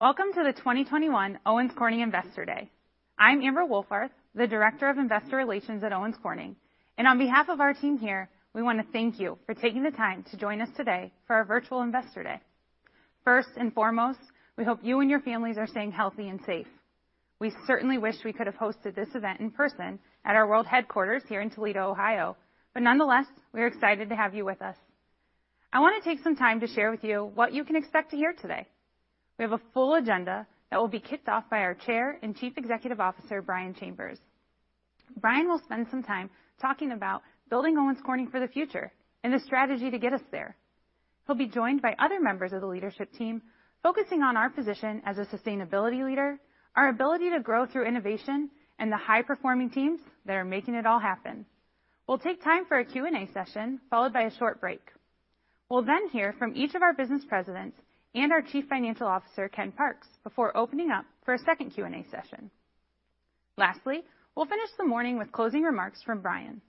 Welcome to the 2021 Owens Corning Investor Day. I'm Amber Wohlfarth, the Director of Investor Relations at Owens Corning. On behalf of our team here, we wanna thank you for taking the time to join us today for our virtual investor day. First and foremost, we hope you and your families are staying healthy and safe. We certainly wish we could have hosted this event in person at our world headquarters here in Toledo, Ohio. Nonetheless, we're excited to have you with us. I wanna take some time to share with you what you can expect to hear today. We have a full agenda that will be kicked off by our Chair and Chief Executive Officer, Brian Chambers. Brian will spend some time talking about building Owens Corning for the future and the strategy to get us there. He'll be joined by other members of the leadership team, focusing on our position as a sustainability leader, our ability to grow through innovation, and the high-performing teams that are making it all happen. We'll take time for a Q&A session, followed by a short break. We'll then hear from each of our business presidents and our Chief Financial Officer, Ken Parks, before opening up for a second Q&A session. Lastly, we'll finish the morning with closing remarks from Brian.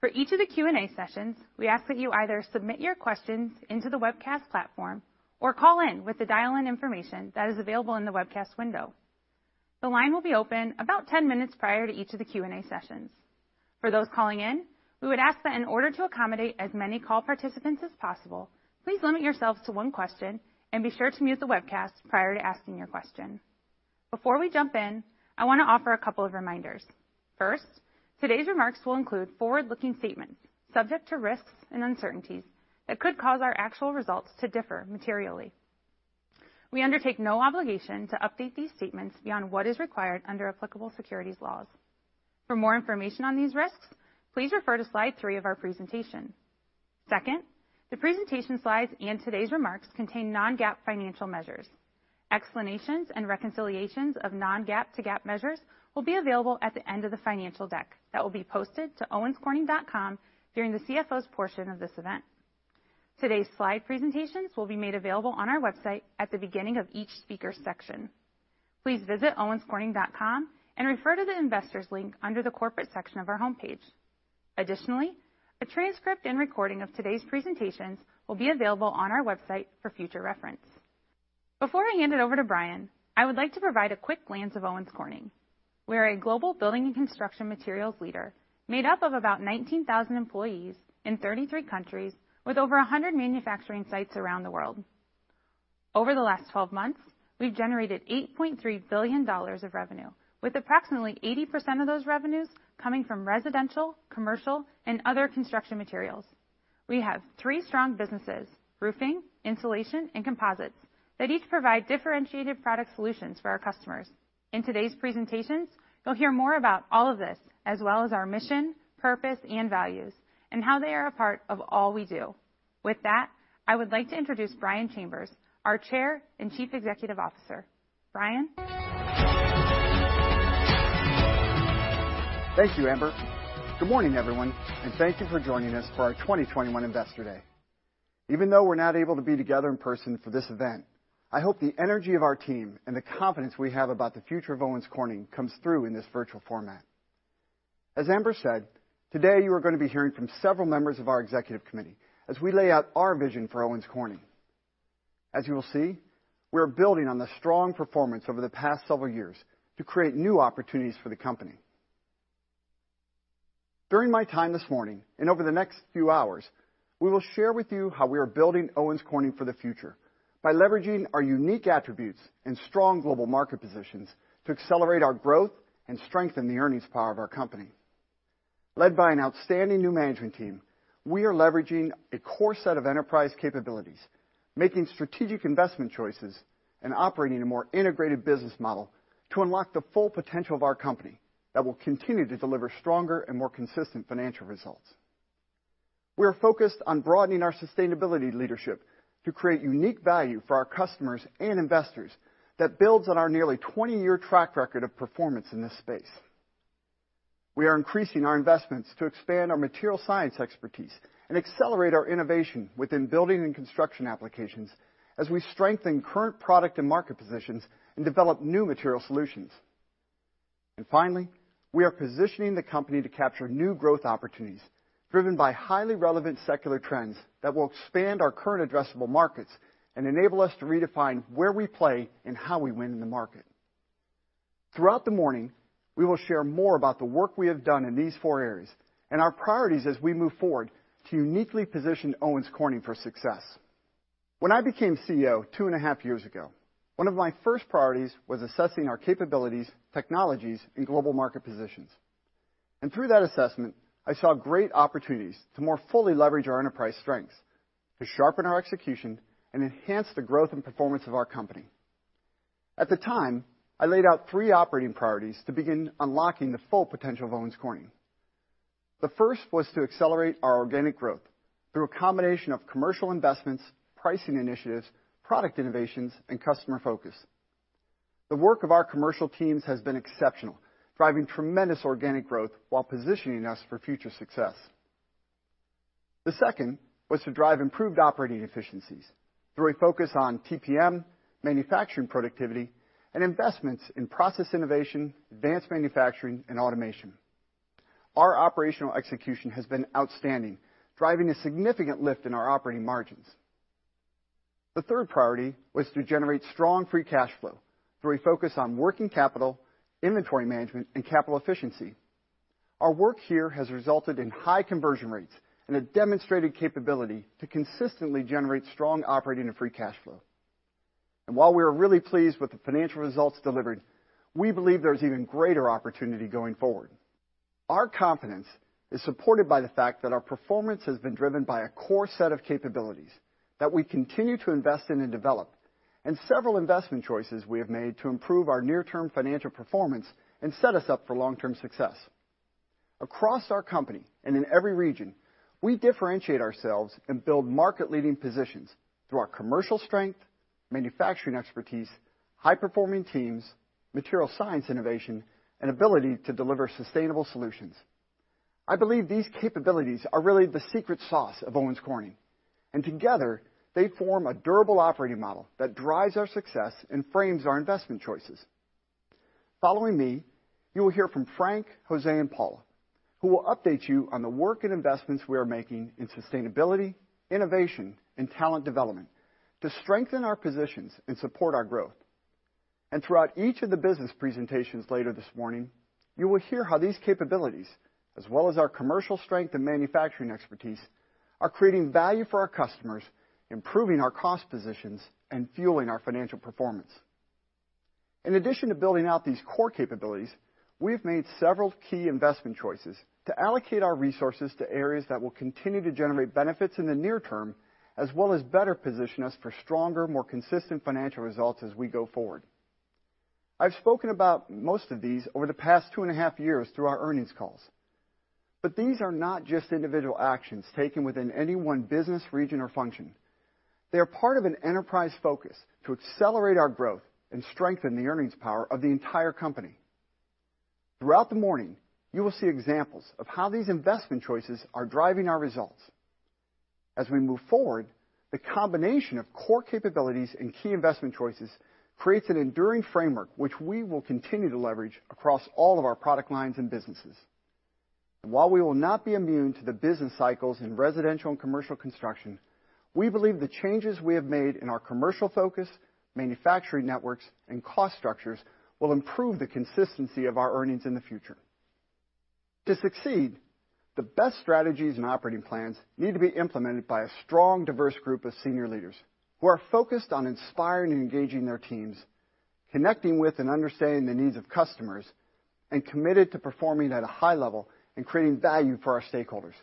For each of the Q&A sessions, we ask that you either submit your questions into the webcast platform or call in with the dial-in information that is available in the webcast window. The line will be open about 10 minutes prior to each of the Q&A sessions. For those calling in, we would ask that in order to accommodate as many call participants as possible, please limit yourselves to one question and be sure to mute the webcast prior to asking your question. Before we jump in, I wanna offer a couple of reminders. First, today's remarks will include forward-looking statements subject to risks and uncertainties that could cause our actual results to differ materially. We undertake no obligation to update these statements beyond what is required under applicable securities laws. For more information on these risks, please refer to slide 3 of our presentation. Second, the presentation slides and today's remarks contain non-GAAP financial measures. Explanations and reconciliations of non-GAAP to GAAP measures will be available at the end of the financial deck that will be posted to owenscorning.com during the CFO's portion of this event. Today's slide presentations will be made available on our website at the beginning of each speaker's section. Please visit owenscorning.com and refer to the Investors link under the Corporate section of our homepage. Additionally, a transcript and recording of today's presentations will be available on our website for future reference. Before I hand it over to Brian, I would like to provide a quick glance of Owens Corning. We're a global building and construction materials leader, made up of about 19,000 employees in 33 countries with over 100 manufacturing sites around the world. Over the last 12 months, we've generated $8.3 billion of revenue, with approximately 80% of those revenues coming from residential, commercial, and other construction materials. We have three strong businesses, Roofing, Insulation, and Composites, that each provide differentiated product solutions for our customers. In today's presentations, you'll hear more about all of this, as well as our mission, purpose, and values, and how they are a part of all we do. With that, I would like to introduce Brian Chambers, our Chair and Chief Executive Officer. Brian? Thank you, Amber. Good morning, everyone, and thank you for joining us for our 2021 Investor Day. Even though we're not able to be together in person for this event, I hope the energy of our team and the confidence we have about the future of Owens Corning comes through in this virtual format. As Amber said, today you are gonna be hearing from several members of our executive committee as we lay out our vision for Owens Corning. As you will see, we're building on the strong performance over the past several years to create new opportunities for the company. During my time this morning and over the next few hours, we will share with you how we are building Owens Corning for the future by leveraging our unique attributes and strong global market positions to accelerate our growth and strengthen the earnings power of our company. Led by an outstanding new management team, we are leveraging a core set of enterprise capabilities, making strategic investment choices, and operating a more integrated business model to unlock the full potential of our company that will continue to deliver stronger and more consistent financial results. We are focused on broadening our sustainability leadership to create unique value for our customers and investors that builds on our nearly 20-year track record of performance in this space. We are increasing our investments to expand our material science expertise and accelerate our innovation within building and construction applications as we strengthen current product and market positions and develop new material solutions. Finally, we are positioning the company to capture new growth opportunities driven by highly relevant secular trends that will expand our current addressable markets and enable us to redefine where we play and how we win in the market. Throughout the morning, we will share more about the work we have done in these four areas and our priorities as we move forward to uniquely position Owens Corning for success. When I became CEO 2.5 years ago, one of my first priorities was assessing our capabilities, technologies, and global market positions. Through that assessment, I saw great opportunities to more fully leverage our enterprise strengths, to sharpen our execution and enhance the growth and performance of our company. At the time, I laid out three operating priorities to begin unlocking the full potential of Owens Corning. The first was to accelerate our organic growth through a combination of commercial investments, pricing initiatives, product innovations, and customer focus. The work of our commercial teams has been exceptional, driving tremendous organic growth while positioning us for future success. The second was to drive improved operating efficiencies through a focus on TPM, manufacturing productivity, and investments in process innovation, advanced manufacturing, and automation. Our operational execution has been outstanding, driving a significant lift in our operating margins. The third priority was to generate strong free cash flow through a focus on working capital, inventory management, and capital efficiency. Our work here has resulted in high conversion rates and a demonstrated capability to consistently generate strong operating and free cash flow. While we are really pleased with the financial results delivered, we believe there's even greater opportunity going forward. Our confidence is supported by the fact that our performance has been driven by a core set of capabilities that we continue to invest in and develop, and several investment choices we have made to improve our near-term financial performance and set us up for long-term success. Across our company and in every region, we differentiate ourselves and build market-leading positions through our commercial strength, manufacturing expertise, high-performing teams, material science innovation, and ability to deliver sustainable solutions. I believe these capabilities are really the secret sauce of Owens Corning, and together, they form a durable operating model that drives our success and frames our investment choices. Following me, you will hear from Frank, José, and Paula, who will update you on the work and investments we are making in sustainability, innovation, and talent development to strengthen our positions and support our growth. Throughout each of the business presentations later this morning, you will hear how these capabilities, as well as our commercial strength and manufacturing expertise, are creating value for our customers, improving our cost positions, and fueling our financial performance. In addition to building out these core capabilities, we have made several key investment choices to allocate our resources to areas that will continue to generate benefits in the near term, as well as better position us for stronger, more consistent financial results as we go forward. I've spoken about most of these over the past two and a half years through our earnings calls, but these are not just individual actions taken within any one business region or function. They are part of an enterprise focus to accelerate our growth and strengthen the earnings power of the entire company. Throughout the morning, you will see examples of how these investment choices are driving our results. As we move forward, the combination of core capabilities and key investment choices creates an enduring framework which we will continue to leverage across all of our product lines and businesses. While we will not be immune to the business cycles in residential and commercial construction, we believe the changes we have made in our commercial focus, manufacturing networks, and cost structures will improve the consistency of our earnings in the future. To succeed, the best strategies and operating plans need to be implemented by a strong, diverse group of senior leaders who are focused on inspiring and engaging their teams, connecting with and understanding the needs of customers, and committed to performing at a high level and creating value for our stakeholders.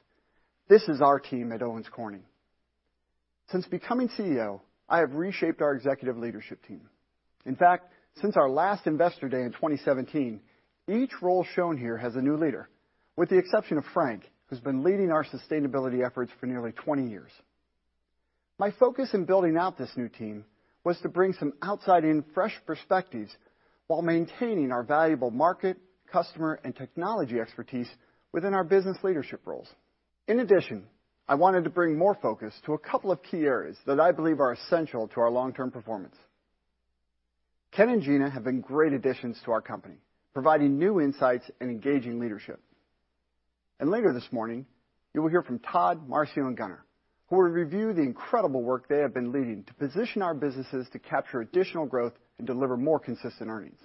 This is our team at Owens Corning. Since becoming CEO, I have reshaped our executive leadership team. In fact, since our last Investor Day in 2017, each role shown here has a new leader, with the exception of Frank, who's been leading our sustainability efforts for nearly 20 years. My focus in building out this new team was to bring some outside in fresh perspectives while maintaining our valuable market, customer, and technology expertise within our business leadership roles. In addition, I wanted to bring more focus to a couple of key areas that I believe are essential to our long-term performance. Ken and Gina have been great additions to our company, providing new insights and engaging leadership. Later this morning, you will hear from Todd, Marcio, and Gunner, who will review the incredible work they have been leading to position our businesses to capture additional growth and deliver more consistent earnings.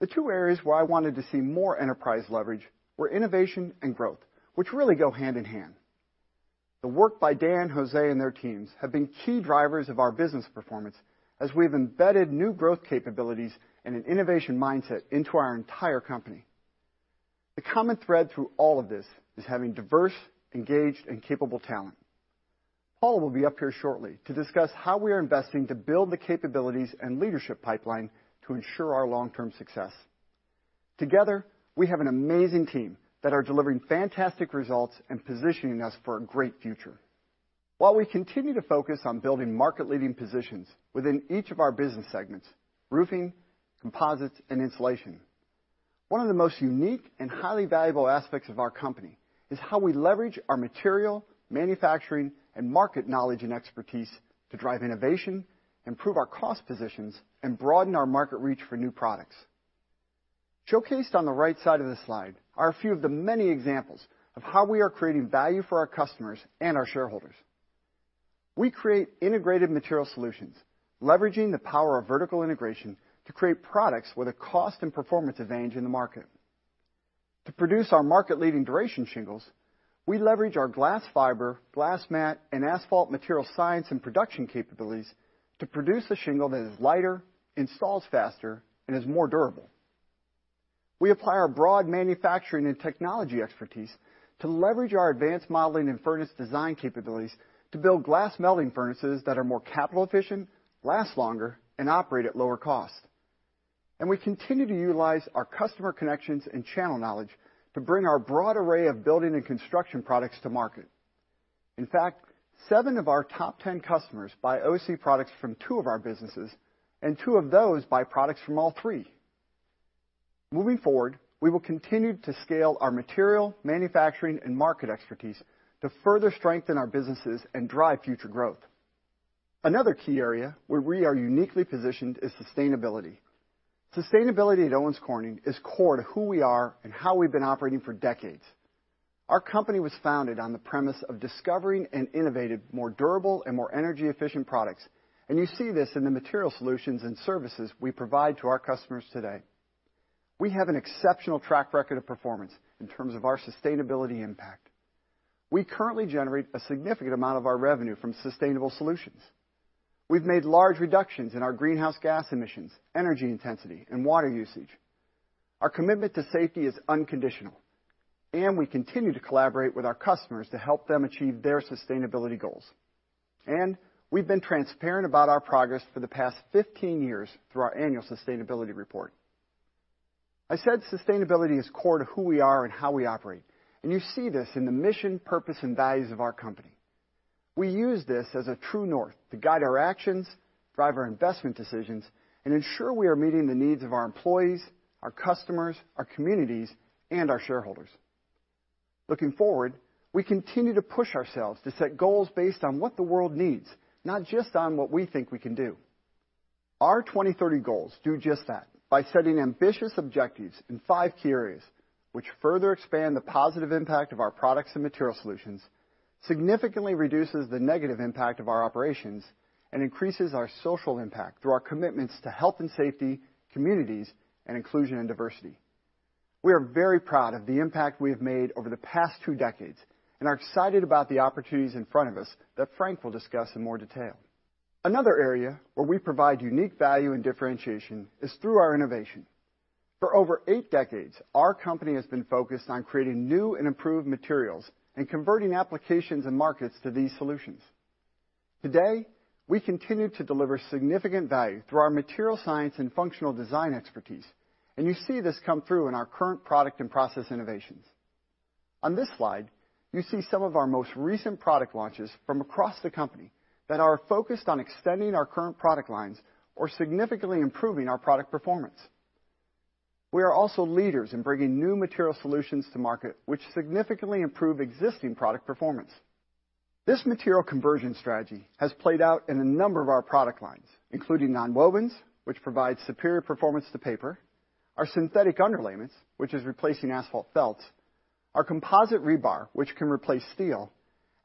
The two areas where I wanted to see more enterprise leverage were innovation and growth, which really go hand in hand. The work by Dan, José, and their teams have been key drivers of our business performance as we've embedded new growth capabilities and an innovation mindset into our entire company. The common thread through all of this is having diverse, engaged, and capable talent. Paula will be up here shortly to discuss how we are investing to build the capabilities and leadership pipeline to ensure our long-term success. Together, we have an amazing team that are delivering fantastic results and positioning us for a great future. While we continue to focus on building market-leading positions within each of our business segments, Roofing, Composites, and Insulation, one of the most unique and highly valuable aspects of our company is how we leverage our material, manufacturing, and market knowledge and expertise to drive innovation, improve our cost positions, and broaden our market reach for new products. Showcased on the right side of this slide are a few of the many examples of how we are creating value for our customers and our shareholders. We create integrated material solutions, leveraging the power of vertical integration to create products with a cost and performance advantage in the market. To produce our market-leading Duration shingles, we leverage our glass fiber, glass mat, and asphalt material science and production capabilities to produce a shingle that is lighter, installs faster, and is more durable. We apply our broad manufacturing and technology expertise to leverage our advanced modeling and furnace design capabilities to build glass melting furnaces that are more capital efficient, last longer, and operate at lower cost. We continue to utilize our customer connections and channel knowledge to bring our broad array of building and construction products to market. In fact, seven of our top 10 customers buy OC products from two of our businesses, and two of those buy products from all three. Moving forward, we will continue to scale our material, manufacturing, and market expertise to further strengthen our businesses and drive future growth. Another key area where we are uniquely positioned is sustainability. Sustainability at Owens Corning is core to who we are and how we've been operating for decades. Our company was founded on the premise of discovering and innovating more durable and more energy-efficient products. You see this in the material solutions and services we provide to our customers today. We have an exceptional track record of performance in terms of our sustainability impact. We currently generate a significant amount of our revenue from sustainable solutions. We've made large reductions in our greenhouse gas emissions, energy intensity, and water usage. Our commitment to safety is unconditional, and we continue to collaborate with our customers to help them achieve their sustainability goals. We've been transparent about our progress for the past 15 years through our annual sustainability report. I said sustainability is core to who we are and how we operate, and you see this in the mission, purpose, and values of our company. We use this as a true north to guide our actions, drive our investment decisions, and ensure we are meeting the needs of our employees, our customers, our communities, and our shareholders. Looking forward, we continue to push ourselves to set goals based on what the world needs, not just on what we think we can do. Our 2030 goals do just that by setting ambitious objectives in five key areas, which further expand the positive impact of our products and material solutions, significantly reduces the negative impact of our operations, and increases our social impact through our commitments to health and safety, communities, and inclusion and diversity. We are very proud of the impact we have made over the past two decades and are excited about the opportunities in front of us that Frank will discuss in more detail. Another area where we provide unique value and differentiation is through our innovation. For over eight decades, our company has been focused on creating new and improved materials and converting applications and markets to these solutions. Today, we continue to deliver significant value through our material science and functional design expertise, and you see this come through in our current product and process innovations. On this slide, you see some of our most recent product launches from across the company that are focused on extending our current product lines or significantly improving our product performance. We are also leaders in bringing new material solutions to market, which significantly improve existing product performance. This material conversion strategy has played out in a number of our product lines, including nonwovens, which provide superior performance to paper, our synthetic underlayments, which is replacing asphalt felts, our composite rebar, which can replace steel,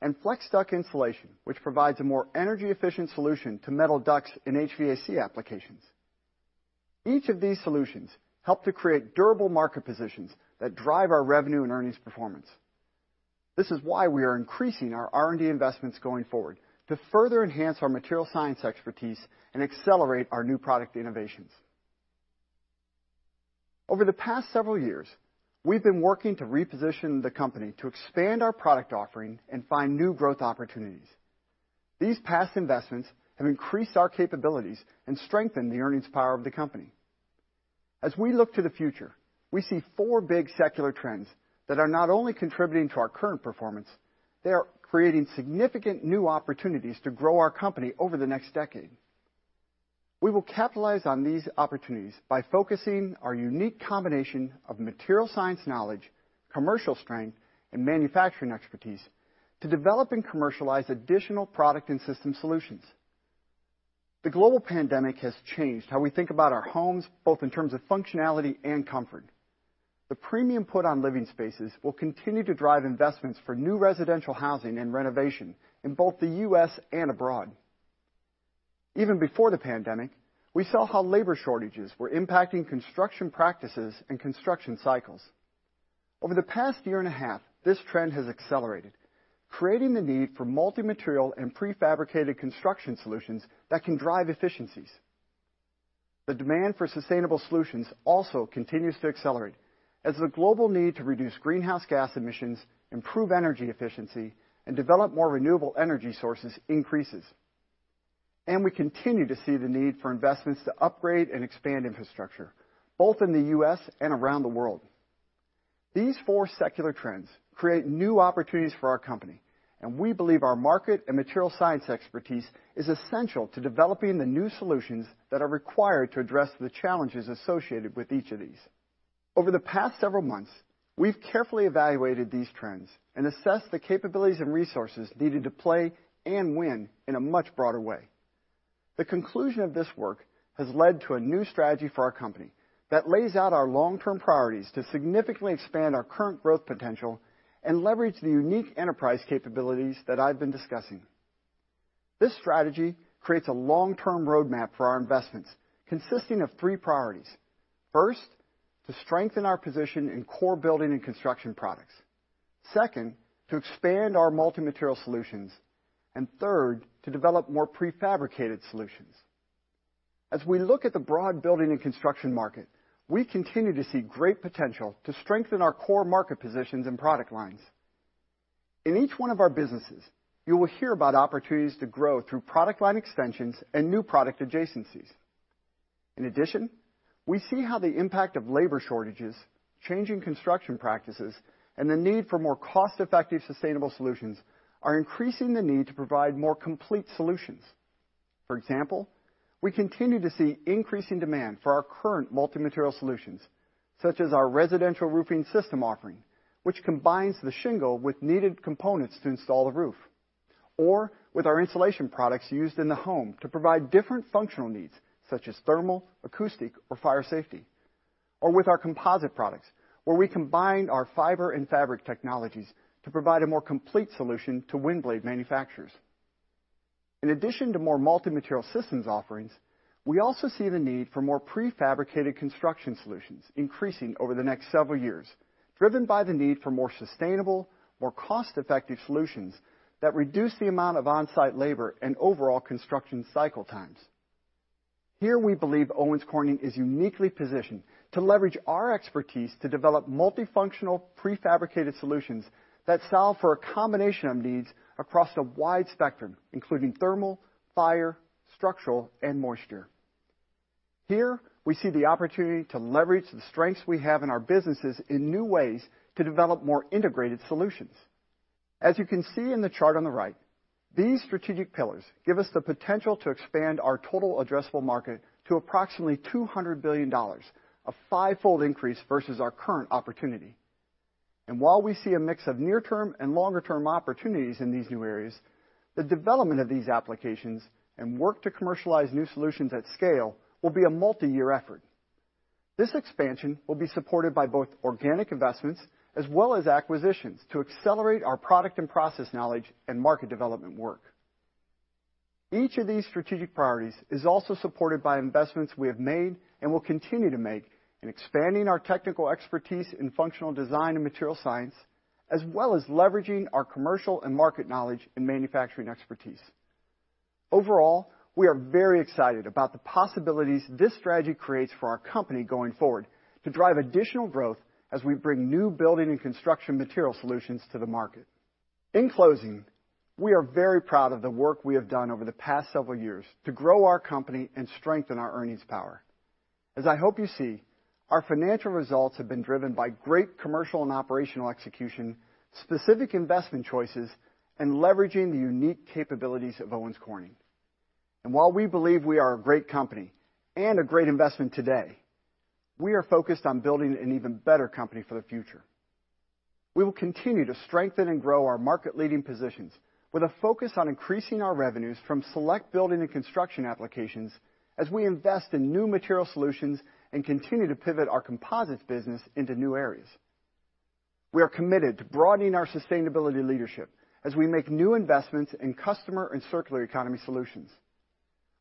and Flex Duct insulation, which provides a more energy-efficient solution to metal ducts in HVAC applications. Each of these solutions help to create durable market positions that drive our revenue and earnings performance. This is why we are increasing our R&D investments going forward to further enhance our material science expertise and accelerate our new product innovations. Over the past several years, we've been working to reposition the company to expand our product offering and find new growth opportunities. These past investments have increased our capabilities and strengthened the earnings power of the company. As we look to the future, we see four big secular trends that are not only contributing to our current performance, they are creating significant new opportunities to grow our company over the next decade. We will capitalize on these opportunities by focusing our unique combination of material science knowledge, commercial strength, and manufacturing expertise to develop and commercialize additional product and system solutions. The global pandemic has changed how we think about our homes, both in terms of functionality and comfort. The premium put on living spaces will continue to drive investments for new residential housing and renovation in both the U.S. and abroad. Even before the pandemic, we saw how labor shortages were impacting construction practices and construction cycles. Over the past year and a half, this trend has accelerated, creating the need for multi-material and prefabricated construction solutions that can drive efficiencies. The demand for sustainable solutions also continues to accelerate as the global need to reduce greenhouse gas emissions, improve energy efficiency, and develop more renewable energy sources increases. We continue to see the need for investments to upgrade and expand infrastructure, both in the U.S. and around the world. These four secular trends create new opportunities for our company, and we believe our market and material science expertise is essential to developing the new solutions that are required to address the challenges associated with each of these. Over the past several months, we've carefully evaluated these trends and assessed the capabilities and resources needed to play and win in a much broader way. The conclusion of this work has led to a new strategy for our company that lays out our long-term priorities to significantly expand our current growth potential and leverage the unique enterprise capabilities that I've been discussing. This strategy creates a long-term roadmap for our investments consisting of three priorities. First, to strengthen our position in core building and construction products. Second, to expand our multi-material solutions. Third, to develop more prefabricated solutions. As we look at the broad building and construction market, we continue to see great potential to strengthen our core market positions and product lines. In each one of our businesses, you will hear about opportunities to grow through product line extensions and new product adjacencies. In addition, we see how the impact of labor shortages, changing construction practices, and the need for more cost-effective, sustainable solutions are increasing the need to provide more complete solutions. For example, we continue to see increasing demand for our current multi-material solutions such as our residential roofing system offering, which combines the shingle with needed components to install the roof. Or with our insulation products used in the home to provide different functional needs, such as thermal, acoustic, or fire safety. Or with our composite products, where we combine our fiber and fabric technologies to provide a more complete solution to wind blade manufacturers. In addition to more multi-material systems offerings, we also see the need for more prefabricated construction solutions increasing over the next several years, driven by the need for more sustainable, more cost-effective solutions that reduce the amount of on-site labor and overall construction cycle times. Here, we believe Owens Corning is uniquely positioned to leverage our expertise to develop multifunctional prefabricated solutions that solve for a combination of needs across a wide spectrum, including thermal, fire, structural, and moisture. Here, we see the opportunity to leverage the strengths we have in our businesses in new ways to develop more integrated solutions. As you can see in the chart on the right, these strategic pillars give us the potential to expand our total addressable market to approximately $200 billion, a five-fold increase versus our current opportunity. While we see a mix of near-term and longer-term opportunities in these new areas, the development of these applications and work to commercialize new solutions at scale will be a multi-year effort. This expansion will be supported by both organic investments as well as acquisitions to accelerate our product and process knowledge and market development work. Each of these strategic priorities is also supported by investments we have made and will continue to make in expanding our technical expertise in functional design and material science, as well as leveraging our commercial and market knowledge in manufacturing expertise. Overall, we are very excited about the possibilities this strategy creates for our company going forward to drive additional growth as we bring new building and construction material solutions to the market. In closing, we are very proud of the work we have done over the past several years to grow our company and strengthen our earnings power. As I hope you see, our financial results have been driven by great commercial and operational execution, specific investment choices, and leveraging the unique capabilities of Owens Corning. While we believe we are a great company and a great investment today, we are focused on building an even better company for the future. We will continue to strengthen and grow our market-leading positions with a focus on increasing our revenues from select building and construction applications as we invest in new material solutions and continue to pivot our composites business into new areas. We are committed to broadening our sustainability leadership as we make new investments in customer and circular economy solutions.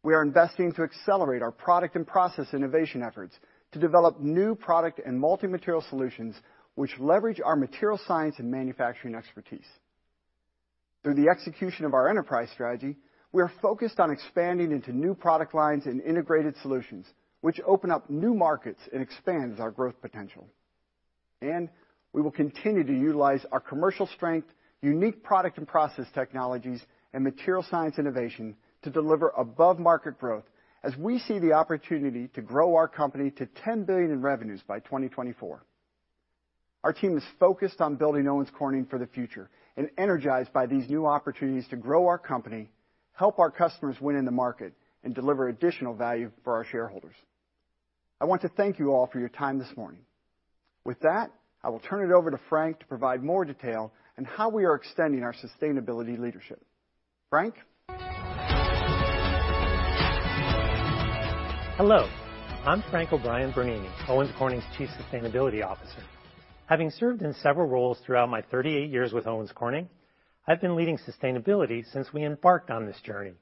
We are investing to accelerate our product and process innovation efforts to develop new product and multi-material solutions which leverage our material science and manufacturing expertise. Through the execution of our enterprise strategy, we are focused on expanding into new product lines and integrated solutions, which open up new markets and expands our growth potential. We will continue to utilize our commercial strength, unique product and process technologies, and material science innovation to deliver above-market growth as we see the opportunity to grow our company to $10 billion in revenues by 2024. Our team is focused on building Owens Corning for the future and energized by these new opportunities to grow our company, help our customers win in the market, and deliver additional value for our shareholders. I want to thank you all for your time this morning. With that, I will turn it over to Frank to provide more detail on how we are extending our sustainability leadership. Frank? Hello, I'm Frank O'Brien-Bernini, Owens Corning's Chief Sustainability Officer. Having served in several roles throughout my 38 years with Owens Corning, I've been leading sustainability since we embarked on this journey.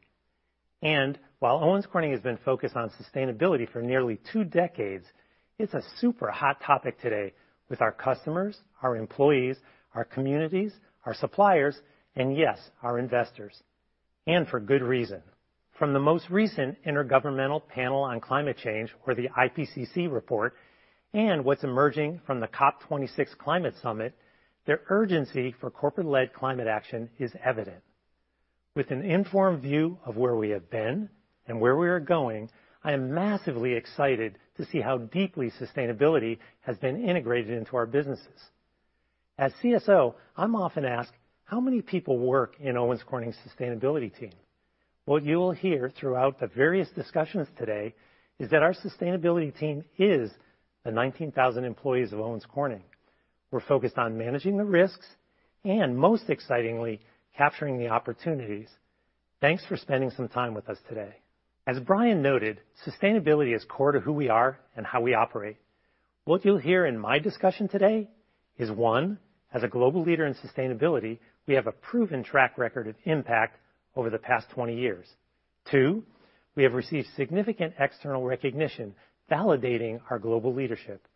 While Owens Corning has been focused on sustainability for nearly two decades, it's a super hot topic today with our customers, our employees, our communities, our suppliers, and yes, our investors. For good reason. From the most recent Intergovernmental Panel on Climate Change or the IPCC report, and what's emerging from the COP26 Climate Summit, their urgency for corporate-led climate action is evident. With an informed view of where we have been and where we are going, I am massively excited to see how deeply sustainability has been integrated into our businesses. As CSO, I'm often asked, "How many people work in Owens Corning's sustainability team?" What you will hear throughout the various discussions today is that our sustainability team is the 19,000 employees of Owens Corning. We're focused on managing the risks and, most excitingly, capturing the opportunities. Thanks for spending some time with us today. As Brian noted, sustainability is core to who we are and how we operate. What you'll hear in my discussion today is, one, as a global leader in sustainability, we have a proven track record of impact over the past 20 years. Two, we have received significant external recognition validating our global leadership.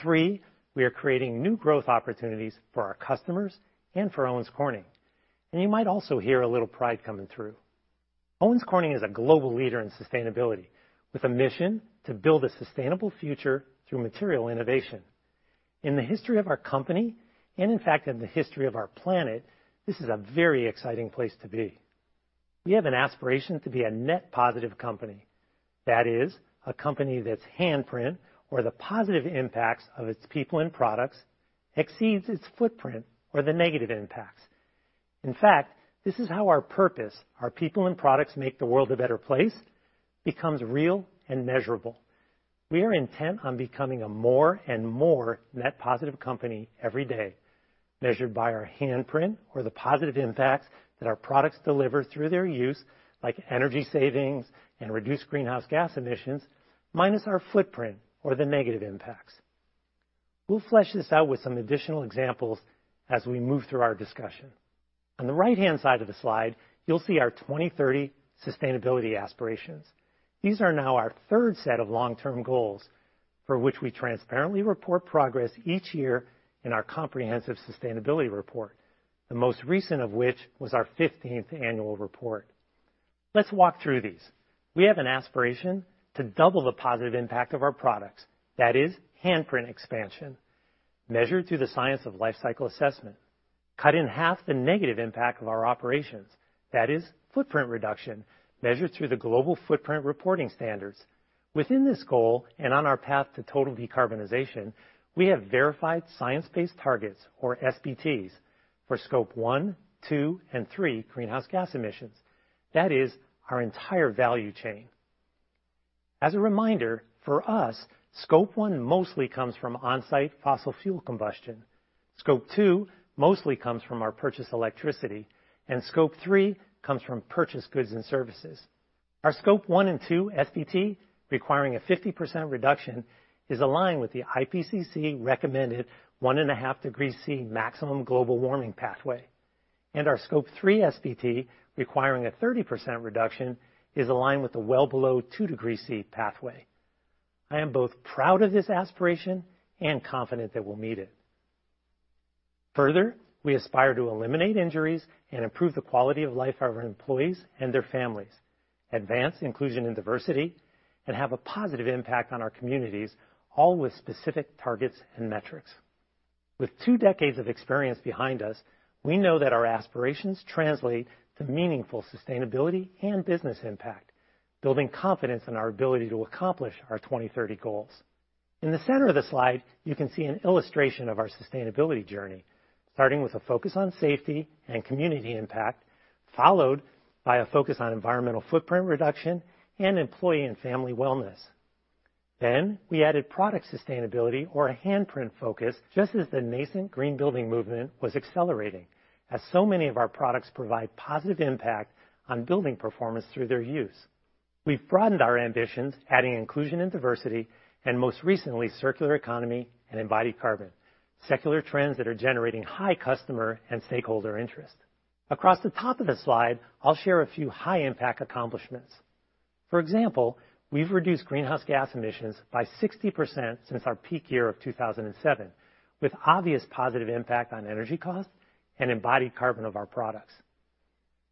Three, we are creating new growth opportunities for our customers and for Owens Corning. You might also hear a little pride coming through. Owens Corning is a global leader in sustainability with a mission to build a sustainable future through material innovation. In the history of our company, and in fact, in the history of our planet, this is a very exciting place to be. We have an aspiration to be a net positive company. That is, a company that's handprint or the positive impacts of its people and products exceeds its footprint or the negative impacts. In fact, this is how our purpose, our people and products make the world a better place, becomes real and measurable. We are intent on becoming a more and more net positive company every day, measured by our handprint or the positive impacts that our products deliver through their use, like energy savings and reduced greenhouse gas emissions, minus our footprint or the negative impacts. We'll flesh this out with some additional examples as we move through our discussion. On the right-hand side of the slide, you'll see our 2030 sustainability aspirations. These are now our third set of long-term goals for which we transparently report progress each year in our comprehensive sustainability report, the most recent of which was our 15th annual report. Let's walk through these. We have an aspiration to double the positive impact of our products. That is handprint expansion, measured through the science of life cycle assessment. Cut in half the negative impact of our operations. That is footprint reduction, measured through the Global Footprint Reporting Standards. Within this goal and on our path to total decarbonization, we have verified science-based targets or SBTs for Scope 1, 2, and 3 greenhouse gas emissions. That is our entire value chain. As a reminder, for us, Scope 1 mostly comes from on-site fossil fuel combustion. Scope 2 mostly comes from our purchased electricity, and Scope 3 comes from purchased goods and services. Our Scope 1 and 2 SBT, requiring a 50% reduction, is aligned with the IPCC recommended 1.5 degrees Celsius maximum global warming pathway. Our Scope 3 SBT, requiring a 30% reduction, is aligned with the well below 2 degrees Celsius pathway. I am both proud of this aspiration and confident that we'll meet it. Further, we aspire to eliminate injuries and improve the quality of life of our employees and their families, advance inclusion and diversity, and have a positive impact on our communities, all with specific targets and metrics. With two decades of experience behind us, we know that our aspirations translate to meaningful sustainability and business impact, building confidence in our ability to accomplish our 2030 goals. In the center of the slide, you can see an illustration of our sustainability journey, starting with a focus on safety and community impact, followed by a focus on environmental footprint reduction and employee and family wellness. We added product sustainability or a handprint focus, just as the nascent green building movement was accelerating, as so many of our products provide positive impact on building performance through their use. We've broadened our ambitions, adding inclusion and diversity, and most recently, circular economy and embodied carbon, secular trends that are generating high customer and stakeholder interest. Across the top of the slide, I'll share a few high-impact accomplishments. For example, we've reduced greenhouse gas emissions by 60% since our peak year of 2007, with obvious positive impact on energy costs and embodied carbon of our products.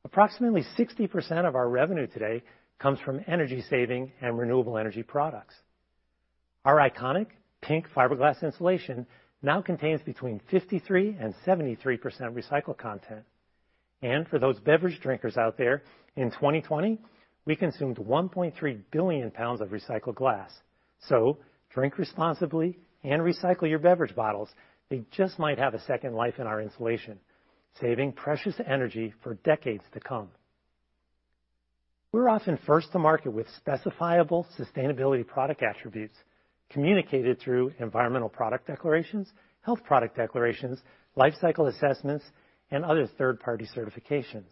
Approximately 60% of our revenue today comes from energy-saving and renewable energy products. Our iconic pink fiberglass insulation now contains between 53% and 73% recycled content. For those beverage drinkers out there, in 2020, we consumed 1.3 billion pounds of recycled glass. Drink responsibly and recycle your beverage bottles. They just might have a second life in our insulation, saving precious energy for decades to come. We're often first to market with specifiable sustainability product attributes communicated through environmental product declarations, health product declarations, life cycle assessments, and other third-party certifications.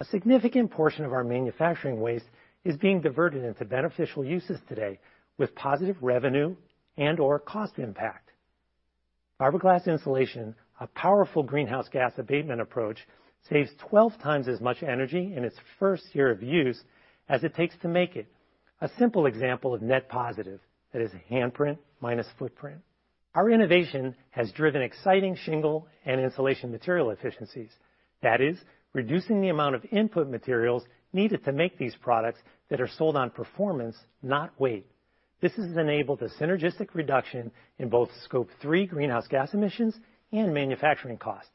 A significant portion of our manufacturing waste is being diverted into beneficial uses today with positive revenue and/or cost impact. Fiberglass insulation, a powerful greenhouse gas abatement approach, saves 12x as much energy in its first year of use as it takes to make it. A simple example of net positive, that is handprint minus footprint. Our innovation has driven exciting shingle and insulation material efficiencies. That is reducing the amount of input materials needed to make these products that are sold on performance, not weight. This has enabled a synergistic reduction in both Scope 3 greenhouse gas emissions and manufacturing costs.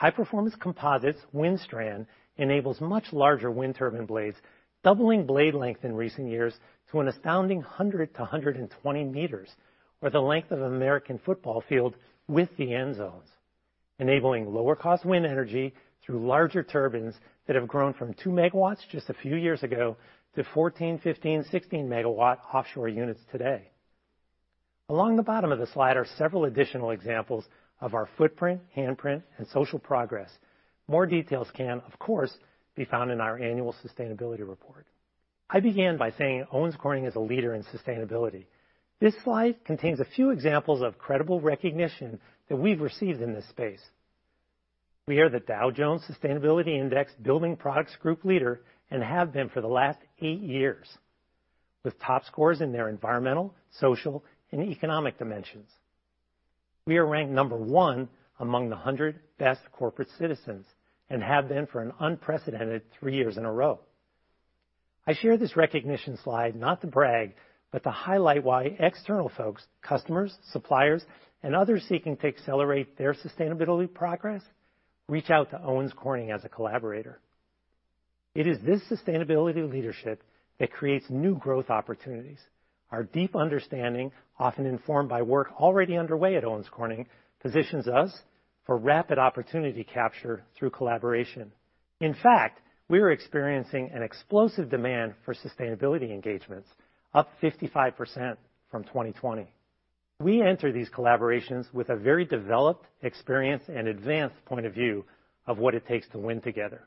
High-performance composites WindStrand enables much larger wind turbine blades, doubling blade length in recent years to an astounding 100 m-120 m, or the length of an American football field with the end zones, enabling lower-cost wind energy through larger turbines that have grown from 2 MW just a few years ago to 14-, 15-, 16-MW offshore units today. Along the bottom of the slide are several additional examples of our footprint, handprint, and social progress. More details can, of course, be found in our annual sustainability report. I began by saying Owens Corning is a leader in sustainability. This slide contains a few examples of credible recognition that we've received in this space. We are the Dow Jones Sustainability Index Building Products Group leader and have been for the last eight years, with top scores in their environmental, social, and economic dimensions. We are ranked number one among the 100 best corporate citizens and have been for an unprecedented three years in a row. I share this recognition slide not to brag, but to highlight why external folks, customers, suppliers, and others seeking to accelerate their sustainability progress, reach out to Owens Corning as a collaborator. It is this sustainability leadership that creates new growth opportunities. Our deep understanding, often informed by work already underway at Owens Corning, positions us for rapid opportunity capture through collaboration. In fact, we are experiencing an explosive demand for sustainability engagements, up 55% from 2020. We enter these collaborations with a very developed experience and advanced point of view of what it takes to win together.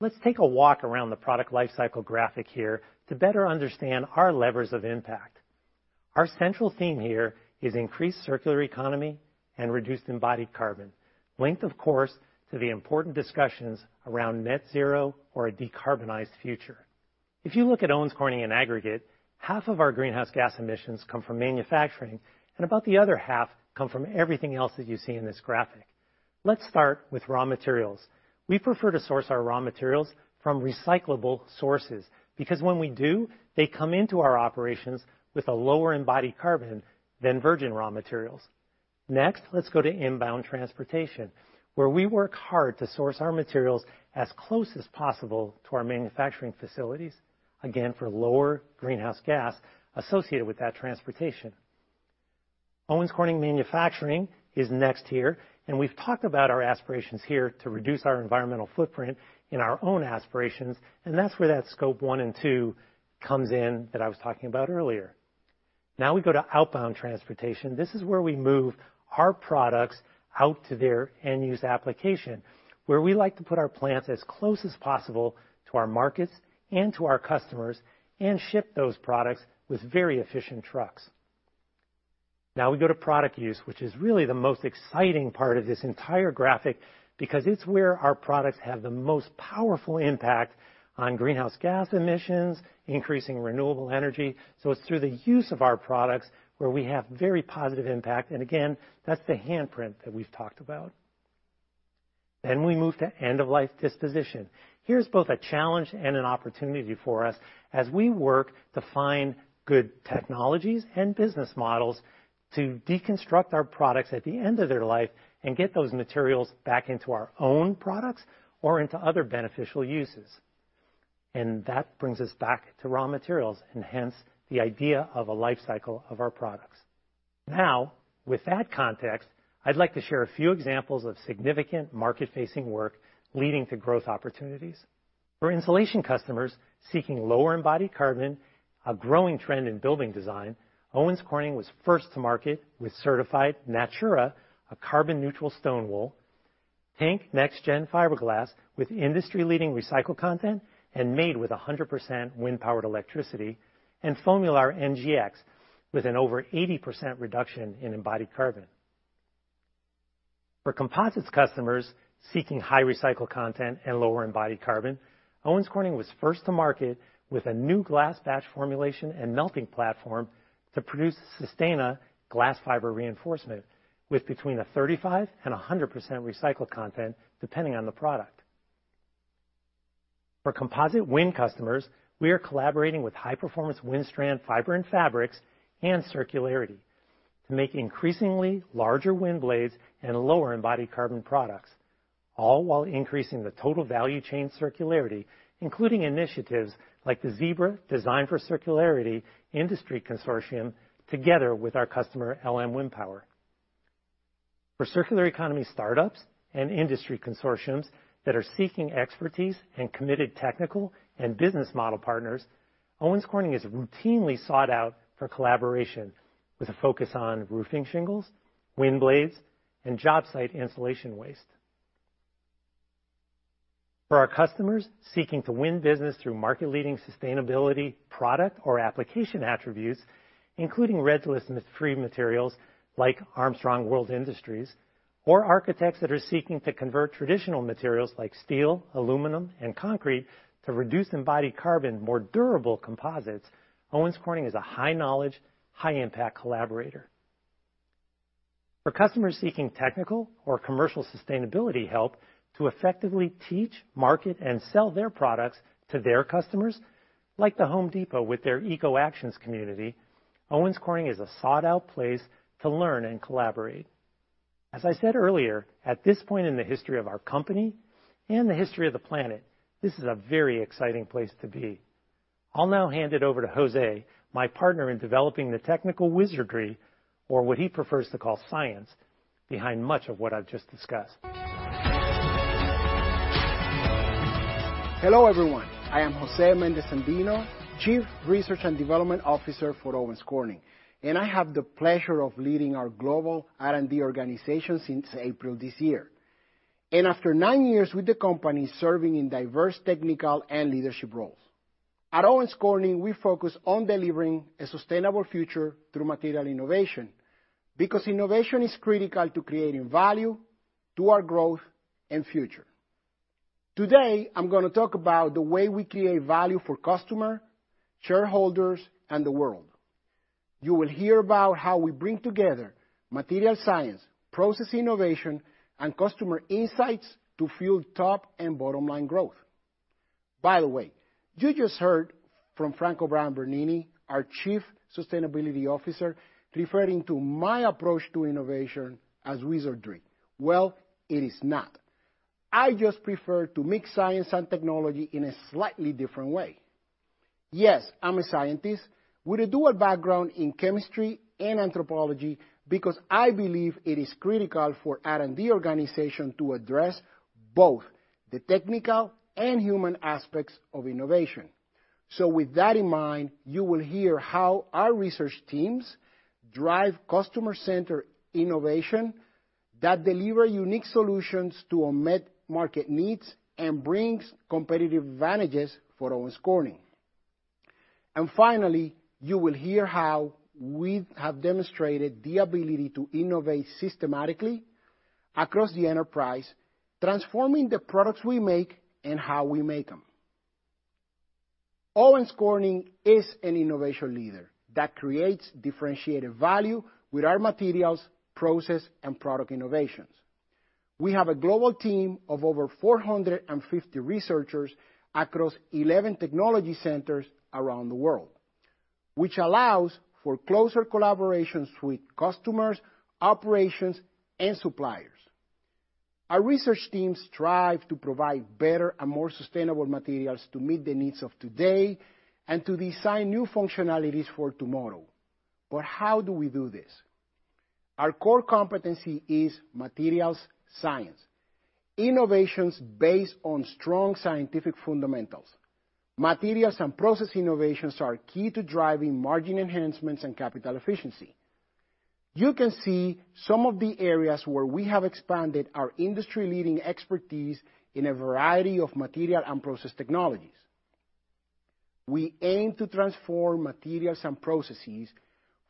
Let's take a walk around the product lifecycle graphic here to better understand our levers of impact. Our central theme here is increased circular economy and reduced embodied carbon, linked of course, to the important discussions around net zero or a decarbonized future. If you look at Owens Corning in aggregate, half of our greenhouse gas emissions come from manufacturing, and about the other half come from everything else that you see in this graphic. Let's start with raw materials. We prefer to source our raw materials from recyclable sources, because when we do, they come into our operations with a lower embodied carbon than virgin raw materials. Next, let's go to inbound transportation, where we work hard to source our materials as close as possible to our manufacturing facilities, again, for lower greenhouse gas associated with that transportation. Owens Corning manufacturing is next here, and we've talked about our aspirations here to reduce our environmental footprint in our own aspirations, and that's where that Scope 1 and 2 comes in that I was talking about earlier. Now we go to outbound transportation. This is where we move our products out to their end-use application, where we like to put our plants as close as possible to our markets and to our customers and ship those products with very efficient trucks. Now we go to product use, which is really the most exciting part of this entire graphic because it's where our products have the most powerful impact on greenhouse gas emissions, increasing renewable energy. It's through the use of our products where we have very positive impact. Again, that's the handprint that we've talked about. We move to end-of-life disposition. Here's both a challenge and an opportunity for us as we work to find good technologies and business models to deconstruct our products at the end of their life and get those materials back into our own products or into other beneficial uses. That brings us back to raw materials and hence the idea of a life cycle of our products. Now, with that context, I'd like to share a few examples of significant market-facing work leading to growth opportunities. For insulation customers seeking lower embodied carbon, a growing trend in building design, Owens Corning was first to market with certified Natura, a carbon-neutral stone wool, PINK Next Gen Fiberglas with industry-leading recycled content and made with 100% wind-powered electricity, and FOAMULAR NGX with an over 80% reduction in embodied carbon. For composites customers seeking high recycled content and lower embodied carbon, Owens Corning was first to market with a new glass batch formulation and melting platform to produce SUSTAINA glass fiber reinforcement with between 35% and 100% recycled content, depending on the product. For composite wind customers, we are collaborating with high-performance WindStrand fiber and fabrics and circularity to make increasingly larger wind blades and lower embodied carbon products, all while increasing the total value chain circularity, including initiatives like the ZEBRA Design for Circularity Industry Consortium, together with our customer, LM Wind Power. For circular economy startups and industry consortiums that are seeking expertise and committed technical and business model partners, Owens Corning is routinely sought out for collaboration with a focus on roofing shingles, wind blades, and job site insulation waste. For our customers seeking to win business through market-leading sustainability product or application attributes, including Red List free materials like Armstrong World Industries, or architects that are seeking to convert traditional materials like steel, aluminum, and concrete to reduce embodied carbon, more durable composites, Owens Corning is a high-knowledge, high-impact collaborator. For customers seeking technical or commercial sustainability help to effectively teach, market, and sell their products to their customers, like The Home Depot with their Eco Actions community, Owens Corning is a sought-out place to learn and collaborate. As I said earlier, at this point in the history of our company and the history of the planet, this is a very exciting place to be. I'll now hand it over to José, my partner in developing the technical wizardry, or what he prefers to call science, behind much of what I've just discussed. Hello, everyone. I am José Méndez-Andino, Chief Research and Development Officer for Owens Corning, and I have the pleasure of leading our global R&D organization since April this year after nine years with the company serving in diverse technical and leadership roles. At Owens Corning, we focus on delivering a sustainable future through material innovation because innovation is critical to creating value to our growth and future. Today, I'm gonna talk about the way we create value for customer, shareholders, and the world. You will hear about how we bring together material science, process innovation, and customer insights to fuel top and bottom line growth. By the way, you just heard from Frank O'Brien-Bernini, our Chief Sustainability Officer, referring to my approach to innovation as wizardry. Well, it is not. I just prefer to make science and technology in a slightly different way. Yes, I'm a scientist with a dual background in chemistry and anthropology because I believe it is critical for R&D organization to address both the technical and human aspects of innovation. With that in mind, you will hear how our research teams drive customer-centered innovation that deliver unique solutions to meet market needs and brings competitive advantages for Owens Corning. Finally, you will hear how we have demonstrated the ability to innovate systematically across the enterprise, transforming the products we make and how we make them. Owens Corning is an innovation leader that creates differentiated value with our materials, process, and product innovations. We have a global team of over 450 researchers across 11 technology centers around the world, which allows for closer collaborations with customers, operations, and suppliers. Our research teams strive to provide better and more sustainable materials to meet the needs of today and to design new functionalities for tomorrow. How do we do this? Our core competency is materials science, innovations based on strong scientific fundamentals. Materials and process innovations are key to driving margin enhancements and capital efficiency. You can see some of the areas where we have expanded our industry-leading expertise in a variety of material and process technologies. We aim to transform materials and processes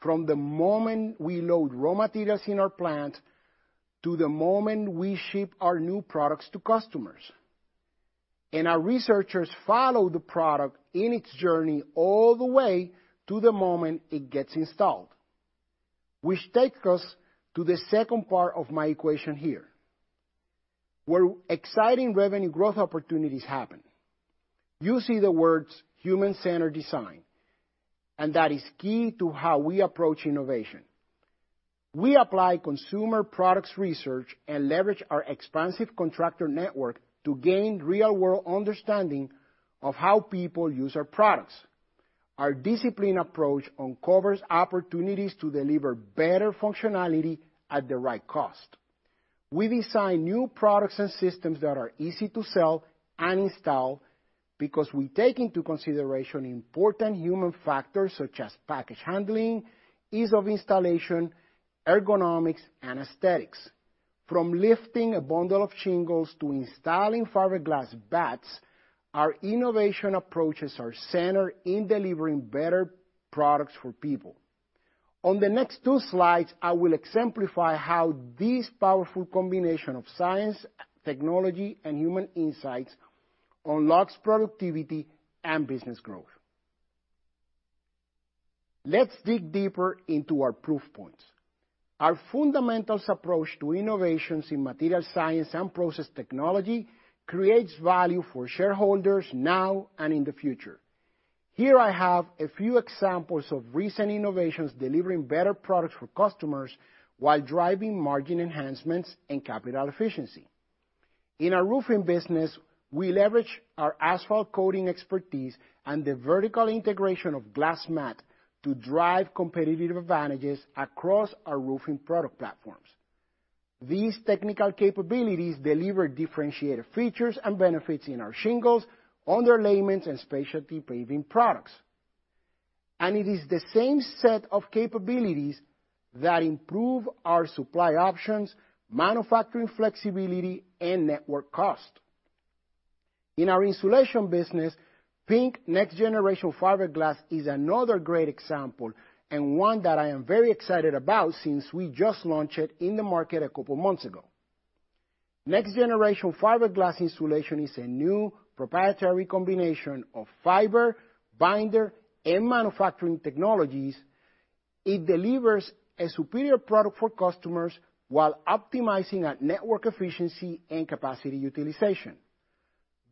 from the moment we load raw materials in our plant to the moment we ship our new products to customers. Our researchers follow the product in its journey all the way to the moment it gets installed, which takes us to the second part of my equation here, where exciting revenue growth opportunities happen. You see the words human-centered design, and that is key to how we approach innovation. We apply consumer products research and leverage our expansive contractor network to gain real-world understanding of how people use our products. Our discipline approach uncovers opportunities to deliver better functionality at the right cost. We design new products and systems that are easy to sell and install because we take into consideration important human factors such as package handling, ease of installation, ergonomics, and aesthetics. From lifting a bundle of shingles to installing fiberglass batts, our innovation approaches are centered in delivering better products for people. On the next two slides, I will exemplify how this powerful combination of science, technology, and human insights unlocks productivity and business growth. Let's dig deeper into our proof points. Our fundamentals approach to innovations in material science and process technology creates value for shareholders now and in the future. Here I have a few examples of recent innovations delivering better products for customers while driving margin enhancements and capital efficiency. In our roofing business, we leverage our asphalt coating expertise and the vertical integration of glass mat to drive competitive advantages across our roofing product platforms. These technical capabilities deliver differentiated features and benefits in our shingles, underlayments, and specialty paving products. It is the same set of capabilities that improve our supply options, manufacturing flexibility, and network cost. In our insulation business, PINK Next Gen Fiberglas is another great example and one that I am very excited about since we just launched it in the market a couple months ago. Next Gen Fiberglas Insulation is a new proprietary combination of fiber, binder, and manufacturing technologies. It delivers a superior product for customers while optimizing our network efficiency and capacity utilization.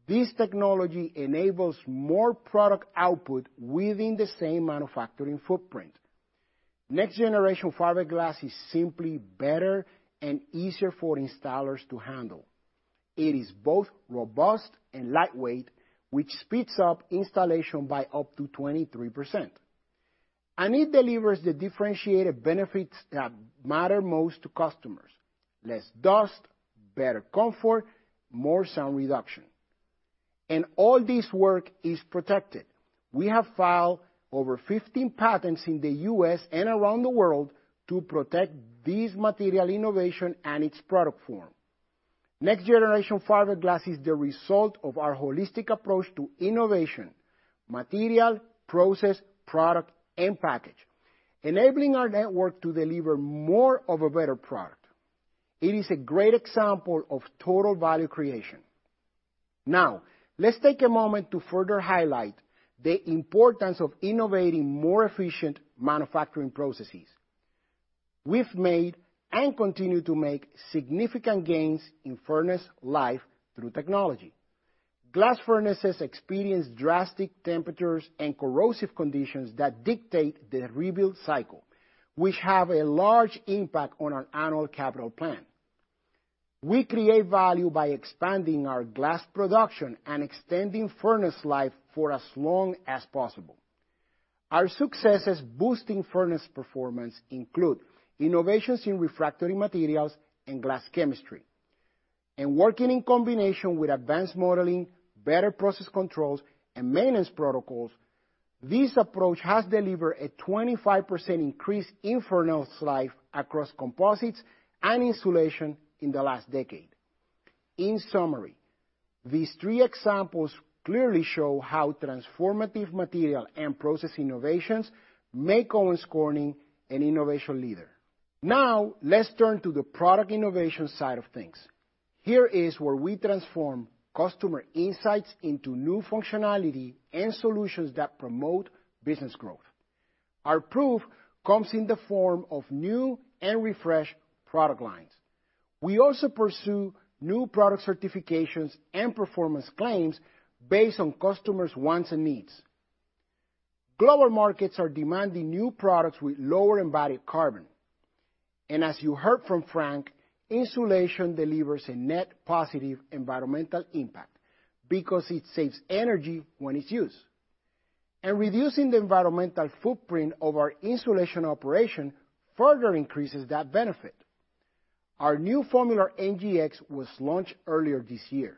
This technology enables more product output within the same manufacturing footprint. Next Generation Fiberglas is simply better and easier for installers to handle. It is both robust and lightweight, which speeds up installation by up to 23%. It delivers the differentiated benefits that matter most to customers, less dust, better comfort, more sound reduction. All this work is protected. We have filed over 15 patents in the U.S. and around the world to protect this material innovation and its product form. Next Generation Fiberglas is the result of our holistic approach to innovation, material, process, product, and package, enabling our network to deliver more of a better product. It is a great example of total value creation. Now, let's take a moment to further highlight the importance of innovating more efficient manufacturing processes. We've made and continue to make significant gains in furnace life through technology. Glass furnaces experience drastic temperatures and corrosive conditions that dictate the rebuild cycle, which have a large impact on our annual capital plan. We create value by expanding our glass production and extending furnace life for as long as possible. Our successes boosting furnace performance include innovations in refractory materials and glass chemistry. Working in combination with advanced modeling, better process controls, and maintenance protocols, this approach has delivered a 25% increase in furnace life across composites and insulation in the last decade. In summary, these three examples clearly show how transformative material and process innovations make Owens Corning an innovation leader. Now, let's turn to the product innovation side of things. Here is where we transform customer insights into new functionality and solutions that promote business growth. Our proof comes in the form of new and refreshed product lines. We also pursue new product certifications and performance claims based on customers' wants and needs. Global markets are demanding new products with lower embodied carbon, and as you heard from Frank, insulation delivers a net positive environmental impact because it saves energy when it's used. Reducing the environmental footprint of our insulation operation further increases that benefit. Our new FOAMULAR NGX was launched earlier this year.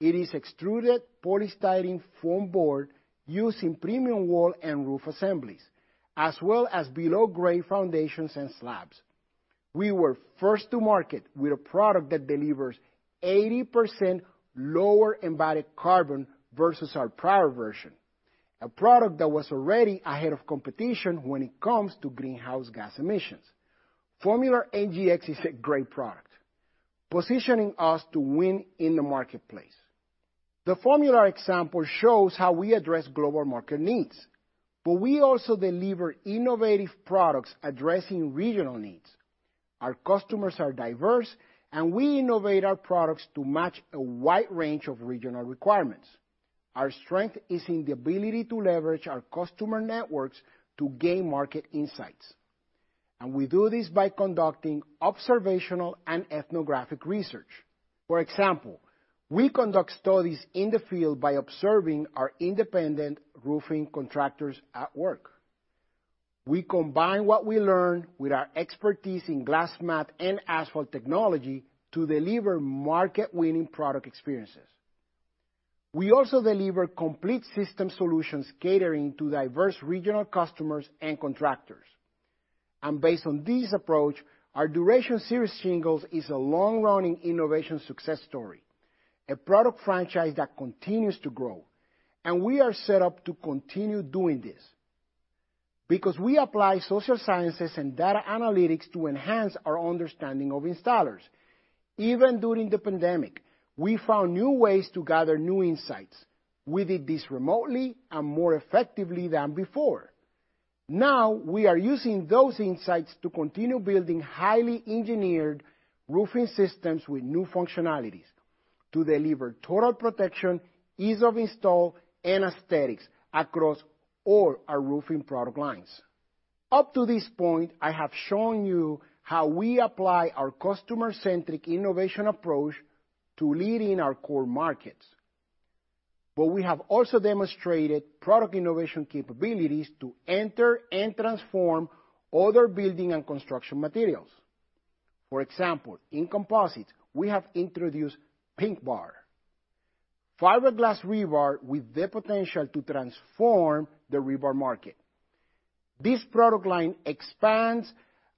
It is extruded polystyrene foam board used in premium wall and roof assemblies, as well as below-grade foundations and slabs. We were first to market with a product that delivers 80% lower embodied carbon versus our prior version, a product that was already ahead of competition when it comes to greenhouse gas emissions. FOAMULAR NGX is a great product, positioning us to win in the marketplace. The FOAMULAR example shows how we address global market needs, but we also deliver innovative products addressing regional needs. Our customers are diverse, and we innovate our products to match a wide range of regional requirements. Our strength is in the ability to leverage our customer networks to gain market insights, and we do this by conducting observational and ethnographic research. For example, we conduct studies in the field by observing our independent roofing contractors at work. We combine what we learn with our expertise in glass mat and asphalt technology to deliver market-winning product experiences. We also deliver complete system solutions catering to diverse regional customers and contractors. Based on this approach, our Duration Series Shingles is a long-running innovation success story, a product franchise that continues to grow. We are set up to continue doing this because we apply social sciences and data analytics to enhance our understanding of installers. Even during the pandemic, we found new ways to gather new insights. We did this remotely and more effectively than before. Now, we are using those insights to continue building highly engineered roofing systems with new functionalities to deliver total protection, ease of install, and aesthetics across all our roofing product lines. Up to this point, I have shown you how we apply our customer-centric innovation approach to leading our core markets. We have also demonstrated product innovation capabilities to enter and transform other building and construction materials. For example, in composites, we have introduced PINKBAR, fiberglass rebar with the potential to transform the rebar market. This product line expands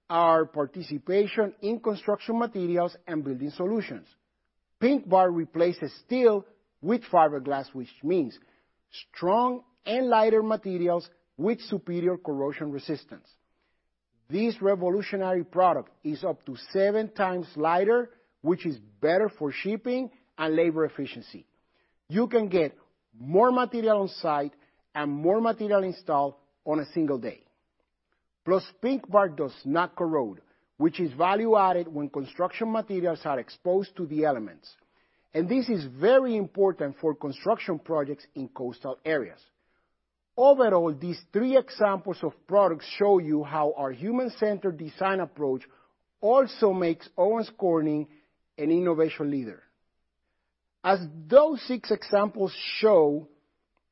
our participation in construction materials and building solutions. PINKBAR replaces steel with fiberglass, which means strong and lighter materials with superior corrosion resistance. This revolutionary product is up to 7x lighter, which is better for shipping and labor efficiency. You can get more material on-site and more material installed on a single day. Plus, PINKBAR does not corrode, which is value-added when construction materials are exposed to the elements, and this is very important for construction projects in coastal areas. Overall, these three examples of products show you how our human-centered design approach also makes Owens Corning an innovation leader. As those six examples show,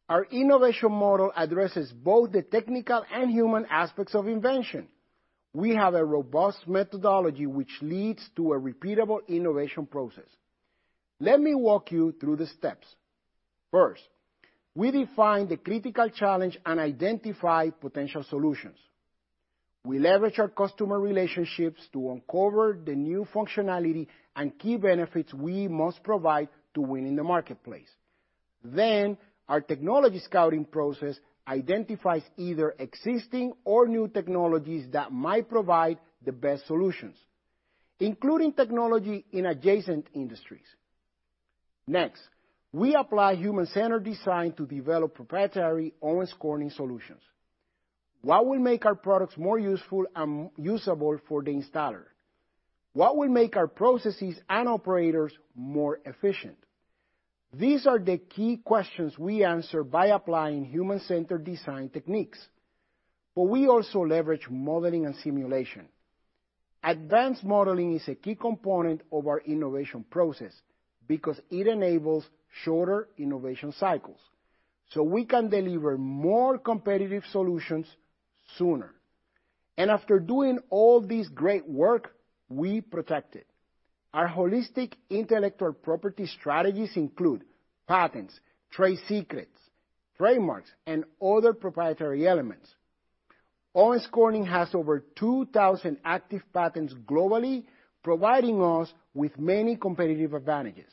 our innovation model addresses both the technical and human aspects of invention. We have a robust methodology which leads to a repeatable innovation process. Let me walk you through the steps. First, we define the critical challenge and identify potential solutions. We leverage our customer relationships to uncover the new functionality and key benefits we must provide to win in the marketplace. Our technology scouting process identifies either existing or new technologies that might provide the best solutions, including technology in adjacent industries. We apply human-centered design to develop proprietary Owens Corning solutions. What will make our products more useful and usable for the installer? What will make our processes and operators more efficient? These are the key questions we answer by applying human-centered design techniques. We also leverage modeling and simulation. Advanced modeling is a key component of our innovation process because it enables shorter innovation cycles, so we can deliver more competitive solutions sooner. After doing all this great work, we protect it. Our holistic intellectual property strategies include patents, trade secrets, trademarks, and other proprietary elements. Owens Corning has over 2,000 active patents globally, providing us with many competitive advantages.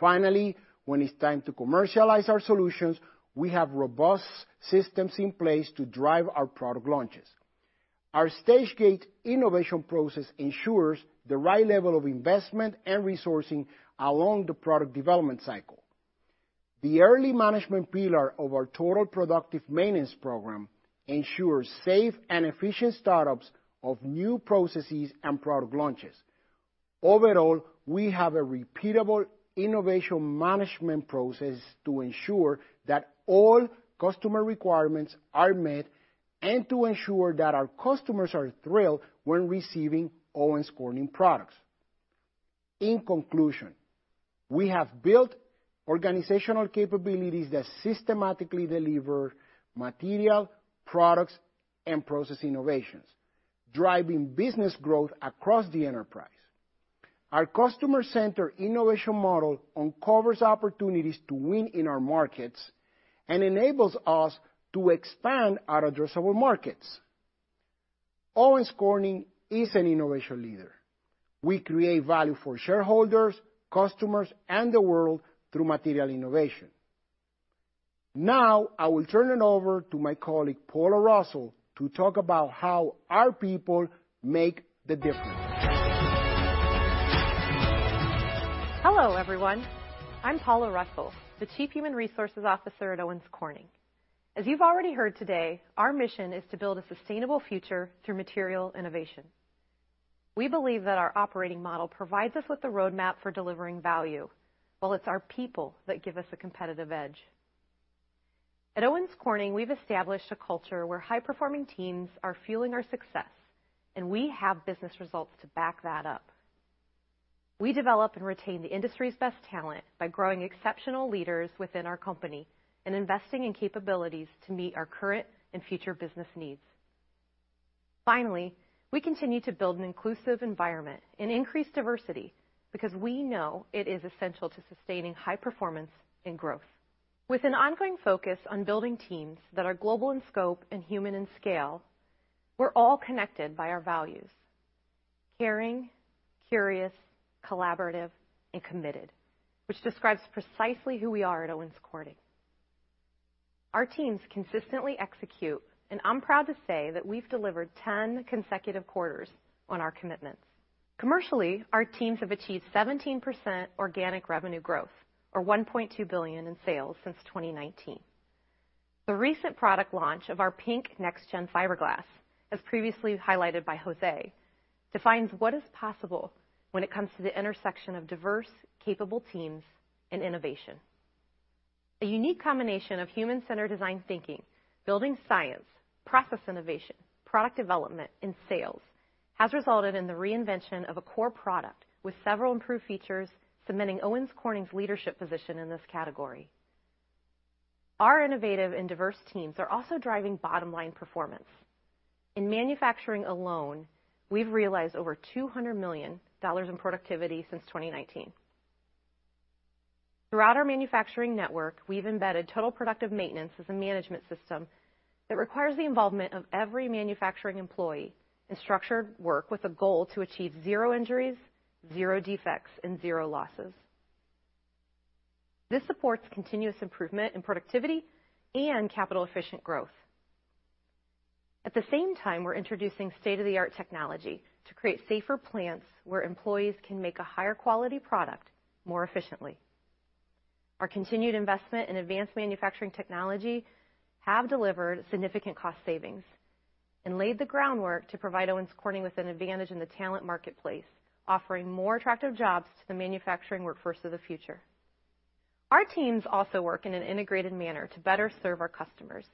Finally, when it's time to commercialize our solutions, we have robust systems in place to drive our product launches. Our stage gate innovation process ensures the right level of investment and resourcing along the product development cycle. The early management pillar of our Total Productive Maintenance program ensures safe and efficient startups of new processes and product launches. Overall, we have a repeatable innovation management process to ensure that all customer requirements are met and to ensure that our customers are thrilled when receiving Owens Corning products. In conclusion, we have built organizational capabilities that systematically deliver material, products, and process innovations, driving business growth across the enterprise. Our customer-centered innovation model uncovers opportunities to win in our markets and enables us to expand our addressable markets. Owens Corning is an innovation leader. We create value for shareholders, customers, and the world through material innovation. Now, I will turn it over to my colleague, Paula Russell, to talk about how our people make the difference. Hello, everyone. I'm Paula Russell, the Chief Human Resources Officer at Owens Corning. As you've already heard today, our mission is to build a sustainable future through material innovation. We believe that our operating model provides us with the roadmap for delivering value, while it's our people that give us a competitive edge. At Owens Corning, we've established a culture where high-performing teams are fueling our success, and we have business results to back that up. We develop and retain the industry's best talent by growing exceptional leaders within our company and investing in capabilities to meet our current and future business needs. Finally, we continue to build an inclusive environment and increase diversity because we know it is essential to sustaining high performance and growth. With an ongoing focus on building teams that are global in scope and human in scale, we're all connected by our values: caring, curious, collaborative, and committed, which describes precisely who we are at Owens Corning. Our teams consistently execute, and I'm proud to say that we've delivered 10 consecutive quarters on our commitments. Commercially, our teams have achieved 17% organic revenue growth or $1.2 billion in sales since 2019. The recent product launch of our PINK Next Gen Fiberglas, as previously highlighted by José, defines what is possible when it comes to the intersection of diverse, capable teams and innovation. A unique combination of human-centered design thinking, building science, process innovation, product development, and sales has resulted in the reinvention of a core product with several improved features, cementing Owens Corning's leadership position in this category. Our innovative and diverse teams are also driving bottom-line performance. In manufacturing alone, we've realized over $200 million in productivity since 2019. Throughout our manufacturing network, we've embedded Total Productive Maintenance as a management system that requires the involvement of every manufacturing employee in structured work with a goal to achieve zero injuries, zero defects, and zero losses. This supports continuous improvement in productivity and capital-efficient growth. At the same time, we're introducing state-of-the-art technology to create safer plants where employees can make a higher quality product more efficiently. Our continued investment in advanced manufacturing technology have delivered significant cost savings and laid the groundwork to provide Owens Corning with an advantage in the talent marketplace, offering more attractive jobs to the manufacturing workforce of the future. Our teams also work in an integrated manner to better serve our customers.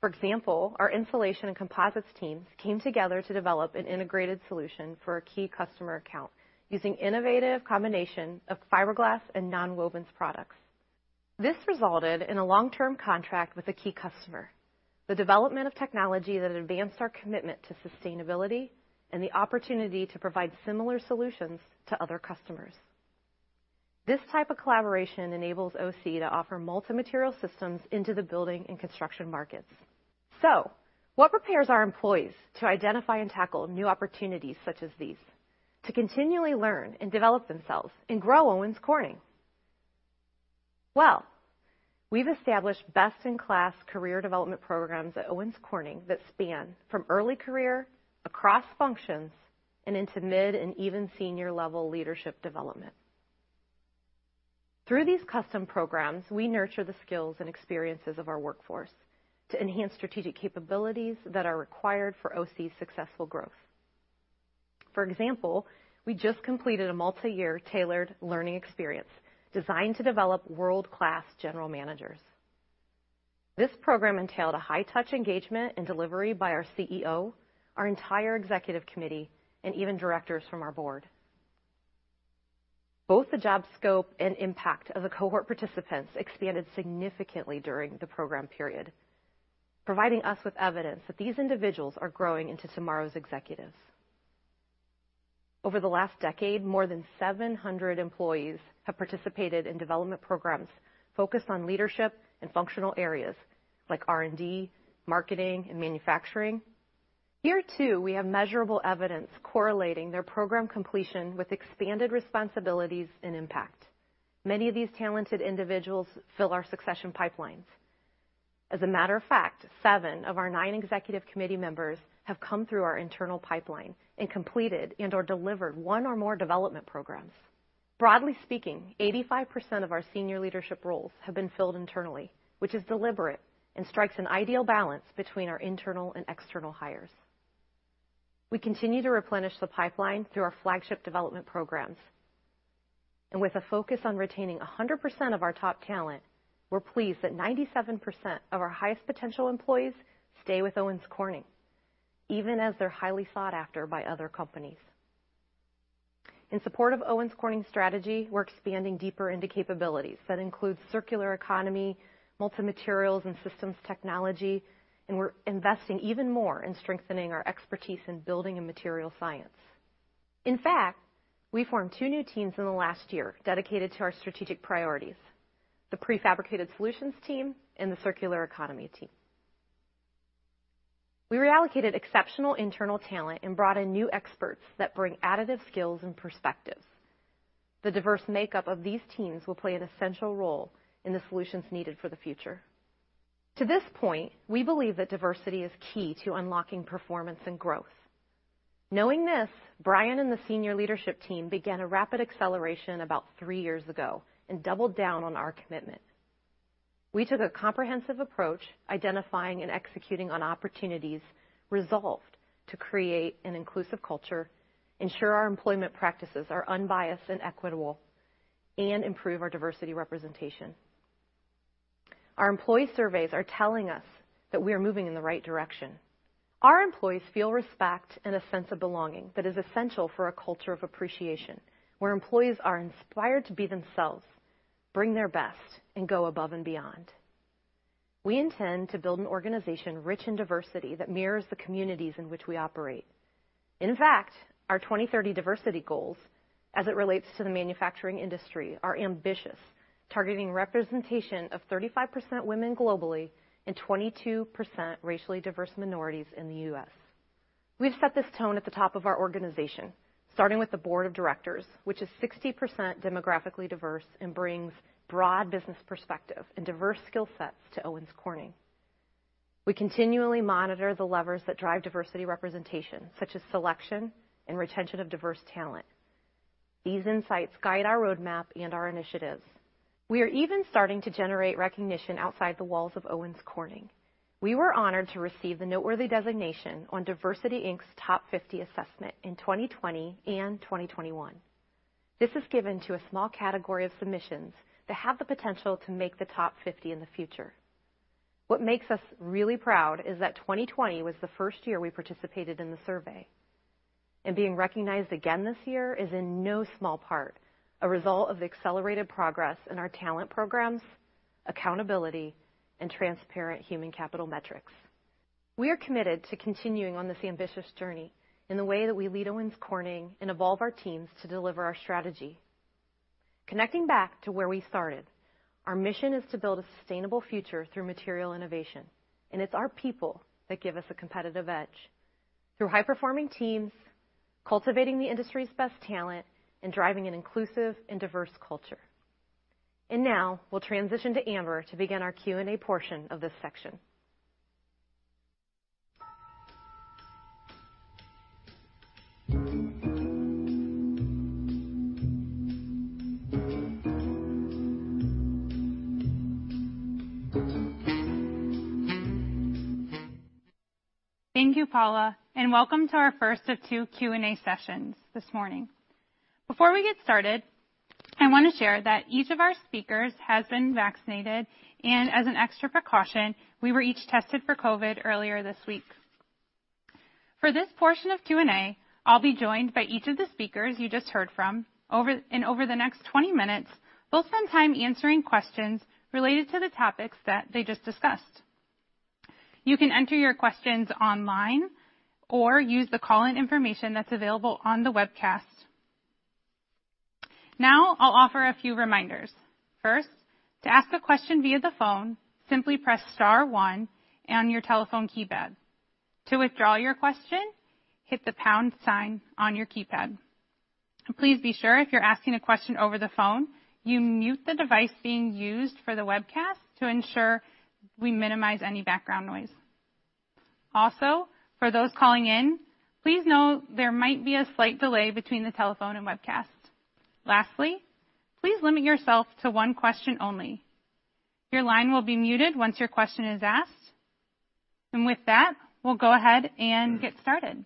For example, our insulation and composites teams came together to develop an integrated solution for a key customer account using innovative combination of fiberglass and nonwovens products. This resulted in a long-term contract with a key customer, the development of technology that advanced our commitment to sustainability, and the opportunity to provide similar solutions to other customers. This type of collaboration enables OC to offer multi-material systems into the building and construction markets. What prepares our employees to identify and tackle new opportunities such as these, to continually learn and develop themselves and grow Owens Corning? Well, we've established best-in-class career development programs at Owens Corning that span from early career across functions and into mid and even senior-level leadership development. Through these custom programs, we nurture the skills and experiences of our workforce to enhance strategic capabilities that are required for OC's successful growth. For example, we just completed a multiyear tailored learning experience designed to develop world-class general managers. This program entailed a high-touch engagement and delivery by our CEO, our entire Executive Committee, and even directors from our Board. Both the job scope and impact of the cohort participants expanded significantly during the program period, providing us with evidence that these individuals are growing into tomorrow's executives. Over the last decade, more than 700 employees have participated in development programs focused on leadership and functional areas like R&D, marketing, and manufacturing. Here, too, we have measurable evidence correlating their program completion with expanded responsibilities and impact. Many of these talented individuals fill our succession pipelines. As a matter of fact, seven of our nine Executive Committee members have come through our internal pipeline and completed and/or delivered one or more development programs. Broadly speaking, 85% of our senior leadership roles have been filled internally, which is deliberate and strikes an ideal balance between our internal and external hires. We continue to replenish the pipeline through our flagship development programs. With a focus on retaining 100% of our top talent, we're pleased that 97% of our highest potential employees stay with Owens Corning, even as they're highly sought after by other companies. In support of Owens Corning's strategy, we're expanding deeper into capabilities. That includes circular economy, multi-materials and systems technology, and we're investing even more in strengthening our expertise in building and material science. In fact, we formed two new teams in the last year dedicated to our strategic priorities, the Prefabricated Solutions Team and the Circular Economy Team. We reallocated exceptional internal talent and brought in new experts that bring additive skills and perspectives. The diverse makeup of these teams will play an essential role in the solutions needed for the future. To this point, we believe that diversity is key to unlocking performance and growth. Knowing this, Brian and the senior leadership team began a rapid acceleration about three years ago and doubled down on our commitment. We took a comprehensive approach, identifying and executing on opportunities resolved to create an inclusive culture, ensure our employment practices are unbiased and equitable, and improve our diversity representation. Our employee surveys are telling us that we are moving in the right direction. Our employees feel respect and a sense of belonging that is essential for a culture of appreciation, where employees are inspired to be themselves, bring their best, and go above and beyond. We intend to build an organization rich in diversity that mirrors the communities in which we operate. In fact, our 2030 diversity goals, as it relates to the manufacturing industry, are ambitious, targeting representation of 35% women globally and 22% racially diverse minorities in the U.S. We've set this tone at the top of our organization, starting with the board of directors, which is 60% demographically diverse and brings broad business perspective and diverse skill sets to Owens Corning. We continually monitor the levers that drive diversity representation, such as selection and retention of diverse talent. These insights guide our roadmap and our initiatives. We are even starting to generate recognition outside the walls of Owens Corning. We were honored to receive the noteworthy designation on DiversityInc's Top 50 assessment in 2020 and 2021. This is given to a small category of submissions that have the potential to make the top 50 in the future. What makes us really proud is that 2020 was the first year we participated in the survey, and being recognized again this year is in no small part a result of the accelerated progress in our talent programs, accountability, and transparent human capital metrics. We are committed to continuing on this ambitious journey in the way that we lead Owens Corning and evolve our teams to deliver our strategy. Connecting back to where we started, our mission is to build a sustainable future through material innovation, and it's our people that give us a competitive edge through high-performing teams, cultivating the industry's best talent, and driving an inclusive and diverse culture. Now we'll transition to Amber to begin our Q&A portion of this section. Thank you, Paula, and welcome to our first of two Q&A sessions this morning. Before we get started, I wanna share that each of our speakers has been vaccinated, and as an extra precaution, we were each tested for COVID earlier this week. For this portion of Q&A, I'll be joined by each of the speakers you just heard from. In over the next 20 minutes, we'll spend time answering questions related to the topics that they just discussed. You can enter your questions online or use the call-in information that's available on the webcast. Now I'll offer a few reminders. First, to ask a question via the phone, simply press star one on your telephone keypad. To withdraw your question, hit the pound sign on your keypad. Please be sure if you're asking a question over the phone, you mute the device being used for the webcast to ensure we minimize any background noise. Also, for those calling in, please note there might be a slight delay between the telephone and webcast. Lastly, please limit yourself to one question only. Your line will be muted once your question is asked. With that, we'll go ahead and get started.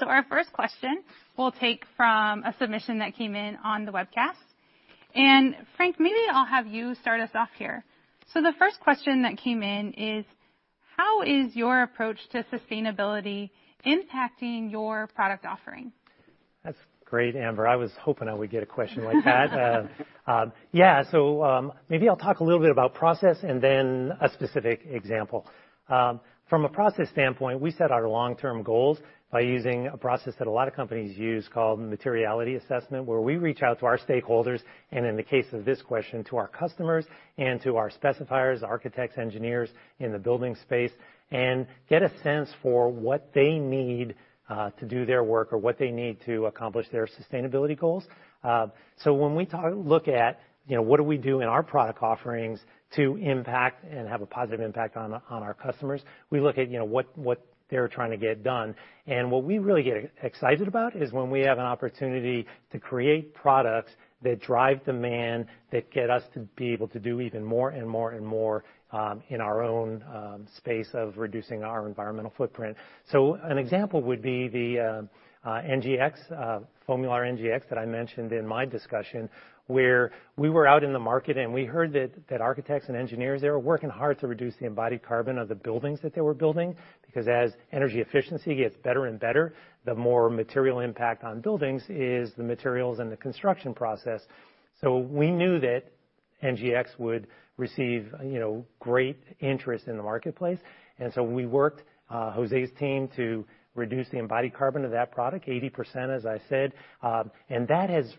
Our first question we'll take from a submission that came in on the webcast. Frank, maybe I'll have you start us off here. The first question that came in is: how is your approach to sustainability impacting your product offering? That's great, Amber. I was hoping I would get a question like that. Yeah, so maybe I'll talk a little bit about process and then a specific example. From a process standpoint, we set our long-term goals by using a process that a lot of companies use called materiality assessment, where we reach out to our stakeholders, and in the case of this question, to our customers and to our specifiers, architects, engineers in the building space, and get a sense for what they need to do their work or what they need to accomplish their sustainability goals. So when we look at, you know, what do we do in our product offerings to impact and have a positive impact on our customers, we look at, you know, what they're trying to get done. What we really get excited about is when we have an opportunity to create products that drive demand, that get us to be able to do even more and more and more, in our own, space of reducing our environmental footprint. An example would be the NGX, FOAMULAR NGX that I mentioned in my discussion, where we were out in the market, and we heard that architects and engineers, they were working hard to reduce the embodied carbon of the buildings that they were building, because as energy efficiency gets better and better, the more material impact on buildings is the materials and the construction process. We knew that NGX would receive, you know, great interest in the marketplace. We worked, José's team to reduce the embodied carbon of that product, 80%, as I said. That has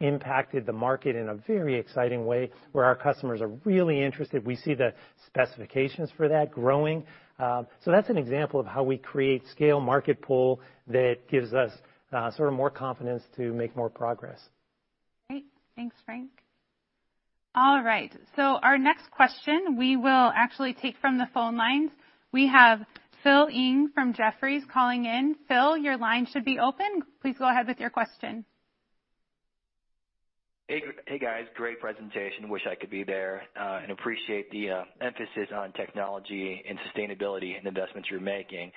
impacted the market in a very exciting way where our customers are really interested. We see the specifications for that growing. That's an example of how we create scale market pull that gives us, sort of more confidence to make more progress. Great. Thanks, Frank. All right. Our next question we will actually take from the phone lines. We have Philip Ng from Jefferies calling in. Phil, your line should be open. Please go ahead with your question. Hey, guys. Great presentation. Wish I could be there, and appreciate the emphasis on technology and sustainability and investments you're making.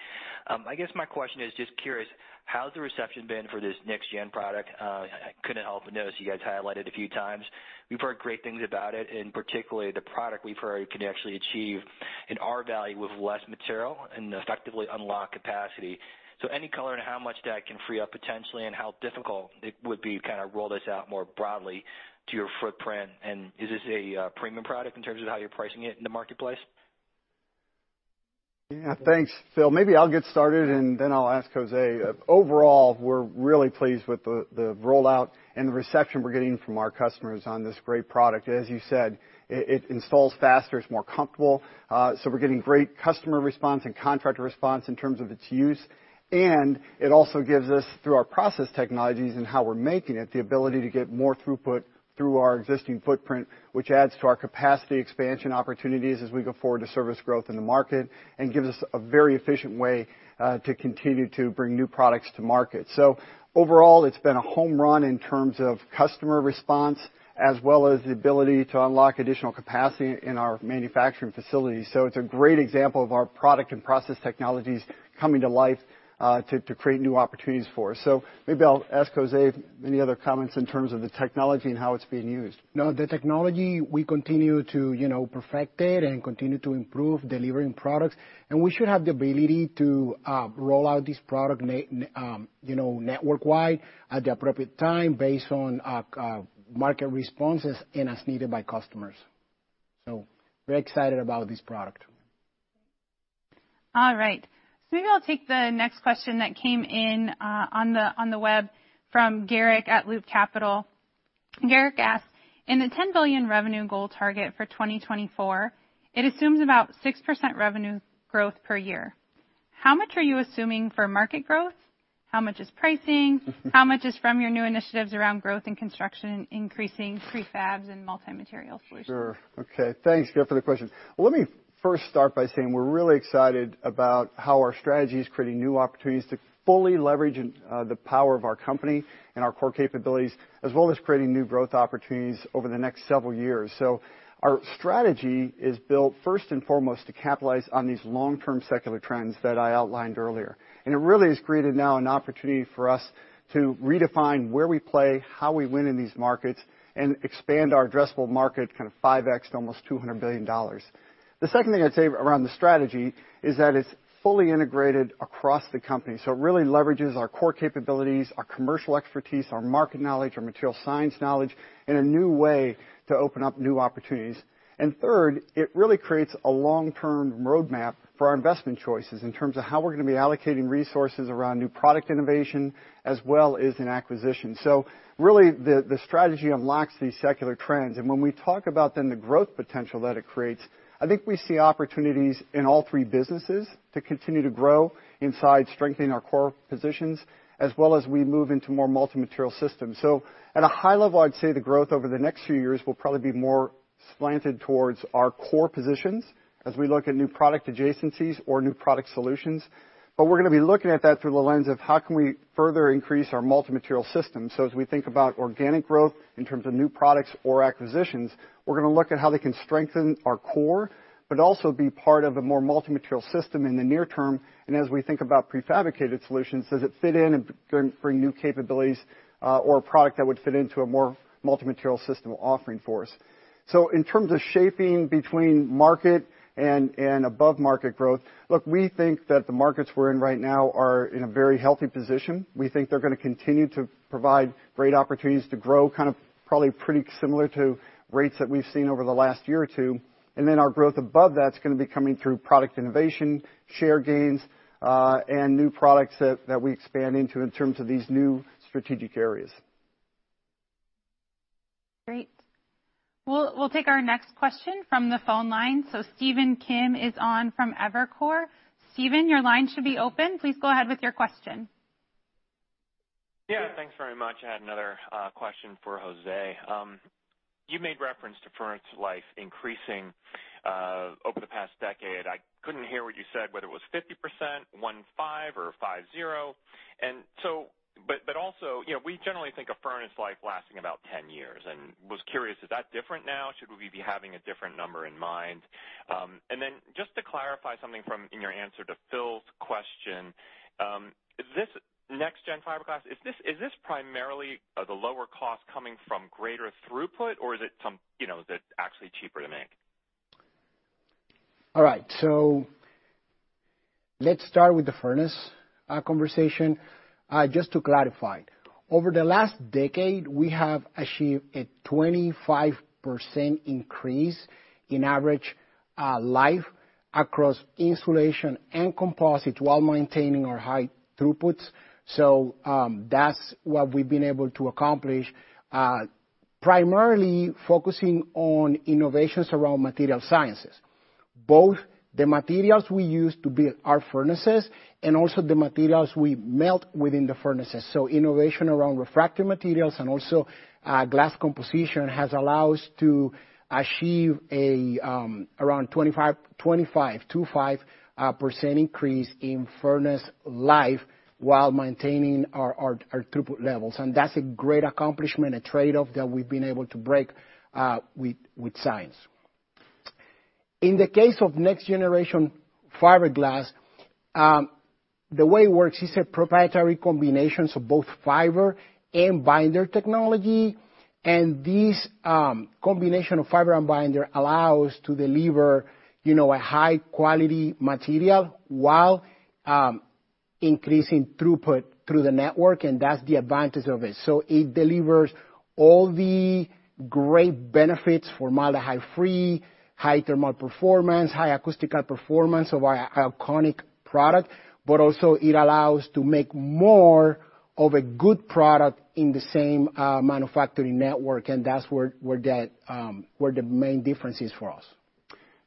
I guess my question is just curious, how's the reception been for this next gen product? I couldn't help but notice you guys highlighted a few times. We've heard great things about it, and particularly the product we've heard can actually achieve an R-value with less material and effectively unlock capacity. So any color on how much that can free up potentially and how difficult it would be to kind of roll this out more broadly to your footprint? Is this a premium product in terms of how you're pricing it in the marketplace? Yeah. Thanks, Phil. Maybe I'll get started, and then I'll ask José. Overall, we're really pleased with the rollout and the reception we're getting from our customers on this great product. As you said, it installs faster, it's more comfortable. We're getting great customer response and contractor response in terms of its use. It also gives us, through our process technologies and how we're making it, the ability to get more throughput through our existing footprint, which adds to our capacity expansion opportunities as we go forward to service growth in the market and gives us a very efficient way to continue to bring new products to market. Overall, it's been a home run in terms of customer response as well as the ability to unlock additional capacity in our manufacturing facilities. It's a great example of our product and process technologies coming to life to create new opportunities for us. Maybe I'll ask José any other comments in terms of the technology and how it's being used. No, the technology we continue to, you know, perfect it and continue to improve delivering products, and we should have the ability to roll out this product network-wide at the appropriate time based on market responses and as needed by customers. Very excited about this product. All right. Maybe I'll take the next question that came in on the web from Garik at Loop Capital. Garik asks, "In the $10 billion revenue goal target for 2024, it assumes about 6% revenue growth per year. How much are you assuming for market growth? How much is pricing? How much is from your new initiatives around growth and construction, increasing prefabs and multi-material solutions? Sure. Okay. Thanks, Garik, for the question. Let me first start by saying we're really excited about how our strategy is creating new opportunities to fully leverage the power of our company and our core capabilities, as well as creating new growth opportunities over the next several years. Our strategy is built first and foremost to capitalize on these long-term secular trends that I outlined earlier. It really has created now an opportunity for us to redefine where we play, how we win in these markets, and expand our addressable market kind of 5x to almost $200 billion. The second thing I'd say around the strategy is that it's fully integrated across the company. It really leverages our core capabilities, our commercial expertise, our market knowledge, our material science knowledge in a new way to open up new opportunities. Third, it really creates a long-term roadmap for our investment choices in terms of how we're gonna be allocating resources around new product innovation as well as in acquisition. Really, the strategy unlocks these secular trends. When we talk about then the growth potential that it creates, I think we see opportunities in all three businesses to continue to grow inside strengthening our core positions, as well as we move into more multi-material systems. At a high level, I'd say the growth over the next few years will probably be more slanted towards our core positions as we look at new product adjacencies or new product solutions. We're gonna be looking at that through the lens of how can we further increase our multi-material system. As we think about organic growth in terms of new products or acquisitions, we're gonna look at how they can strengthen our core, but also be part of a more multi-material system in the near term, and as we think about prefabricated solutions, does it fit in and bring new capabilities, or a product that would fit into a more multi-material system offering for us. In terms of shaping between market and above market growth, look, we think that the markets we're in right now are in a very healthy position. We think they're gonna continue to provide great opportunities to grow, kind of probably pretty similar to rates that we've seen over the last year or two. Our growth above that's gonna be coming through product innovation, share gains, and new products that we expand into in terms of these new strategic areas. Great. We'll take our next question from the phone line. Stephen Kim is on from Evercore. Stephen, your line should be open. Please go ahead with your question. Yeah, thanks very much. I had another question for José. You made reference to furnace life increasing over the past decade. I couldn't hear what you said, whether it was 50%, 15%, or 50%. But also, you know, we generally think of furnace life lasting about 10 years, and I was curious, is that different now? Should we be having a different number in mind? And then just to clarify something in your answer to Phil's question, is this Next Gen Fiberglas primarily the lower cost coming from greater throughput, or is it some, you know, is it actually cheaper to make? All right, let's start with the furnace conversation. Just to clarify, over the last decade, we have achieved a 25% increase in average life across insulation and composites while maintaining our high throughputs. That's what we've been able to accomplish, primarily focusing on innovations around material sciences, both the materials we use to build our furnaces and also the materials we melt within the furnaces. Innovation around refractory materials and also glass composition has allowed us to achieve around 25% increase in furnace life while maintaining our throughput levels. That's a great accomplishment, a trade-off that we've been able to break with science. In the case of next generation fiberglass, the way it works is a proprietary combinations of both fiber and binder technology. This combination of fiber and binder allow us to deliver, you know, a high-quality material while increasing throughput through the network, and that's the advantage of it. It delivers all the great benefits for formaldehyde-free, high thermal performance, high acoustical performance of our iconic product, but also it allows to make more of a good product in the same manufacturing network, and that's where the main difference is for us.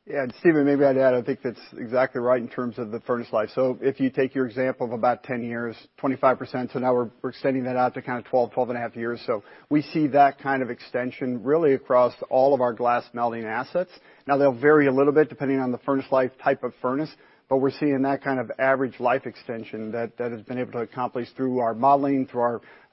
Yeah. Stephen, maybe I'd add, I think that's exactly right in terms of the furnace life. If you take your example of about 10 years, 25%, now we're extending that out to kinda 12.5 years. We see that kind of extension really across all of our glass melting assets. Now, they'll vary a little bit depending on the furnace life type of furnace, but we're seeing that kind of average life extension that has been able to accomplish through our modeling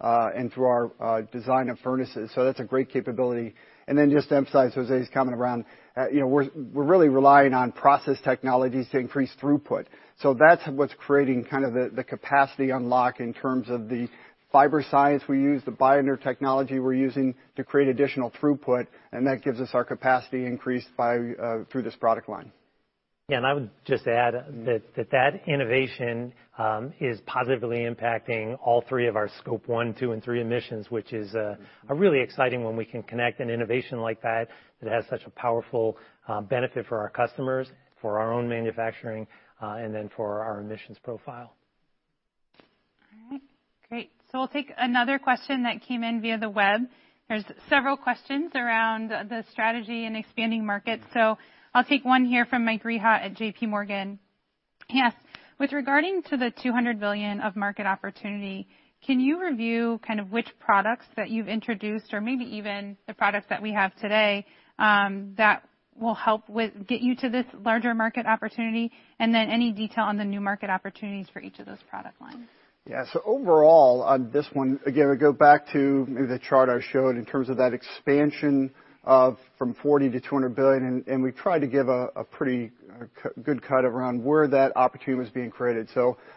and through our design of furnaces. That's a great capability. Then just to emphasize José's comment around, you know, we're really relying on process technologies to increase throughput. That's what's creating kind of the capacity unlock in terms of the fiber size we use, the binder technology we're using to create additional throughput, and that gives us our capacity increase by through this product line. I would just add that innovation is positively impacting all three of our Scope 1, 2, and 3 emissions, which is a really exciting one. We can connect an innovation like that has such a powerful benefit for our customers, for our own manufacturing, and then for our emissions profile. All right. Great. We'll take another question that came in via the web. There's several questions around the strategy and expanding markets. I'll take one here from Michael Rehaut at JPMorgan. He asks, "With regard to the $200 billion market opportunity, can you review kind of which products that you've introduced or maybe even the products that we have today, that will help get you to this larger market opportunity? And then any detail on the new market opportunities for each of those product lines. Yeah. Overall, on this one, again, we go back to the chart I showed in terms of that expansion from $40 billion-$200 billion, and we tried to give a pretty good cut around where that opportunity was being created.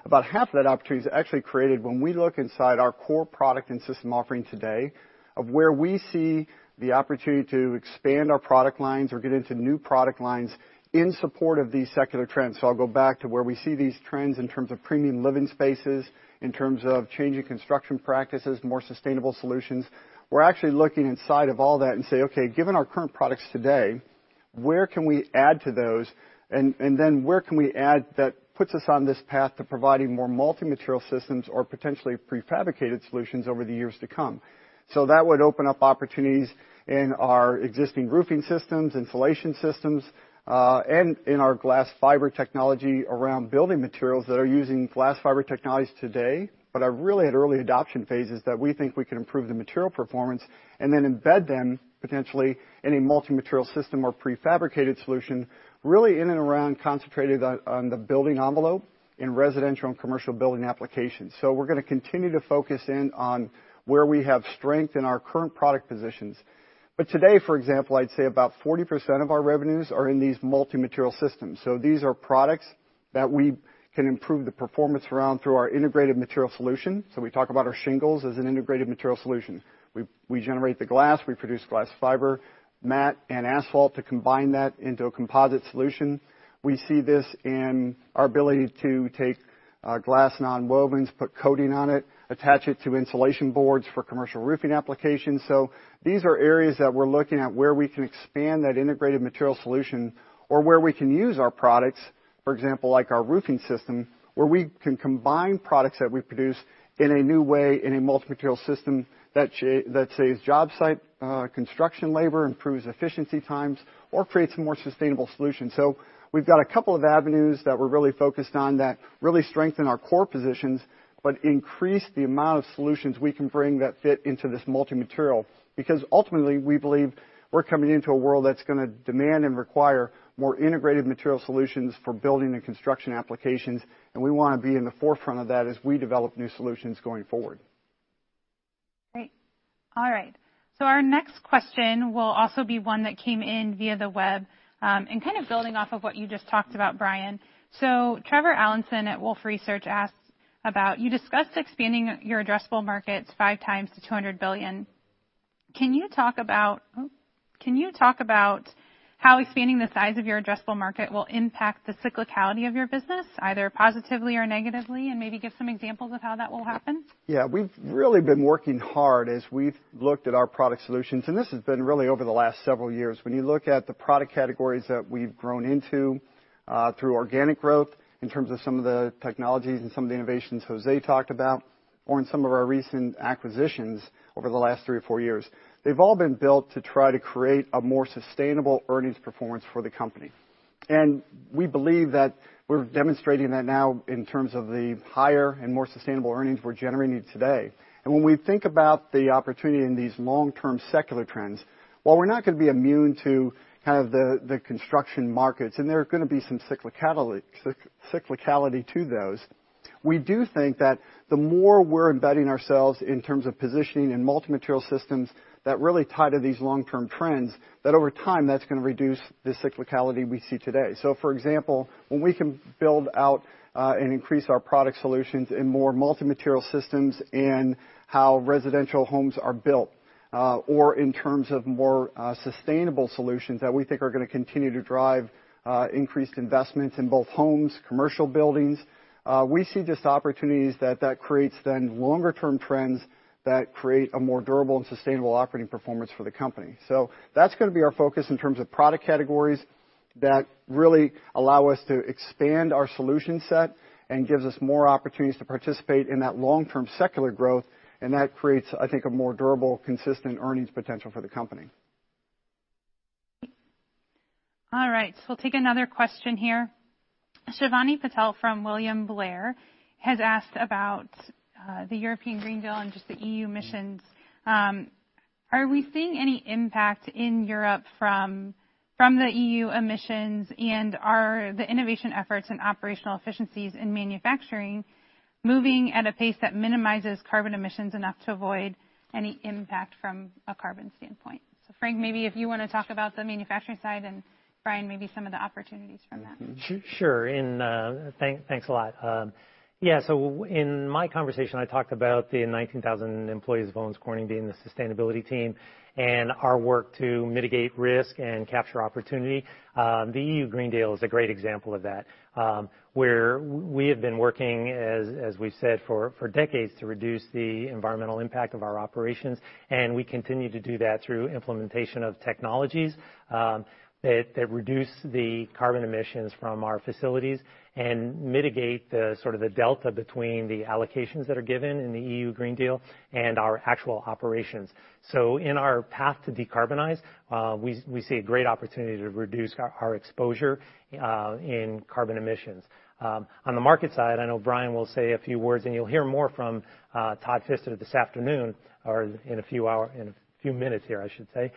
About half of that opportunity is actually created when we look inside our core product and system offering today of where we see the opportunity to expand our product lines or get into new product lines in support of these secular trends. I'll go back to where we see these trends in terms of premium living spaces, in terms of changing construction practices, more sustainable solutions. We're actually looking inside of all that and say, "Okay, given our current products today. Where can we add to those? Then where can we add that puts us on this path to providing more multi-material systems or potentially prefabricated solutions over the years to come? That would open up opportunities in our existing roofing systems, insulation systems, and in our glass fiber technology around building materials that are using glass fiber technologies today, but are really at early adoption phases that we think we can improve the material performance and then embed them potentially in a multi-material system or prefabricated solution, really in and around, concentrated on the building envelope in residential and commercial building applications. We're gonna continue to focus in on where we have strength in our current product positions. Today, for example, I'd say about 40% of our revenues are in these multi-material systems. These are products that we can improve the performance around through our integrated material solution. We talk about our shingles as an integrated material solution. We generate the glass, we produce glass fiber, mat, and asphalt to combine that into a composite solution. We see this in our ability to take glass nonwovens, put coating on it, attach it to insulation boards for commercial roofing applications. These are areas that we're looking at where we can expand that integrated material solution or where we can use our products, for example, like our roofing system, where we can combine products that we produce in a new way, in a multi-material system that saves job site construction labor, improves efficiency times, or creates more sustainable solutions. We've got a couple of avenues that we're really focused on that really strengthen our core positions but increase the amount of solutions we can bring that fit into this multi-material. Because ultimately, we believe we're coming into a world that's gonna demand and require more integrated material solutions for building and construction applications, and we wanna be in the forefront of that as we develop new solutions going forward. Great. All right. Our next question will also be one that came in via the web, and kind of building off of what you just talked about, Brian. Trevor Allinson at Wolfe Research asks about, you discussed expanding your addressable markets 5x to $200 billion. Can you talk about how expanding the size of your addressable market will impact the cyclicality of your business, either positively or negatively? And maybe give some examples of how that will happen. Yeah. We've really been working hard as we've looked at our product solutions, and this has been really over the last several years. When you look at the product categories that we've grown into through organic growth, in terms of some of the technologies and some of the innovations José talked about, or in some of our recent acquisitions over the last three or four years, they've all been built to try to create a more sustainable earnings performance for the company. We believe that we're demonstrating that now in terms of the higher and more sustainable earnings we're generating today. When we think about the opportunity in these long-term secular trends, while we're not gonna be immune to kind of the construction markets, and there are gonna be some cyclicality to those, we do think that the more we're embedding ourselves in terms of positioning in multi-material systems that really tie to these long-term trends, that over time, that's gonna reduce the cyclicality we see today. For example, when we can build out and increase our product solutions in more multi-material systems in how residential homes are built, or in terms of more sustainable solutions that we think are gonna continue to drive increased investments in both homes, commercial buildings, we see just opportunities that creates then longer-term trends that create a more durable and sustainable operating performance for the company. That's gonna be our focus in terms of product categories that really allow us to expand our solution set and gives us more opportunities to participate in that long-term secular growth, and that creates, I think, a more durable, consistent earnings potential for the company. All right. We'll take another question here. Shivani Patel from William Blair has asked about the European Green Deal and just the EU emissions. Are we seeing any impact in Europe from the EU emissions? And are the innovation efforts and operational efficiencies in manufacturing moving at a pace that minimizes carbon emissions enough to avoid any impact from a carbon standpoint? Frank, maybe if you wanna talk about the manufacturing side, and Brian, maybe some of the opportunities from that. Sure. Thanks a lot. Yeah, in my conversation, I talked about the 19,000 employees of Owens Corning being the sustainability team and our work to mitigate risk and capture opportunity. The EU Green Deal is a great example of that, where we have been working, as we've said, for decades to reduce the environmental impact of our operations, and we continue to do that through implementation of technologies that reduce the carbon emissions from our facilities and mitigate the sort of delta between the allocations that are given in the EU Green Deal and our actual operations. In our path to decarbonize, we see a great opportunity to reduce our exposure in carbon emissions. On the market side, I know Brian will say a few words, and you'll hear more from Todd Fister this afternoon, in a few minutes here, I should say.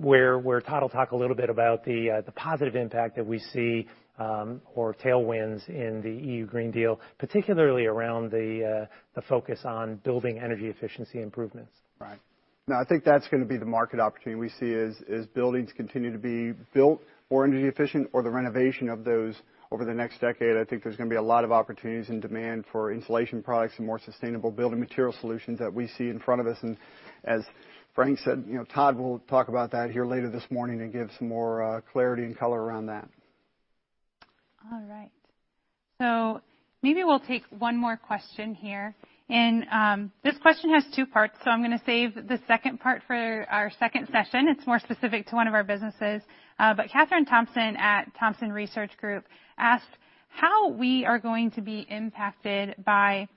Where Todd will talk a little bit about the positive impact that we see, or tailwinds in the EU Green Deal, particularly around the focus on building energy efficiency improvements. Right. No, I think that's gonna be the market opportunity we see as buildings continue to be built more energy efficient or the renovation of those over the next decade. I think there's gonna be a lot of opportunities and demand for insulation products and more sustainable building material solutions that we see in front of us. As Frank said, you know, Todd will talk about that here later this morning and give some more clarity and color around that. All right. Maybe we'll take one more question here. This question has two parts, so I'm gonna save the second part for our second session. It's more specific to one of our businesses. Kathryn Thompson at Thompson Research Group asked how we are going to be impacted by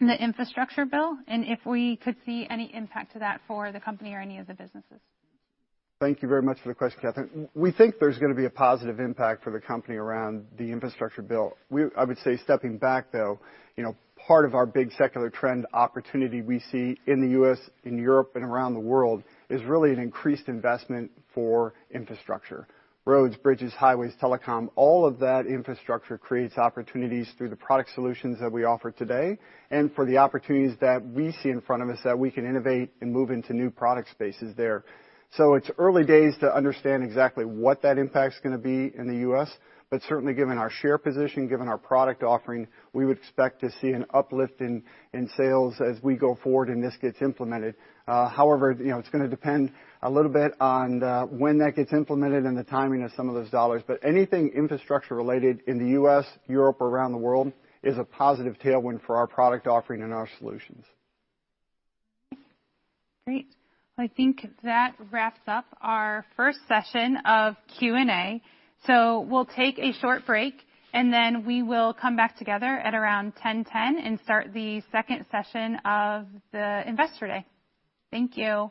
the infrastructure bill, and if we could see any impact to that for the company or any of the businesses. Thank you very much for the question, Kathryn. We think there's gonna be a positive impact for the company around the infrastructure bill. I would say stepping back, though, you know, part of our big secular trend opportunity we see in the U.S., in Europe, and around the world is really an increased investment for infrastructure. Roads, bridges, highways, telecom, all of that infrastructure creates opportunities through the product solutions that we offer today and for the opportunities that we see in front of us that we can innovate and move into new product spaces there. It's early days to understand exactly what that impact's gonna be in the U.S., but certainly given our share position, given our product offering, we would expect to see an uplift in sales as we go forward and this gets implemented. However, you know, it's gonna depend a little bit on when that gets implemented and the timing of some of those dollars. Anything infrastructure related in the U.S., Europe, or around the world is a positive tailwind for our product offering and our solutions. Great. I think that wraps up our first session of Q&A. We'll take a short break, and then we will come back together at around 10:10 A.M. and start the second session of the Investor Day. Thank you.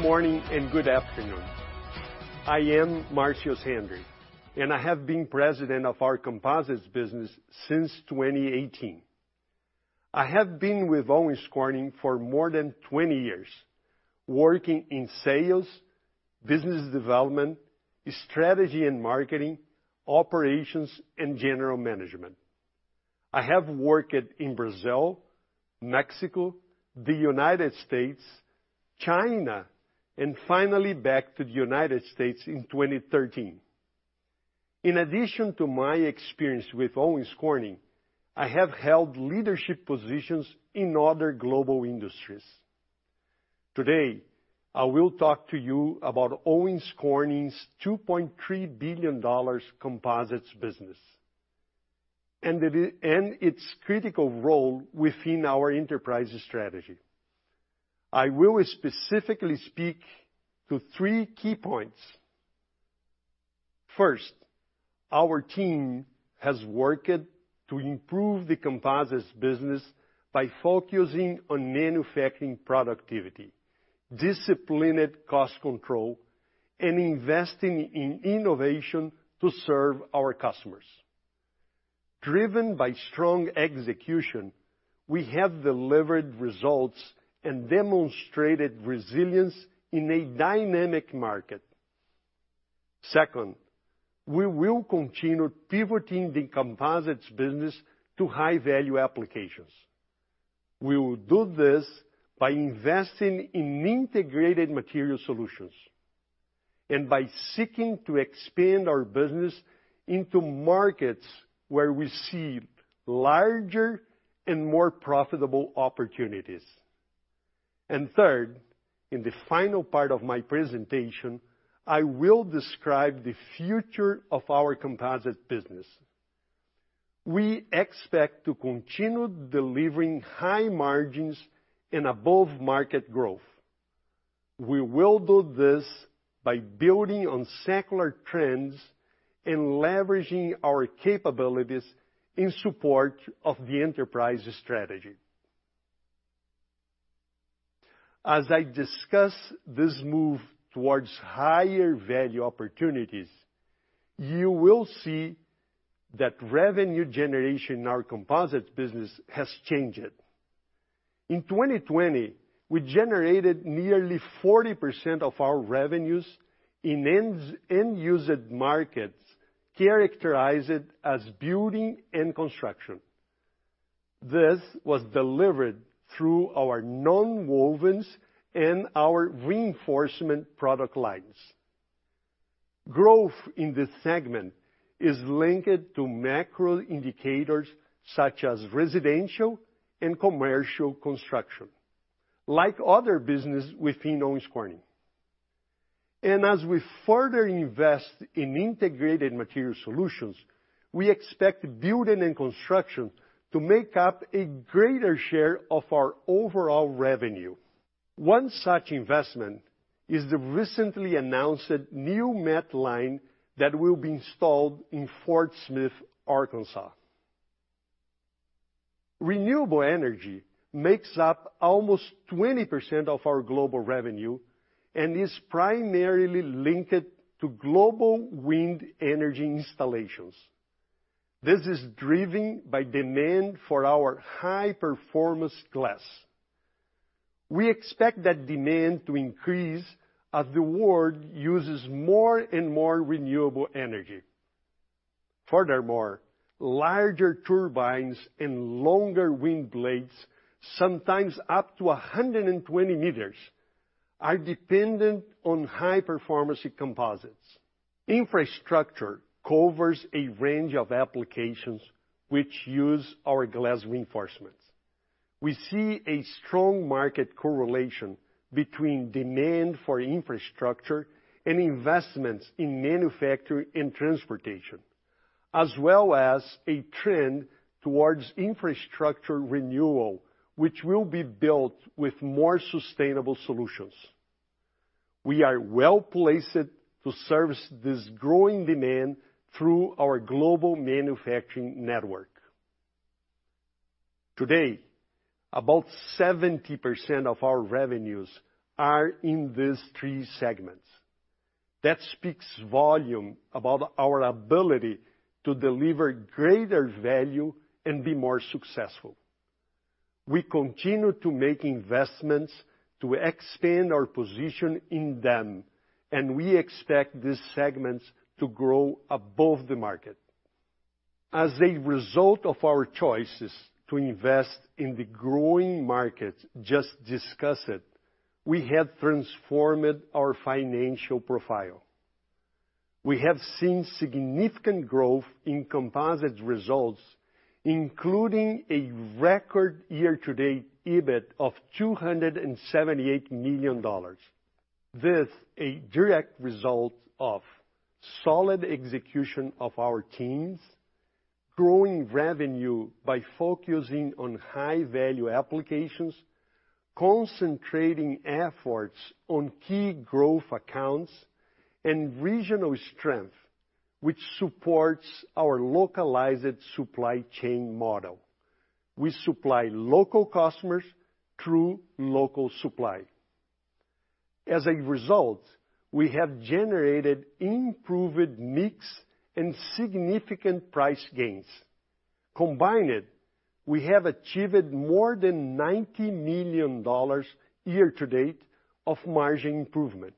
Good morning and good afternoon. I am Marcio Sandri, and I have been President of our Composites business since 2018. I have been with Owens Corning for more than 20 years working in sales, business development, strategy and marketing, operations, and general management. I have worked in Brazil, Mexico, the United States, China, and finally back to the United States in 2013. In addition to my experience with Owens Corning, I have held leadership positions in other global industries. Today, I will talk to you about Owens Corning's $2.3 billion Composites business and its critical role within our enterprise's strategy. I will specifically speak to three key points. First, our team has worked to improve the Composites business by focusing on manufacturing productivity, disciplined cost control, and investing in innovation to serve our customers. Driven by strong execution, we have delivered results and demonstrated resilience in a dynamic market. Second, we will continue pivoting the composites business to high-value applications. We will do this by investing in integrated material solutions and by seeking to expand our business into markets where we see larger and more profitable opportunities. Third, in the final part of my presentation, I will describe the future of our composites business. We expect to continue delivering high margins and above-market growth. We will do this by building on secular trends and leveraging our capabilities in support of the enterprise's strategy. As I discuss this move towards higher value opportunities, you will see that revenue generation in our composites business has changed. In 2020, we generated nearly 40% of our revenues in end-user markets characterized as building and construction. This was delivered through our nonwovens and our reinforcement product lines. Growth in this segment is linked to macro indicators such as residential and commercial construction, like other business within Owens Corning. We further invest in integrated material solutions, we expect building and construction to make up a greater share of our overall revenue. One such investment is the recently announced new mat line that will be installed in Fort Smith, Arkansas. Renewable energy makes up almost 20% of our global revenue and is primarily linked to global wind energy installations. This is driven by demand for our high-performance glass. We expect that demand to increase as the world uses more and more renewable energy. Furthermore, larger turbines and longer wind blades, sometimes up to 120 m, are dependent on high-performance composites. Infrastructure covers a range of applications which use our glass reinforcements. We see a strong market correlation between demand for infrastructure and investments in manufacturing and transportation, as well as a trend towards infrastructure renewal, which will be built with more sustainable solutions. We are well-placed to service this growing demand through our global manufacturing network. Today, about 70% of our revenues are in these three segments. That speaks volume about our ability to deliver greater value and be more successful. We continue to make investments to expand our position in them, and we expect these segments to grow above the market. As a result of our choices to invest in the growing market just discussed, we have transformed our financial profile. We have seen significant growth in composites results, including a record year-to-date EBIT of $278 million. This is a direct result of solid execution of our teams, growing revenue by focusing on high-value applications, concentrating efforts on key growth accounts, and regional strength, which supports our localized supply chain model. We supply local customers through local supply. As a result, we have generated improved mix and significant price gains. Combined, we have achieved more than $90 million year-to-date of margin improvement,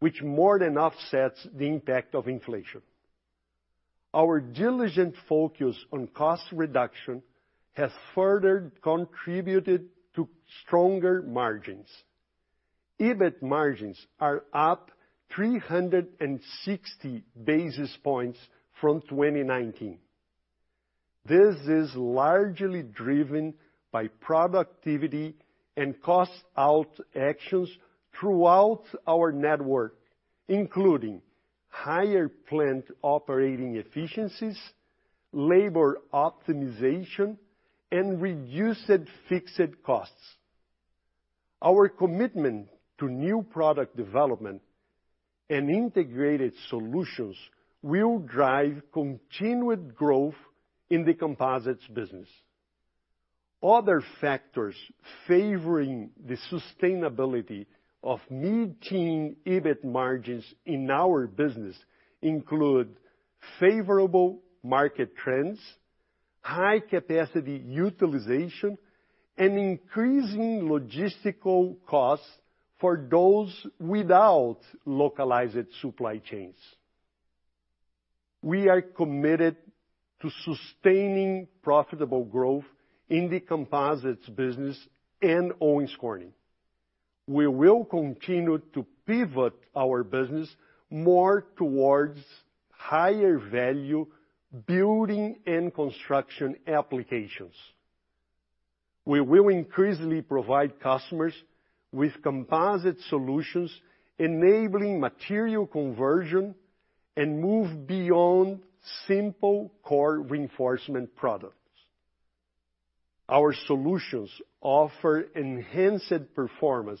which more than offsets the impact of inflation. Our diligent focus on cost reduction has further contributed to stronger margins. EBIT margins are up 360 basis points from 2019. This is largely driven by productivity and cost out actions throughout our network, including higher plant operating efficiencies, labor optimization, and reduced fixed costs. Our commitment to new product development and integrated solutions will drive continued growth in the composites business. Other factors favoring the sustainability of mid-teen EBIT margins in our business include favorable market trends, high-capacity utilization, and increasing logistical costs for those without localized supply chains. We are committed to sustaining profitable growth in the composites business and Owens Corning. We will continue to pivot our business more towards higher value building and construction applications. We will increasingly provide customers with composite solutions enabling material conversion and move beyond simple core reinforcement products. Our solutions offer enhanced performance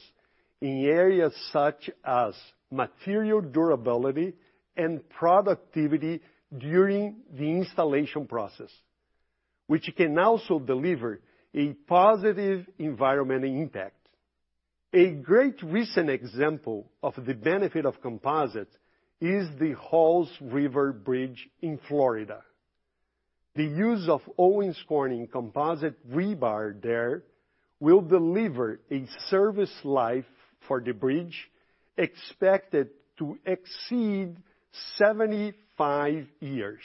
in areas such as material durability and productivity during the installation process, which can also deliver a positive environmental impact. A great recent example of the benefit of composites is the Halls River Bridge in Florida. The use of Owens Corning composite rebar there will deliver a service life for the bridge expected to exceed 75 years.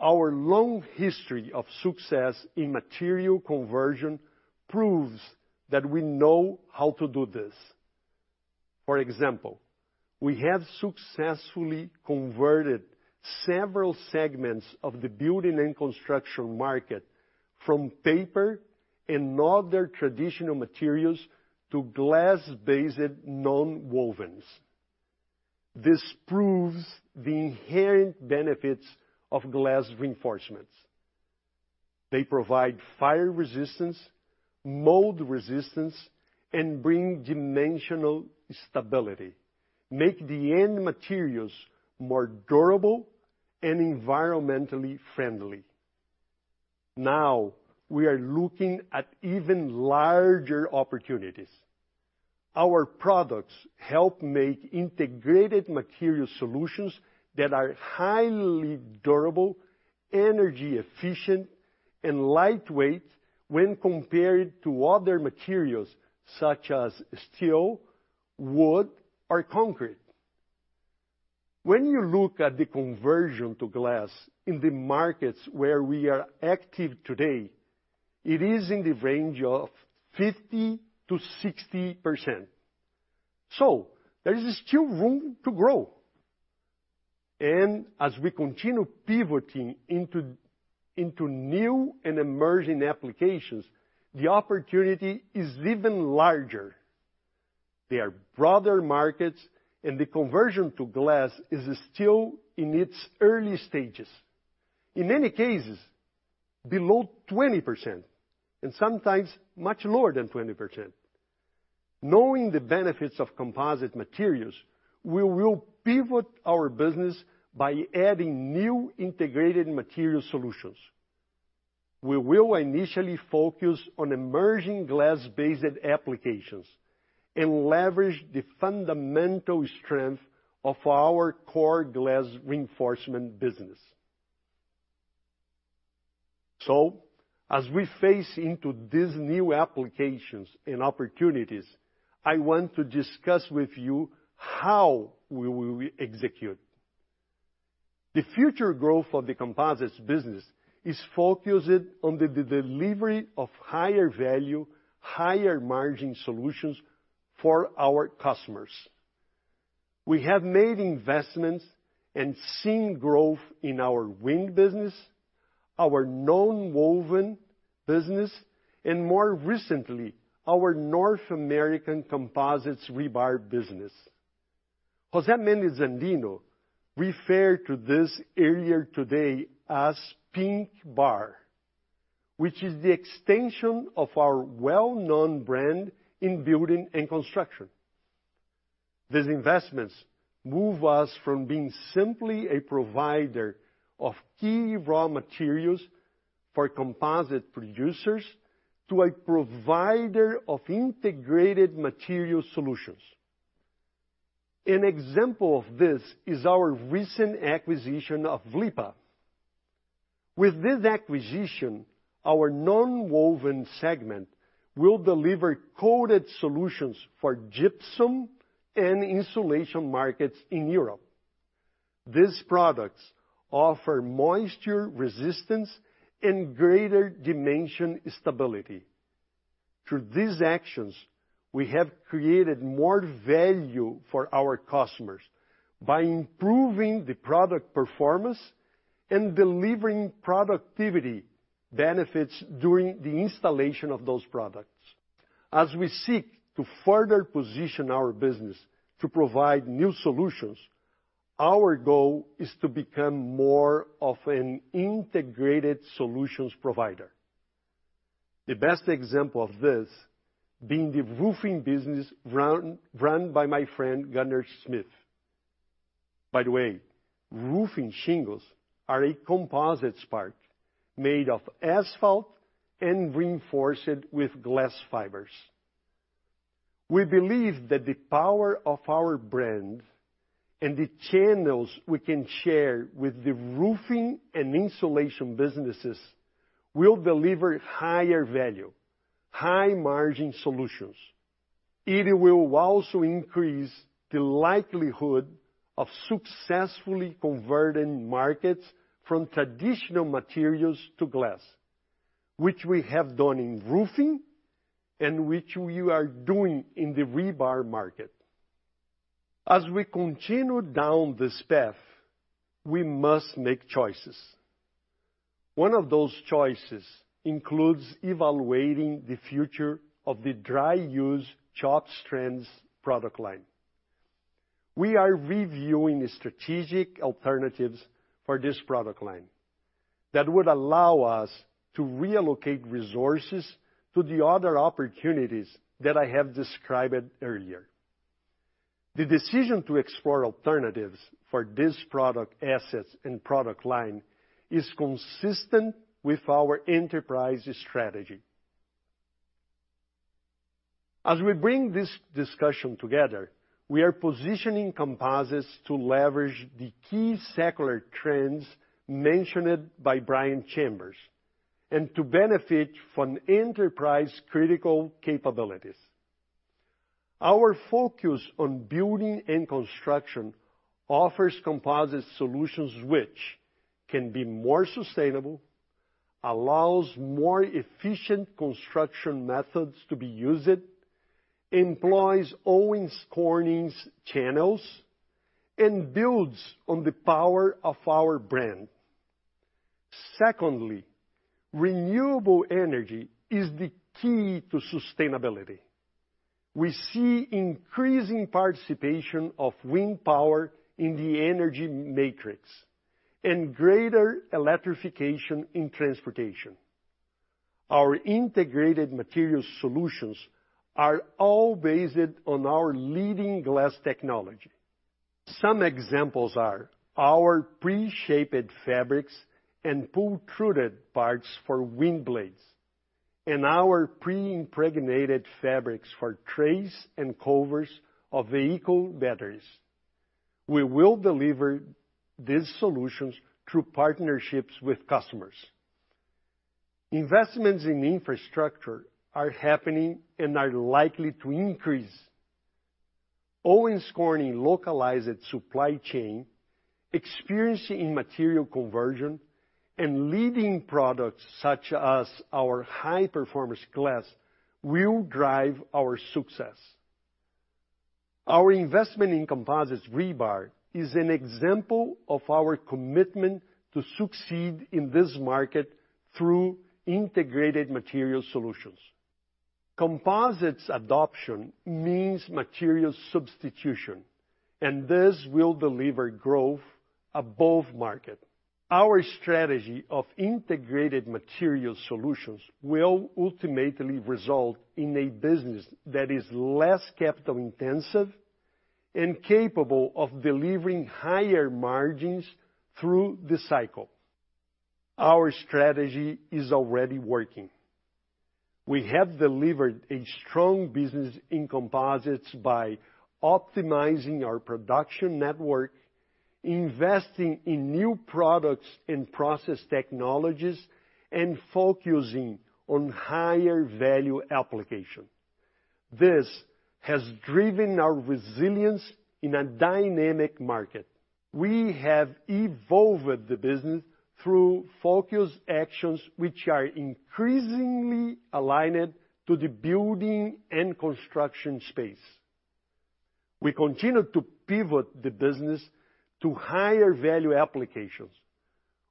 Our long history of success in material conversion proves that we know how to do this. For example, we have successfully converted several segments of the building and construction market from paper and other traditional materials to glass-based nonwovens. This proves the inherent benefits of glass reinforcements. They provide fire resistance, mold resistance, and bring dimensional stability, make the end materials more durable and environmentally friendly. Now we are looking at even larger opportunities. Our products help make integrated material solutions that are highly durable, energy efficient, and lightweight when compared to other materials such as steel, wood, or concrete. When you look at the conversion to glass in the markets where we are active today, it is in the range of 50%-60%. So there is still room to grow. As we continue pivoting into new and emerging applications, the opportunity is even larger. They are broader markets, and the conversion to glass is still in its early stages. In many cases, below 20%, and sometimes much lower than 20%. Knowing the benefits of composite materials, we will pivot our business by adding new integrated material solutions. We will initially focus on emerging glass-based applications and leverage the fundamental strength of our core glass reinforcement business. As we face into these new applications and opportunities, I want to discuss with you how we will execute. The future growth of the composites business is focused on the delivery of higher value, higher margin solutions for our customers. We have made investments and seen growth in our wind business, our nonwoven business, and more recently, our North American composites rebar business. José Méndez-Andino referred to this earlier today as PINKBAR, which is the extension of our well-known brand in building and construction. These investments move us from being simply a provider of key raw materials for composite producers to a provider of integrated material solutions. An example of this is our recent acquisition of vliepa GmbH. With this acquisition, our nonwoven segment will deliver coated solutions for gypsum and insulation markets in Europe. These products offer moisture resistance and greater dimension stability. Through these actions, we have created more value for our customers by improving the product performance and delivering productivity benefits during the installation of those products. As we seek to further position our business to provide new solutions, our goal is to become more of an integrated solutions provider. The best example of this being the roofing business run by my friend, Gunner Smith. By the way, roofing shingles are a Composites part made of asphalt and reinforced with glass fibers. We believe that the power of our brand and the channels we can share with the roofing and insulation businesses will deliver higher value, high margin solutions. It will also increase the likelihood of successfully converting markets from traditional materials to glass, which we have done in roofing and which we are doing in the rebar market. As we continue down this path, we must make choices. One of those choices includes evaluating the future of the Dry-Use Chopped Strands product line. We are reviewing the strategic alternatives for this product line that would allow us to reallocate resources to the other opportunities that I have described earlier. The decision to explore alternatives for these product assets and product line is consistent with our enterprise strategy. As we bring this discussion together, we are positioning composites to leverage the key secular trends mentioned by Brian Chambers and to benefit from enterprise critical capabilities. Our focus on building and construction offers composite solutions which can be more sustainable, allows more efficient construction methods to be used, employs Owens Corning's channels, and builds on the power of our brand. Secondly, renewable energy is the key to sustainability. We see increasing participation of wind power in the energy matrix and greater electrification in transportation. Our integrated material solutions are all based on our leading glass technology. Some examples are our pre-shaped fabrics and pultruded parts for wind blades and our pre-impregnated fabrics for trays and covers of vehicle batteries. We will deliver these solutions through partnerships with customers. Investments in infrastructure are happening and are likely to increase. Owens Corning localized supply chain, experience in material conversion, and leading products such as our high-performance glass will drive our success. Our investment in composites rebar is an example of our commitment to succeed in this market through integrated material solutions. Composites adoption means material substitution, and this will deliver growth above market. Our strategy of integrated material solutions will ultimately result in a business that is less capital intensive and capable of delivering higher margins through the cycle. Our strategy is already working. We have delivered a strong business in composites by optimizing our production network, investing in new products and process technologies, and focusing on higher value application. This has driven our resilience in a dynamic market. We have evolved the business through focused actions which are increasingly aligned to the building and construction space. We continue to pivot the business to higher value applications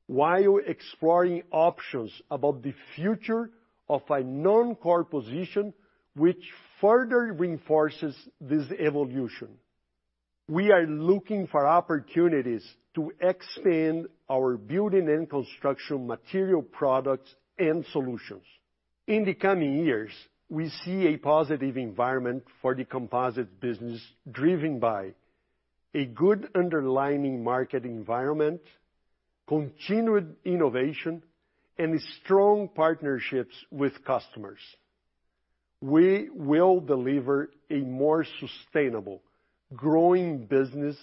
while exploring options about the future of a non-core position which further reinforces this evolution. We are looking for opportunities to expand our building and construction material products and solutions. In the coming years, we see a positive environment for the composites business driven by a good underlying market environment, continued innovation, and strong partnerships with customers. We will deliver a more sustainable, growing business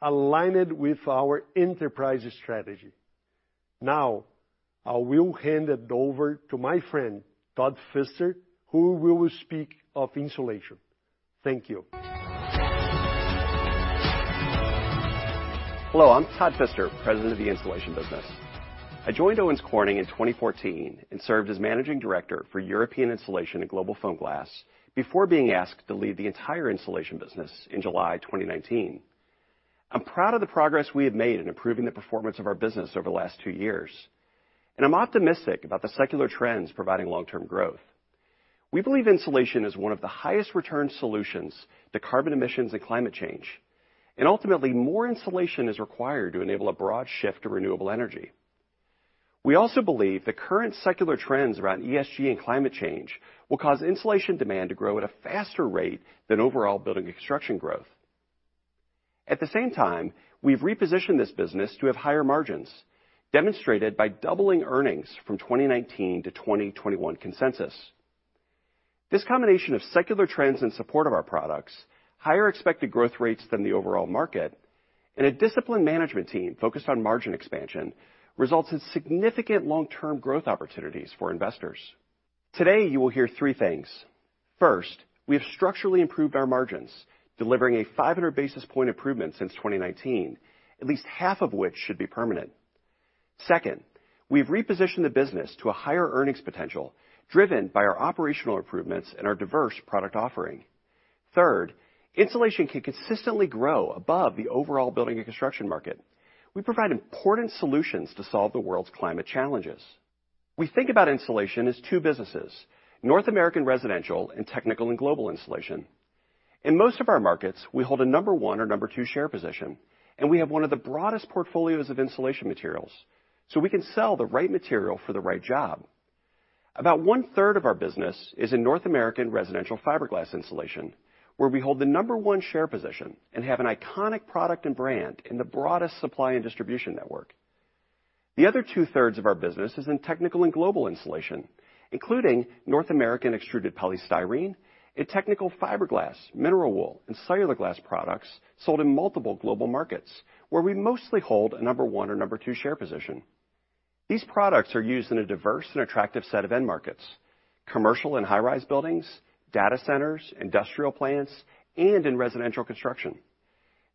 aligned with our enterprise strategy. Now, I will hand it over to my friend, Todd Fister, who will speak of insulation. Thank you. Hello, I'm Todd Fister, President of the Insulation business. I joined Owens Corning in 2014 and served as Managing Director for European Insulation and Global Foam Glass before being asked to lead the entire Insulation business in July 2019. I'm proud of the progress we have made in improving the performance of our business over the last two years, and I'm optimistic about the secular trends providing long-term growth. We believe insulation is one of the highest return solutions to carbon emissions and climate change, and ultimately, more insulation is required to enable a broad shift to renewable energy. We also believe the current secular trends around ESG and climate change will cause insulation demand to grow at a faster rate than overall building construction growth. At the same time, we've repositioned this business to have higher margins, demonstrated by doubling earnings from 2019 to 2021 consensus. This combination of secular trends in support of our products, higher expected growth rates than the overall market, and a disciplined management team focused on margin expansion, results in significant long-term growth opportunities for investors. Today, you will hear three things. First, we have structurally improved our margins, delivering a 500 basis points improvement since 2019, at least half of which should be permanent. Second, we've repositioned the business to a higher earnings potential driven by our operational improvements and our diverse product offering. Third, insulation can consistently grow above the overall building and construction market. We provide important solutions to solve the world's climate challenges. We think about insulation as two businesses, North American Residential and Technical and Global Insulation. In most of our markets, we hold a #1 or #2 share position, and we have one of the broadest portfolios of insulation materials, so we can sell the right material for the right job. About 1/3 of our business is in North American residential fiberglass insulation, where we hold the #1 share position and have an iconic product and brand in the broadest supply and distribution network. The other 2/3 of our business is in Technical and Global Insulation, including North American extruded polystyrene and technical fiberglass, mineral wool, and cellular glass products sold in multiple global markets, where we mostly hold #1 or #2 share position. These products are used in a diverse and attractive set of end markets, commercial and high-rise buildings, data centers, industrial plants, and in residential construction.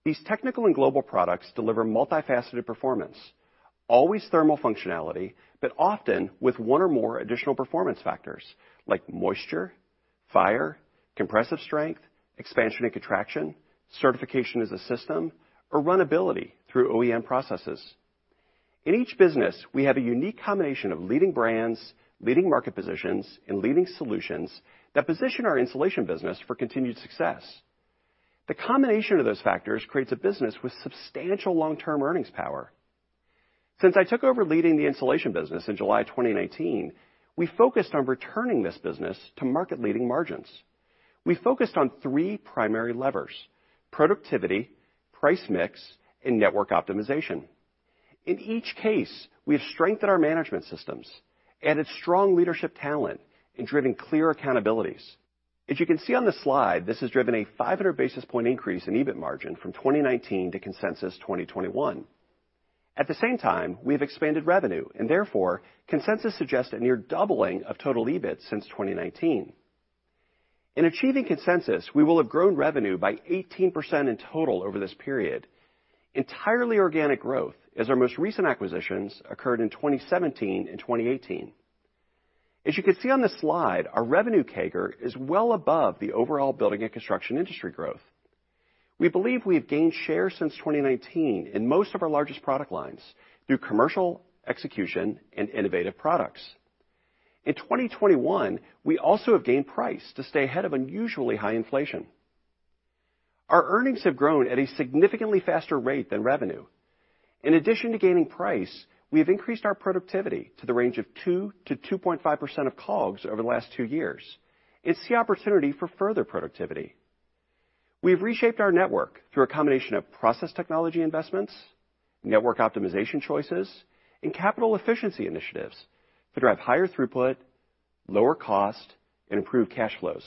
These technical and global products deliver multifaceted performance, always thermal functionality, but often with one or more additional performance factors like moisture, fire, compressive strength, expansion and contraction, certification as a system, or runnability through OEM processes. In each business, we have a unique combination of leading brands, leading market positions, and leading solutions that position our Insulation business for continued success. The combination of those factors creates a business with substantial long-term earnings power. Since I took over leading the Insulation business in July 2019, we focused on returning this business to market-leading margins. We focused on three primary levers: productivity, price mix, and network optimization. In each case, we have strengthened our management systems, added strong leadership talent, and driven clear accountabilities. As you can see on the slide, this has driven a 500 basis point increase in EBIT margin from 2019 to consensus 2021. At the same time, we have expanded revenue and therefore, consensus suggests a near doubling of total EBIT since 2019. In achieving consensus, we will have grown revenue by 18% in total over this period. Entirely organic growth as our most recent acquisitions occurred in 2017 and 2018. As you can see on the slide, our revenue CAGR is well above the overall building and construction industry growth. We believe we have gained share since 2019 in most of our largest product lines through commercial execution and innovative products. In 2021, we also have gained price to stay ahead of unusually high inflation. Our earnings have grown at a significantly faster rate than revenue. In addition to gaining price, we have increased our productivity to the range of 2%-2.5% of COGS over the last two years and see opportunity for further productivity. We've reshaped our network through a combination of process technology investments, network optimization choices, and capital efficiency initiatives to drive higher throughput, lower cost, and improve cash flows.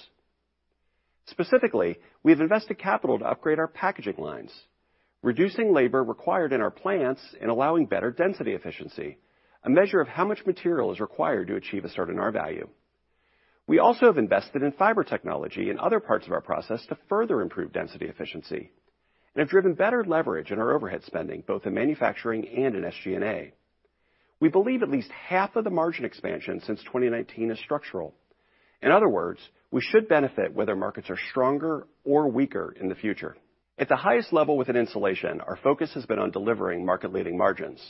Specifically, we have invested capital to upgrade our packaging lines, reducing labor required in our plants and allowing better density efficiency, a measure of how much material is required to achieve a certain R-value. We also have invested in fiber technology in other parts of our process to further improve density efficiency, and have driven better leverage in our overhead spending, both in manufacturing and in SG&A. We believe at least half of the margin expansion since 2019 is structural. In other words, we should benefit whether markets are stronger or weaker in the future. At the highest level within Insulation, our focus has been on delivering market-leading margins,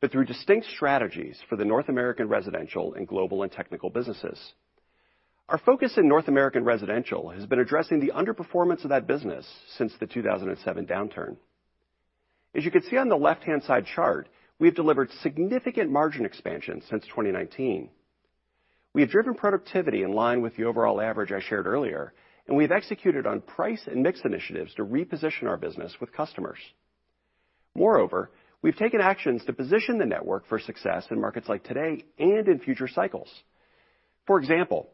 but through distinct strategies for the North American Residential and Global and Technical businesses. Our focus in North American Residential has been addressing the underperformance of that business since the 2007 downturn. As you can see on the left-hand side chart, we have delivered significant margin expansion since 2019. We have driven productivity in line with the overall average I shared earlier, and we have executed on price and mix initiatives to reposition our business with customers. Moreover, we've taken actions to position the network for success in markets like today and in future cycles. For example,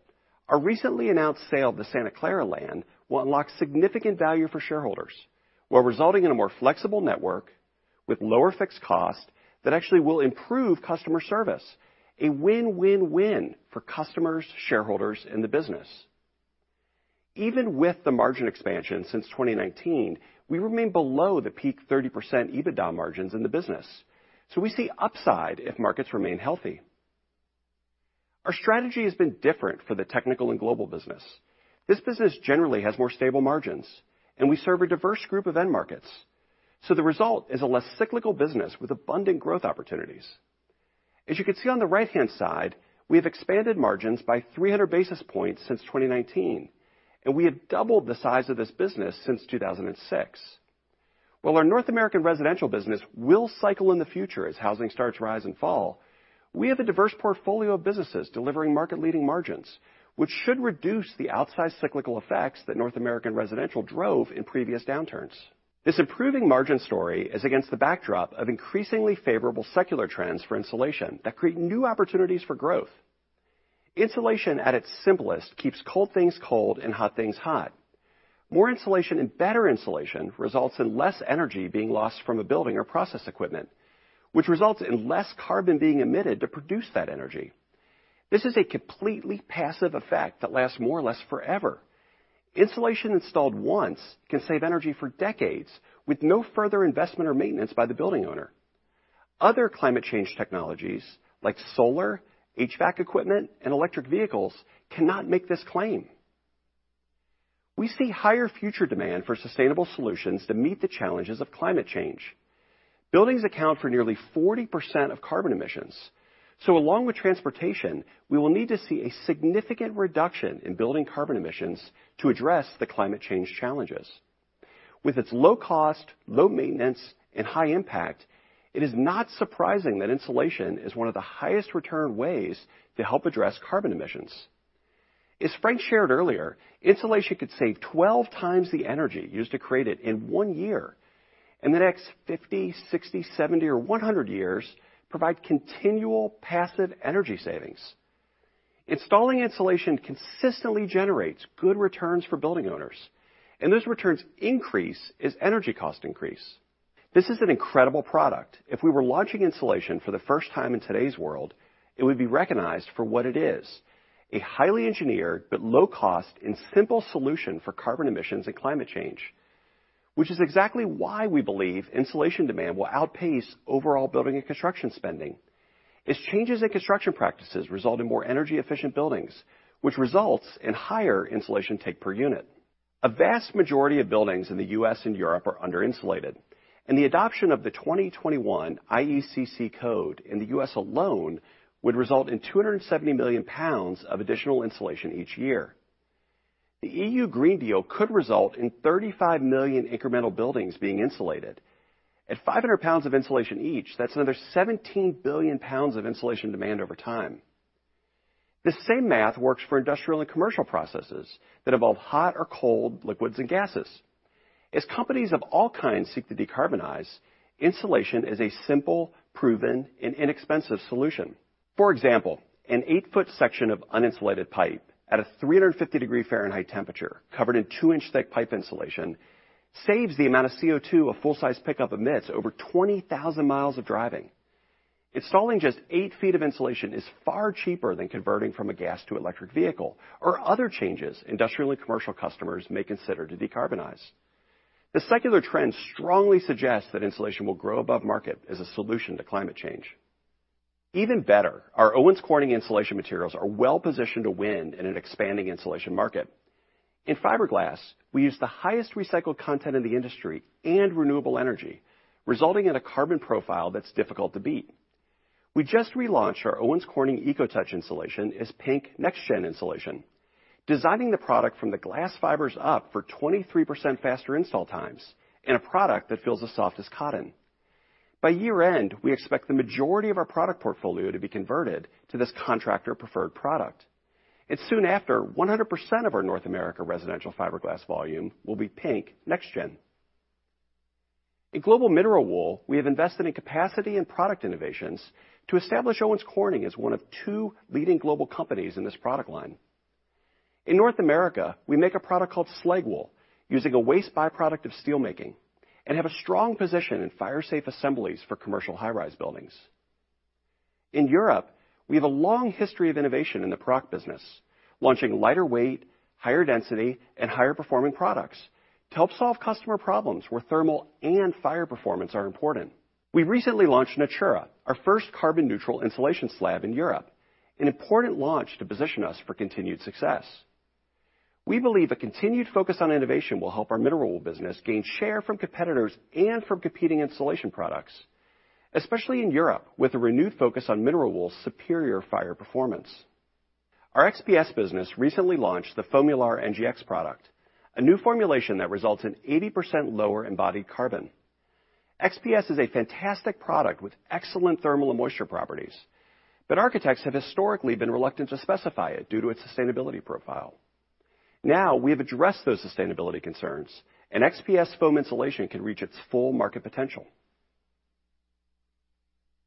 our recently announced sale of the Santa Clara land will unlock significant value for shareholders while resulting in a more flexible network with lower fixed cost that actually will improve customer service, a win-win-win for customers, shareholders, and the business. Even with the margin expansion since 2019, we remain below the peak 30% EBITDA margins in the business, so we see upside if markets remain healthy. Our strategy has been different for the Technical and Global business. This business generally has more stable margins, and we serve a diverse group of end markets, so the result is a less cyclical business with abundant growth opportunities. As you can see on the right-hand side, we have expanded margins by 300 basis points since 2019, and we have doubled the size of this business since 2006. While our North American Residential business will cycle in the future as housing starts rise and fall, we have a diverse portfolio of businesses delivering market-leading margins, which should reduce the outsized cyclical effects that North American Residential drove in previous downturns. This improving margin story is against the backdrop of increasingly favorable secular trends for insulation that create new opportunities for growth. Insulation, at its simplest, keeps cold things cold and hot things hot. More insulation and better insulation results in less energy being lost from a building or process equipment, which results in less carbon being emitted to produce that energy. This is a completely passive effect that lasts more or less forever. Insulation installed once can save energy for decades with no further investment or maintenance by the building owner. Other climate change technologies, like solar, HVAC equipment, and electric vehicles, cannot make this claim. We see higher future demand for sustainable solutions to meet the challenges of climate change. Buildings account for nearly 40% of carbon emissions, so along with transportation, we will need to see a significant reduction in building carbon emissions to address the climate change challenges. With its low cost, low maintenance, and high impact, it is not surprising that insulation is one of the highest return ways to help address carbon emissions. As Frank shared earlier, insulation could save 12x the energy used to create it in one year, and the next 50, 60, 70, or 100 years provide continual passive energy savings. Installing insulation consistently generates good returns for building owners, and those returns increase as energy costs increase. This is an incredible product. If we were launching insulation for the first time in today's world, it would be recognized for what it is: a highly engineered but low-cost and simple solution for carbon emissions and climate change, which is exactly why we believe insulation demand will outpace overall building and construction spending, as changes in construction practices result in more energy-efficient buildings, which results in higher insulation take per unit. A vast majority of buildings in the U.S. and Europe are under-insulated, and the adoption of the 2021 IECC code in the U.S. alone would result in 270 million lbs of additional insulation each year. The EU Green Deal could result in 35 million incremental buildings being insulated. At 500 lbs of insulation each, that's another 17 billion lbs of insulation demand over time. This same math works for industrial and commercial processes that involve hot or cold liquids and gases. As companies of all kinds seek to decarbonize, insulation is a simple, proven, and inexpensive solution. For example, an 8-ft section of uninsulated pipe at a 350-degree Fahrenheit temperature covered in 2-inch-thick pipe insulation saves the amount of CO2 a full-size pickup emits over 20,000 mi of driving. Installing just 8 ft of insulation is far cheaper than converting from a gas to electric vehicle or other changes industrial and commercial customers may consider to decarbonize. The secular trend strongly suggests that insulation will grow above market as a solution to climate change. Even better, our Owens Corning insulation materials are well-positioned to win in an expanding insulation market. In fiberglass, we use the highest recycled content in the industry and renewable energy, resulting in a carbon profile that's difficult to beat. We just relaunched our Owens Corning EcoTouch insulation as PINK Next Gen Insulation, designing the product from the glass fibers up for 23% faster install times and a product that feels as soft as cotton. By year-end, we expect the majority of our product portfolio to be converted to this contractor-preferred product. Soon after, 100% of our North America residential fiberglass volume will be PINK Next Gen. In global mineral wool, we have invested in capacity and product innovations to establish Owens Corning as one of two leading global companies in this product line. In North America, we make a product called Slag Wool using a waste by-product of steelmaking and have a strong position in fire safe assemblies for commercial high-rise buildings. In Europe, we have a long history of innovation in the product business, launching lighter weight, higher density, and higher performing products to help solve customer problems where thermal and fire performance are important. We recently launched Natura, our first carbon neutral insulation slab in Europe, an important launch to position us for continued success. We believe a continued focus on innovation will help our mineral business gain share from competitors and from competing insulation products, especially in Europe, with a renewed focus on mineral wool superior fire performance. Our XPS business recently launched the FOAMULAR NGX product, a new formulation that results in 80% lower embodied carbon. XPS is a fantastic product with excellent thermal and moisture properties, but architects have historically been reluctant to specify it due to its sustainability profile. Now, we have addressed those sustainability concerns, and XPS foam insulation can reach its full market potential.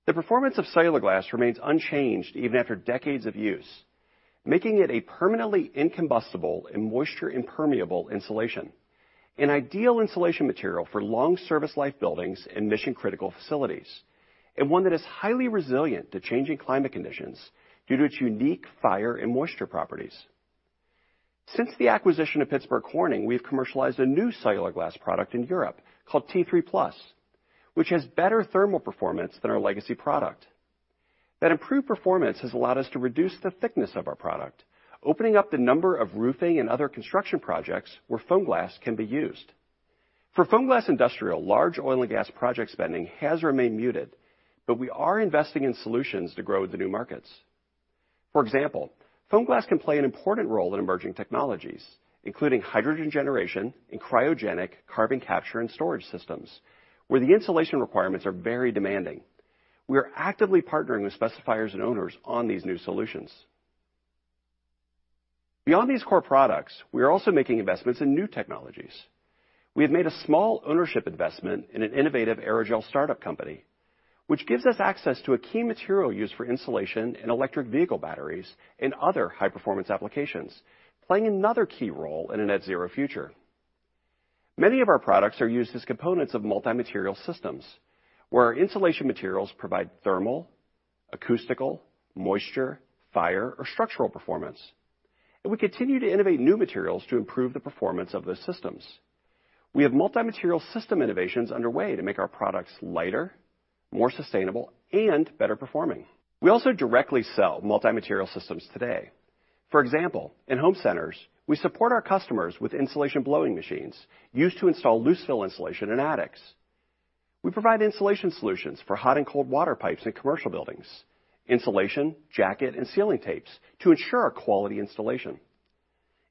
The performance of cellular glass remains unchanged even after decades of use, making it a permanently incombustible and moisture-impermeable insulation, an ideal insulation material for long service life buildings and mission-critical facilities, and one that is highly resilient to changing climate conditions due to its unique fire and moisture properties. Since the acquisition of Pittsburgh Corning, we've commercialized a new cellular glass product in Europe called T3+, which has better thermal performance than our legacy product. That improved performance has allowed us to reduce the thickness of our product, opening up the number of roofing and other construction projects where foam glass can be used. For foam glass industrial, large oil and gas project spending has remained muted, but we are investing in solutions to grow the new markets. For example, foam glass can play an important role in emerging technologies, including hydrogen generation and cryogenic carbon capture and storage systems, where the insulation requirements are very demanding. We are actively partnering with specifiers and owners on these new solutions. Beyond these core products, we are also making investments in new technologies. We have made a small ownership investment in an innovative aerogel startup company, which gives us access to a key material used for insulation and electric vehicle batteries and other high-performance applications, playing another key role in a net zero future. Many of our products are used as components of multi-material systems, where our insulation materials provide thermal, acoustical, moisture, fire, or structural performance, and we continue to innovate new materials to improve the performance of those systems. We have multi-material system innovations underway to make our products lighter, more sustainable, and better performing. We also directly sell multi-material systems today. For example, in home centers, we support our customers with insulation blowing machines used to install loose-fill insulation in attics. We provide insulation solutions for hot and cold water pipes in commercial buildings, insulation, jacket, and sealing tapes to ensure a quality installation.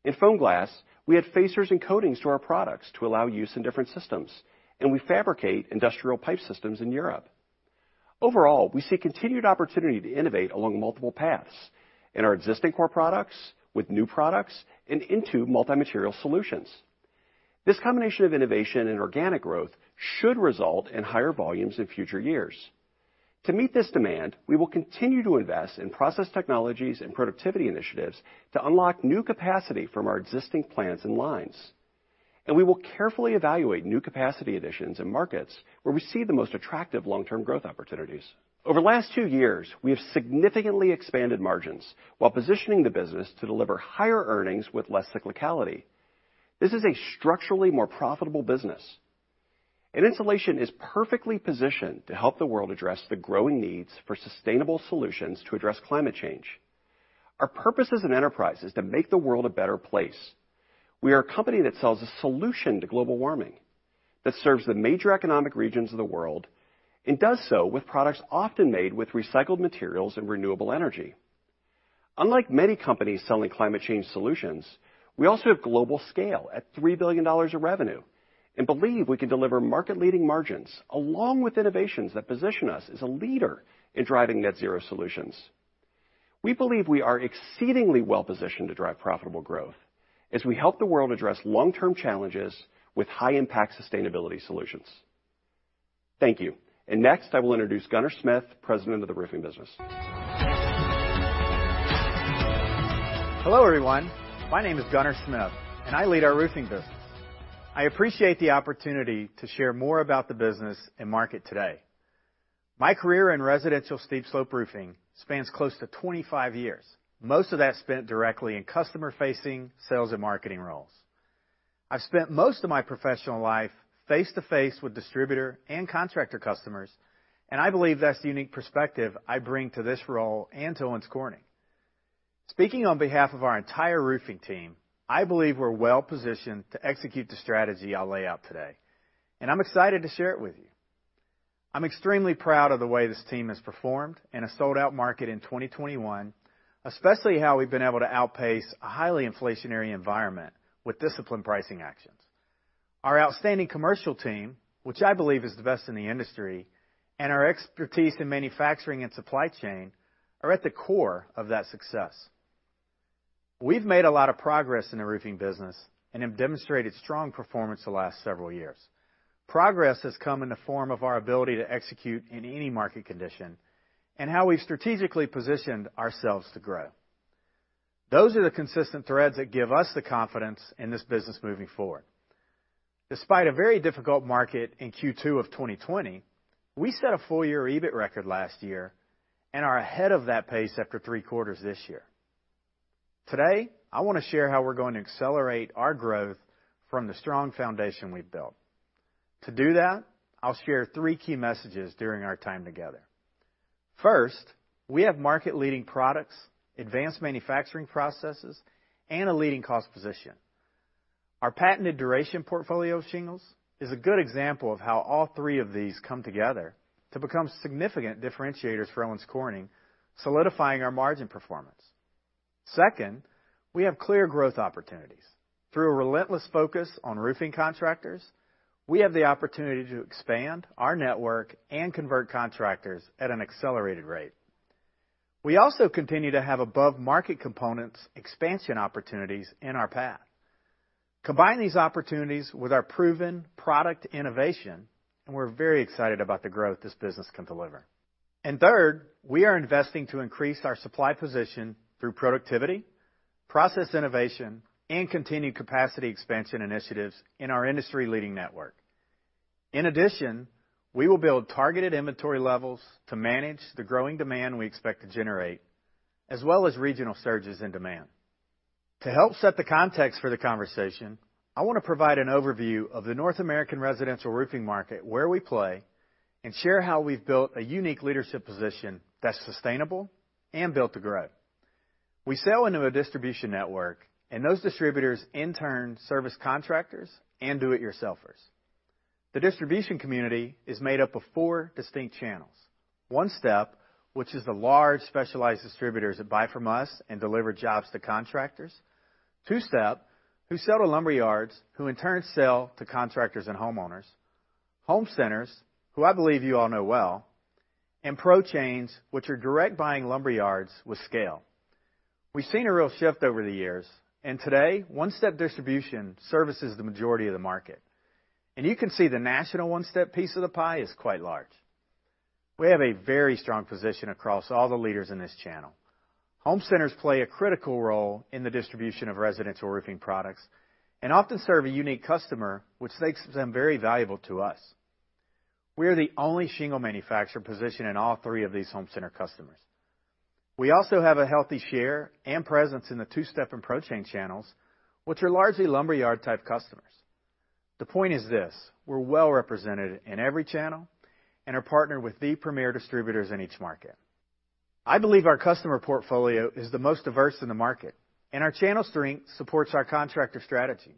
In foam glass, we add facers and coatings to our products to allow use in different systems, and we fabricate industrial pipe systems in Europe. Overall, we see continued opportunity to innovate along multiple paths in our existing core products, with new products, and into multi-material solutions. This combination of innovation and organic growth should result in higher volumes in future years. To meet this demand, we will continue to invest in process technologies and productivity initiatives to unlock new capacity from our existing plants and lines. We will carefully evaluate new capacity additions in markets where we see the most attractive long-term growth opportunities. Over the last two years, we have significantly expanded margins while positioning the business to deliver higher earnings with less cyclicality. This is a structurally more profitable business. Insulation is perfectly positioned to help the world address the growing needs for sustainable solutions to address climate change. Our purpose as an enterprise is to make the world a better place. We are a company that sells a solution to global warming that serves the major economic regions of the world and does so with products often made with recycled materials and renewable energy. Unlike many companies selling climate change solutions, we also have global scale at $3 billion of revenue and believe we can deliver market-leading margins along with innovations that position us as a leader in driving net-zero solutions. We believe we are exceedingly well positioned to drive profitable growth as we help the world address long-term challenges with high-impact sustainability solutions. Thank you. Next, I will introduce Gunner Smith, President of the Roofing business. Hello, everyone. My name is Gunner Smith, and I lead our Roofing business. I appreciate the opportunity to share more about the business and market today. My career in residential steep slope roofing spans close to 25 years, most of that spent directly in customer-facing sales and marketing roles. I've spent most of my professional life face-to-face with distributor and contractor customers, and I believe that's the unique perspective I bring to this role and to Owens Corning. Speaking on behalf of our entire Roofing team, I believe we're well positioned to execute the strategy I'll lay out today, and I'm excited to share it with you. I'm extremely proud of the way this team has performed in a sold-out market in 2021, especially how we've been able to outpace a highly inflationary environment with disciplined pricing actions. Our outstanding commercial team, which I believe is the best in the industry, and our expertise in manufacturing and supply chain are at the core of that success. We've made a lot of progress in the roofing business and have demonstrated strong performance the last several years. Progress has come in the form of our ability to execute in any market condition and how we've strategically positioned ourselves to grow. Those are the consistent threads that give us the confidence in this business moving forward. Despite a very difficult market in Q2 of 2020, we set a full year EBIT record last year and are ahead of that pace after three quarters this year. Today, I wanna share how we're going to accelerate our growth from the strong foundation we've built. To do that, I'll share three key messages during our time together. First, we have market-leading products, advanced manufacturing processes, and a leading cost position. Our patented Duration portfolio of shingles is a good example of how all three of these come together to become significant differentiators for Owens Corning, solidifying our margin performance. Second, we have clear growth opportunities. Through a relentless focus on roofing contractors, we have the opportunity to expand our network and convert contractors at an accelerated rate. We also continue to have above-market components expansion opportunities in our path. Combine these opportunities with our proven product innovation, and we're very excited about the growth this business can deliver. Third, we are investing to increase our supply position through productivity, process innovation, and continued capacity expansion initiatives in our industry-leading network. In addition, we will build targeted inventory levels to manage the growing demand we expect to generate, as well as regional surges in demand. To help set the context for the conversation, I wanna provide an overview of the North American residential roofing market, where we play, and share how we've built a unique leadership position that's sustainable and built to grow. We sell into a distribution network, and those distributors in turn service contractors and do-it-yourselfers. The distribution community is made up of four distinct channels. One-step, which is the large specialized distributors that buy from us and deliver jobs to contractors. Two-step, who sell to lumber yards, who in turn sell to contractors and homeowners. Home centers, who I believe you all know well. Pro-chains, which are direct buying lumber yards with scale. We've seen a real shift over the years, and today, one-step distribution services the majority of the market. You can see the national one-step piece of the pie is quite large. We have a very strong position across all the leaders in this channel. Home centers play a critical role in the distribution of residential roofing products and often serve a unique customer, which makes them very valuable to us. We are the only shingle manufacturer positioned in all three of these home center customers. We also have a healthy share and presence in the two-step and pro-chain channels, which are largely lumberyard-type customers. The point is this. We're well-represented in every channel and are partnered with the premier distributors in each market. I believe our customer portfolio is the most diverse in the market, and our channel strength supports our contractor strategy.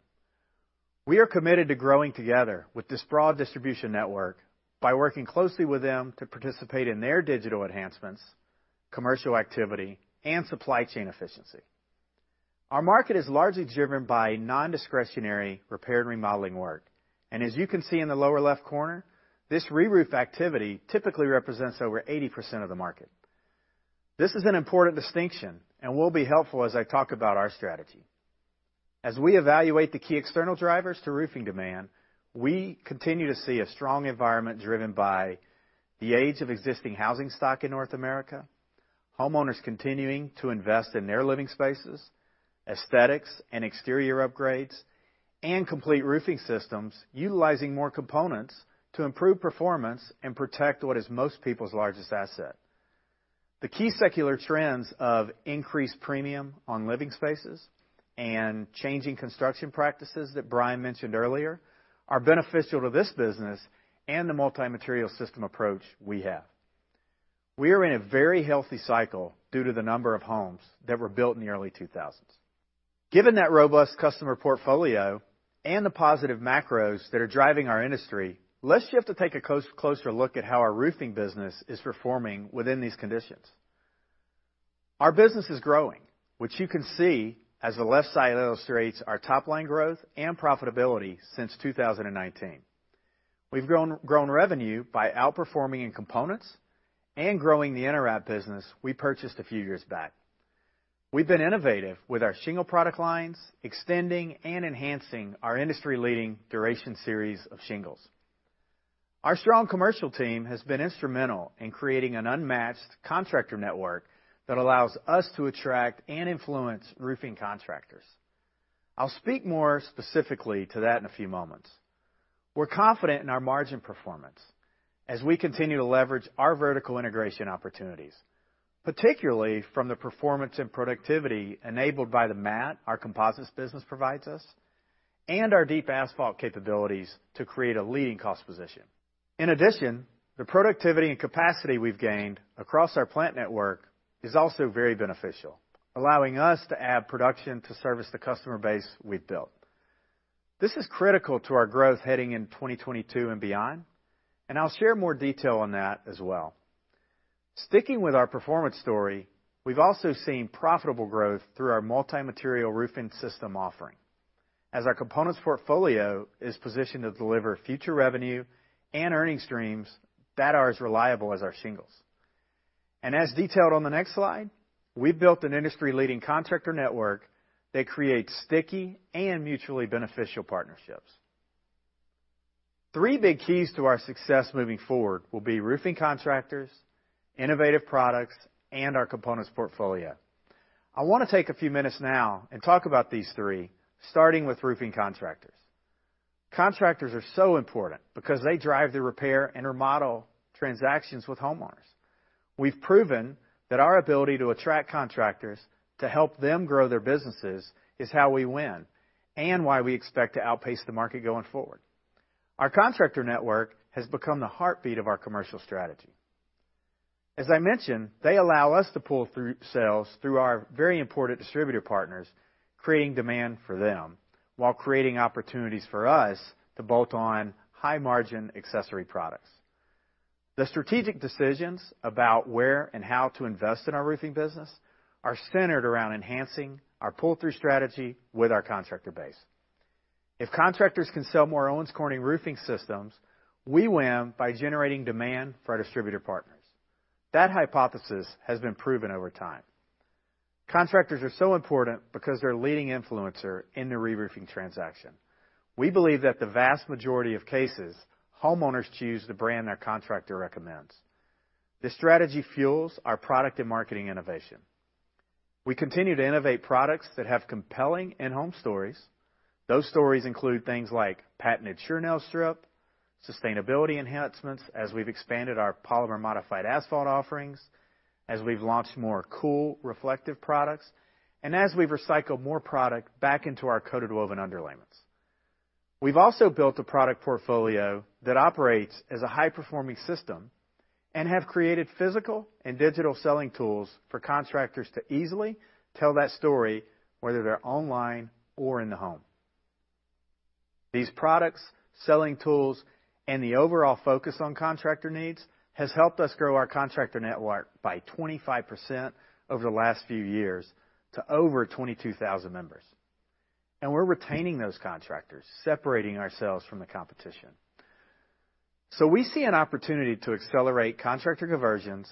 We are committed to growing together with this broad distribution network by working closely with them to participate in their digital enhancements, commercial activity, and supply chain efficiency. Our market is largely driven by non-discretionary repair and remodeling work, and as you can see in the lower left corner, this reroof activity typically represents over 80% of the market. This is an important distinction and will be helpful as I talk about our strategy. As we evaluate the key external drivers to roofing demand, we continue to see a strong environment driven by the age of existing housing stock in North America, homeowners continuing to invest in their living spaces, aesthetics and exterior upgrades, and complete roofing systems utilizing more components to improve performance and protect what is most people's largest asset. The key secular trends of increased premium on living spaces and changing construction practices that Brian mentioned earlier are beneficial to this business and the multi-material system approach we have. We are in a very healthy cycle due to the number of homes that were built in the early 2000s. Given that robust customer portfolio and the positive macros that are driving our industry, let's shift to take a closer look at how our roofing business is performing within these conditions. Our business is growing, which you can see as the left side illustrates our top line growth and profitability since 2019. We've grown revenue by outperforming in components and growing the InterWrap business we purchased a few years back. We've been innovative with our shingle product lines, extending and enhancing our industry-leading Duration Series of Shingles. Our strong commercial team has been instrumental in creating an unmatched contractor network that allows us to attract and influence roofing contractors. I'll speak more specifically to that in a few moments. We're confident in our margin performance as we continue to leverage our vertical integration opportunities, particularly from the performance and productivity enabled by the mat our composites business provides us, and our deep asphalt capabilities to create a leading cost position. In addition, the productivity and capacity we've gained across our plant network is also very beneficial, allowing us to add production to service the customer base we've built. This is critical to our growth heading in 2022 and beyond, and I'll share more detail on that as well. Sticking with our performance story, we've also seen profitable growth through our multi-material roofing system offering as our components portfolio is positioned to deliver future revenue and earnings streams that are as reliable as our shingles. As detailed on the next slide, we've built an industry-leading contractor network that creates sticky and mutually beneficial partnerships. Three big keys to our success moving forward will be roofing contractors, innovative products, and our components portfolio. I wanna take a few minutes now and talk about these three, starting with roofing contractors. Contractors are so important because they drive the repair and remodel transactions with homeowners. We've proven that our ability to attract contractors to help them grow their businesses is how we win and why we expect to outpace the market going forward. Our contractor network has become the heartbeat of our commercial strategy. As I mentioned, they allow us to pull through sales through our very important distributor partners, creating demand for them while creating opportunities for us to bolt on high-margin accessory products. The strategic decisions about where and how to invest in our roofing business are centered around enhancing our pull-through strategy with our contractor base. If contractors can sell more Owens Corning Roofing systems, we win by generating demand for our distributor partners. That hypothesis has been proven over time. Contractors are so important because they're a leading influencer in the reroofing transaction. We believe that the vast majority of cases, homeowners choose the brand their contractor recommends. This strategy fuels our product and marketing innovation. We continue to innovate products that have compelling in-home stories. Those stories include things like patented SureNail strip, sustainability enhancements as we've expanded our polymer modified asphalt offerings, as we've launched more cool reflective products, and as we've recycled more product back into our coated woven underlayments. We've also built a product portfolio that operates as a high-performing system and have created physical and digital selling tools for contractors to easily tell that story, whether they're online or in the home. These products, selling tools, and the overall focus on contractor needs has helped us grow our contractor network by 25% over the last few years to over 22,000 members. We're retaining those contractors, separating ourselves from the competition. We see an opportunity to accelerate contractor conversions,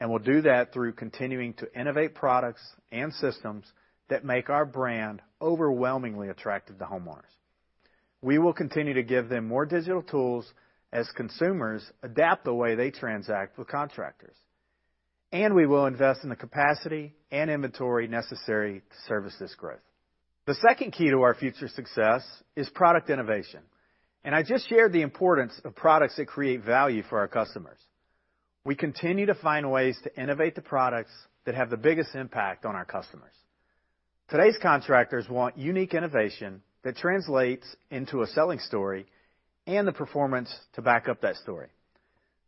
and we'll do that through continuing to innovate products and systems that make our brand overwhelmingly attractive to homeowners. We will continue to give them more digital tools as consumers adapt the way they transact with contractors, and we will invest in the capacity and inventory necessary to service this growth. The second key to our future success is product innovation, and I just shared the importance of products that create value for our customers. We continue to find ways to innovate the products that have the biggest impact on our customers. Today's contractors want unique innovation that translates into a selling story and the performance to back up that story.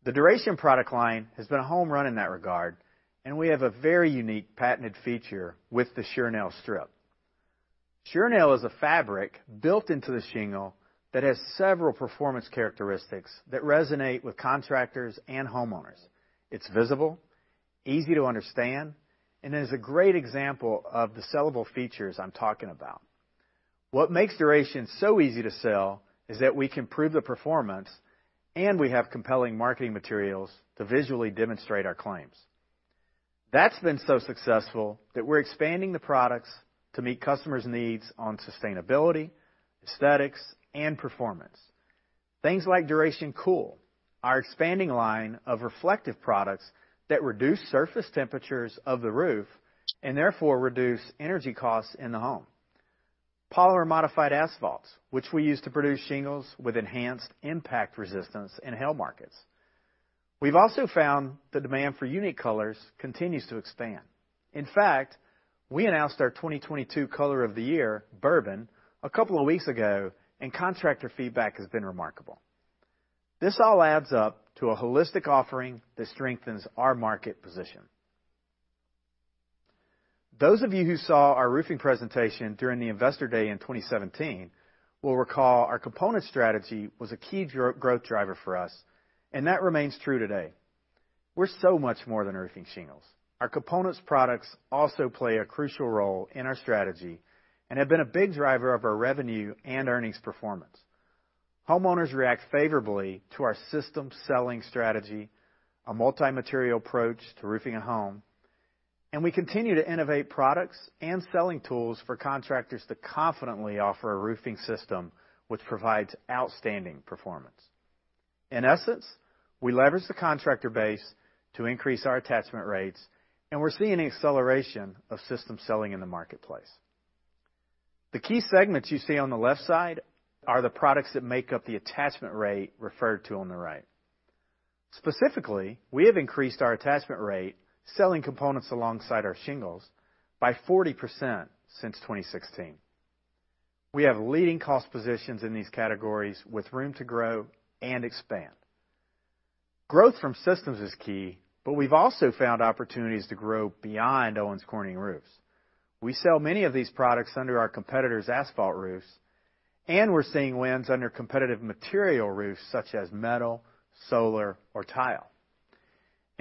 The Duration product line has been a home run in that regard, and we have a very unique patented feature with the SureNail strip. SureNail is a fabric built into the shingle that has several performance characteristics that resonate with contractors and homeowners. It's visible, easy to understand, and is a great example of the sellable features I'm talking about. What makes Duration so easy to sell is that we can prove the performance, and we have compelling marketing materials to visually demonstrate our claims. That's been so successful that we're expanding the products to meet customers' needs on sustainability, aesthetics, and performance, things like Duration COOL, our expanding line of reflective products that reduce surface temperatures of the roof and therefore reduce energy costs in the home, polymer modified asphalts, which we use to produce shingles with enhanced impact resistance in hail markets. We've also found the demand for unique colors continues to expand. In fact, we announced our 2022 color of the year, Bourbon, a couple of weeks ago and contractor feedback has been remarkable. This all adds up to a holistic offering that strengthens our market position. Those of you who saw our roofing presentation during the Investor Day in 2017 will recall our components strategy was a key growth driver for us, and that remains true today. We're so much more than roofing shingles. Our components products also play a crucial role in our strategy and have been a big driver of our revenue and earnings performance. Homeowners react favorably to our system selling strategy, a multi-material approach to roofing a home, and we continue to innovate products and selling tools for contractors to confidently offer a roofing system which provides outstanding performance. In essence, we leverage the contractor base to increase our attachment rates, and we're seeing an acceleration of system selling in the marketplace. The key segments you see on the left side are the products that make up the attachment rate referred to on the right. Specifically, we have increased our attachment rate, selling components alongside our shingles, by 40% since 2016. We have leading cost positions in these categories with room to grow and expand. Growth from systems is key, but we've also found opportunities to grow beyond Owens Corning roofs. We sell many of these products under our competitors' asphalt roofs. We're seeing wins under competitive material roofs such as metal, solar, or tile.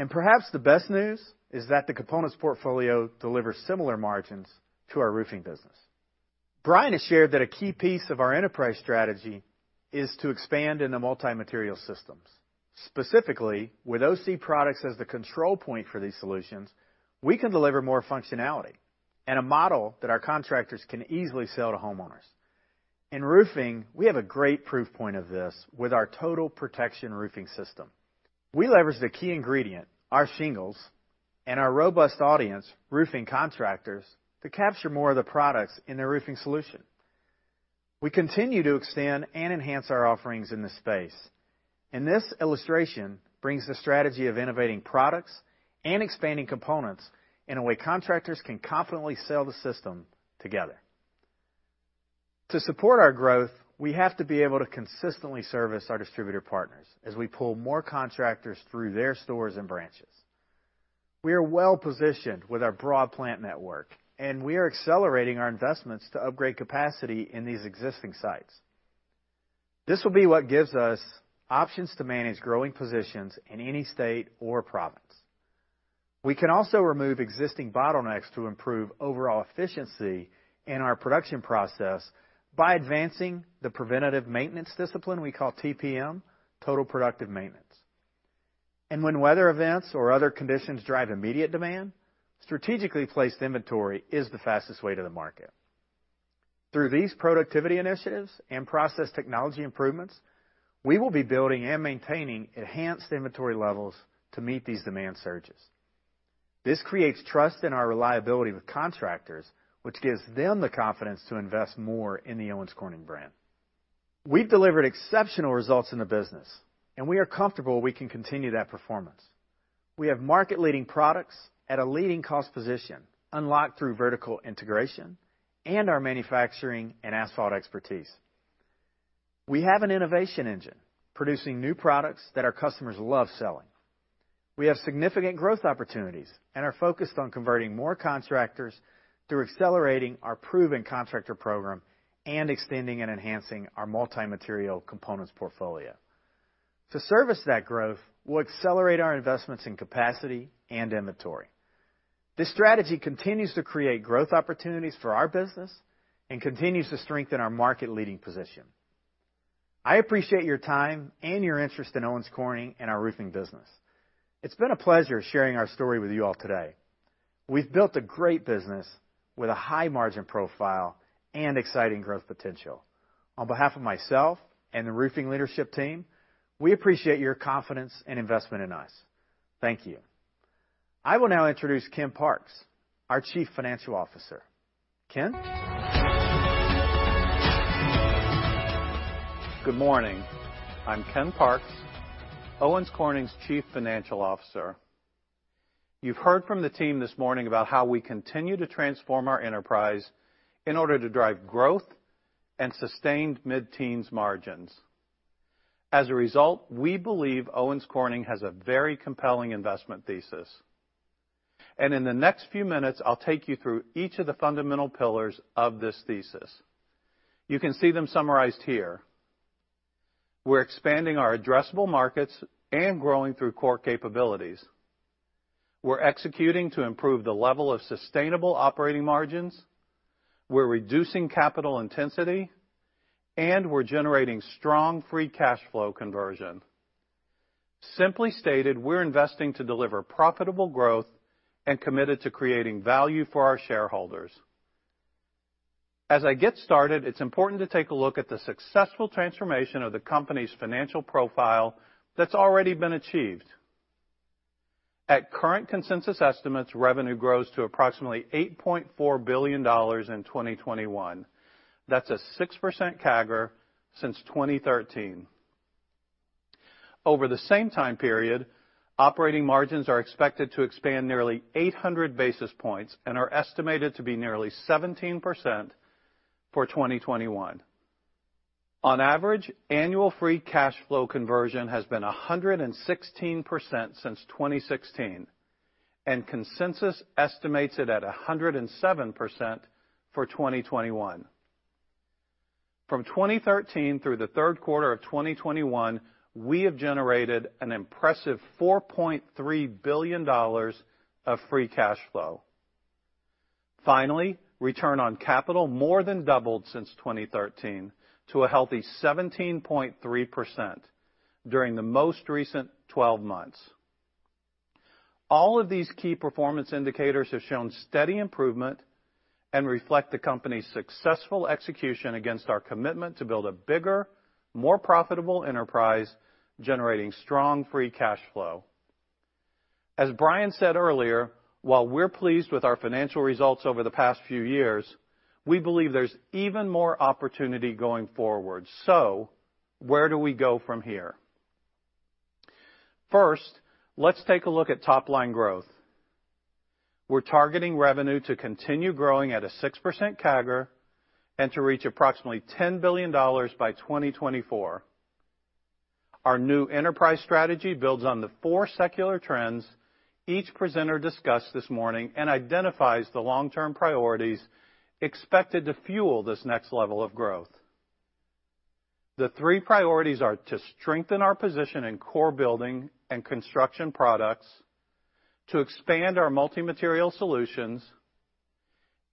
Perhaps the best news is that the components portfolio delivers similar margins to our roofing business. Brian has shared that a key piece of our enterprise strategy is to expand in the multi-material systems. Specifically, with OC products as the control point for these solutions, we can deliver more functionality and a model that our contractors can easily sell to homeowners. In roofing, we have a great proof point of this with our total protection roofing system. We leverage the key ingredient, our shingles, and our robust audience, roofing contractors, to capture more of the products in their roofing solution. We continue to extend and enhance our offerings in this space, and this illustration brings the strategy of innovating products and expanding components in a way contractors can confidently sell the system together. To support our growth, we have to be able to consistently service our distributor partners as we pull more contractors through their stores and branches. We are well-positioned with our broad plant network, and we are accelerating our investments to upgrade capacity in these existing sites. This will be what gives us options to manage growing positions in any state or province. We can also remove existing bottlenecks to improve overall efficiency in our production process by advancing the preventative maintenance discipline we call TPM, Total Productive Maintenance. When weather events or other conditions drive immediate demand, strategically placed inventory is the fastest way to the market. Through these productivity initiatives and process technology improvements, we will be building and maintaining enhanced inventory levels to meet these demand surges. This creates trust in our reliability with contractors, which gives them the confidence to invest more in the Owens Corning brand. We've delivered exceptional results in the business, and we are comfortable we can continue that performance. We have market-leading products at a leading cost position unlocked through vertical integration and our manufacturing and asphalt expertise. We have an innovation engine producing new products that our customers love selling. We have significant growth opportunities and are focused on converting more contractors through accelerating our proven contractor program and extending and enhancing our multi-material components portfolio. To service that growth, we'll accelerate our investments in capacity and inventory. This strategy continues to create growth opportunities for our business and continues to strengthen our market-leading position. I appreciate your time and your interest in Owens Corning and our roofing business. It's been a pleasure sharing our story with you all today. We've built a great business with a high margin profile and exciting growth potential. On behalf of myself and the roofing leadership team, we appreciate your confidence and investment in us. Thank you. I will now introduce Ken Parks, our Chief Financial Officer. Ken? Good morning. I'm Ken Parks, Owens Corning's Chief Financial Officer. You've heard from the team this morning about how we continue to transform our enterprise in order to drive growth and sustained mid-teens margins. As a result, we believe Owens Corning has a very compelling investment thesis. In the next few minutes, I'll take you through each of the fundamental pillars of this thesis. You can see them summarized here. We're expanding our addressable markets and growing through core capabilities. We're executing to improve the level of sustainable operating margins. We're reducing capital intensity, and we're generating strong free cash flow conversion. Simply stated, we're investing to deliver profitable growth and committed to creating value for our shareholders. As I get started, it's important to take a look at the successful transformation of the company's financial profile that's already been achieved. At current consensus estimates, revenue grows to approximately $8.4 billion in 2021. That's a 6% CAGR since 2013. Over the same time period, operating margins are expected to expand nearly 800 basis points and are estimated to be nearly 17% for 2021. On average, annual free cash flow conversion has been 116% since 2016, and consensus estimates it at 107% for 2021. From 2013 through the third quarter of 2021, we have generated an impressive $4.3 billion of free cash flow. Finally, return on capital more than doubled since 2013 to a healthy 17.3% during the most recent 12 months. All of these key performance indicators have shown steady improvement and reflect the company's successful execution against our commitment to build a bigger, more profitable enterprise, generating strong free cash flow. As Brian said earlier, while we're pleased with our financial results over the past few years, we believe there's even more opportunity going forward. Where do we go from here? First, let's take a look at top-line growth. We're targeting revenue to continue growing at a 6% CAGR and to reach approximately $10 billion by 2024. Our new enterprise strategy builds on the four secular trends each presenter discussed this morning and identifies the long-term priorities expected to fuel this next level of growth. The three priorities are to strengthen our position in core building and construction products, to expand our multi-material solutions,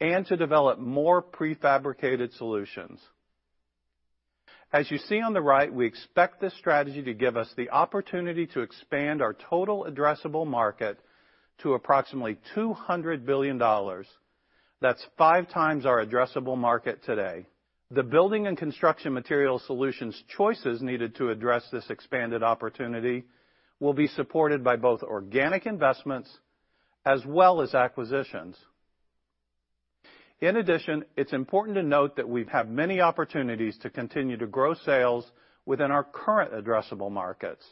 and to develop more prefabricated solutions. As you see on the right, we expect this strategy to give us the opportunity to expand our total addressable market to approximately $200 billion. That's 5x our addressable market today. The building and construction material solutions choices needed to address this expanded opportunity will be supported by both organic investments as well as acquisitions. In addition, it's important to note that we've had many opportunities to continue to grow sales within our current addressable markets.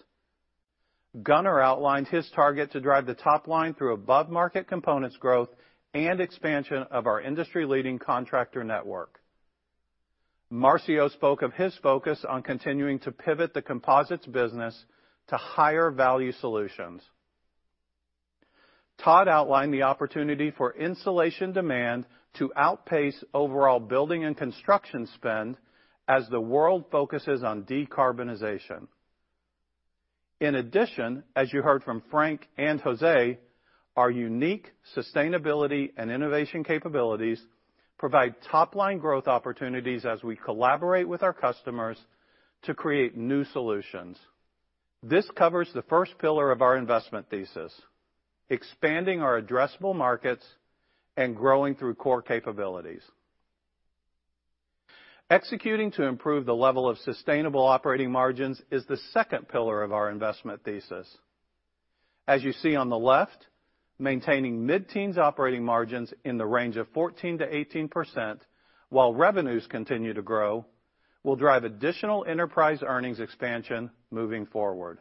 Gunner outlined his target to drive the top-line through above-market components growth and expansion of our industry-leading contractor network. Marcio spoke of his focus on continuing to pivot the composites business to higher-value solutions. Todd outlined the opportunity for insulation demand to outpace overall building and construction spend as the world focuses on decarbonization. In addition, as you heard from Frank and José, our unique sustainability and innovation capabilities provide top-line growth opportunities as we collaborate with our customers to create new solutions. This covers the first pillar of our investment thesis, expanding our addressable markets and growing through core capabilities. Executing to improve the level of sustainable operating margins is the second pillar of our investment thesis. As you see on the left, maintaining mid-teens operating margins in the range of 14%-18% while revenues continue to grow will drive additional enterprise earnings expansion moving forward.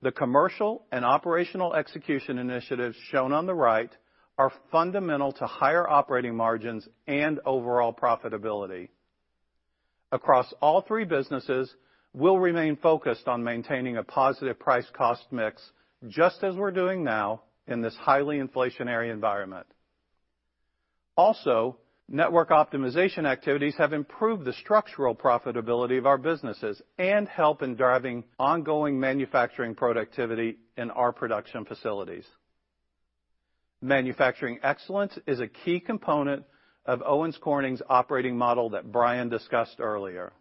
The commercial and operational execution initiatives shown on the right are fundamental to higher operating margins and overall profitability. Across all three businesses, we'll remain focused on maintaining a positive price-cost mix, just as we're doing now in this highly inflationary environment. Also, network optimization activities have improved the structural profitability of our businesses and help in driving ongoing manufacturing productivity in our production facilities. Manufacturing excellence is a key component of Owens Corning's operating model that Brian discussed earlier.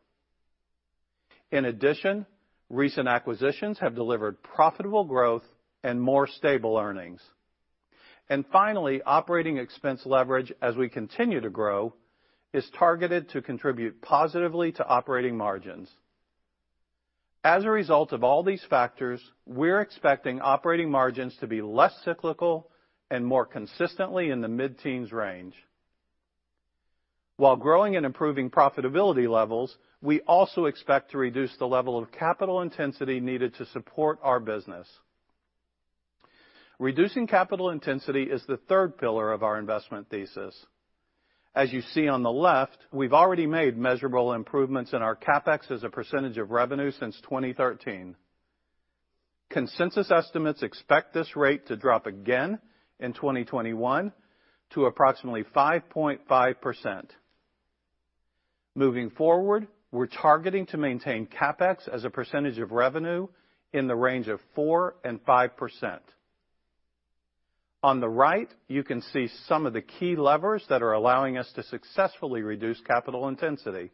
In addition, recent acquisitions have delivered profitable growth and more stable earnings. Finally, operating expense leverage, as we continue to grow, is targeted to contribute positively to operating margins. As a result of all these factors, we're expecting operating margins to be less cyclical and more consistently in the mid-teens range. While growing and improving profitability levels, we also expect to reduce the level of capital intensity needed to support our business. Reducing capital intensity is the third pillar of our investment thesis. As you see on the left, we've already made measurable improvements in our CapEx as a percentage of revenue since 2013. Consensus estimates expect this rate to drop again in 2021 to approximately 5.5%. Moving forward, we're targeting to maintain CapEx as a percentage of revenue in the range of 4%-5%. On the right, you can see some of the key levers that are allowing us to successfully reduce capital intensity.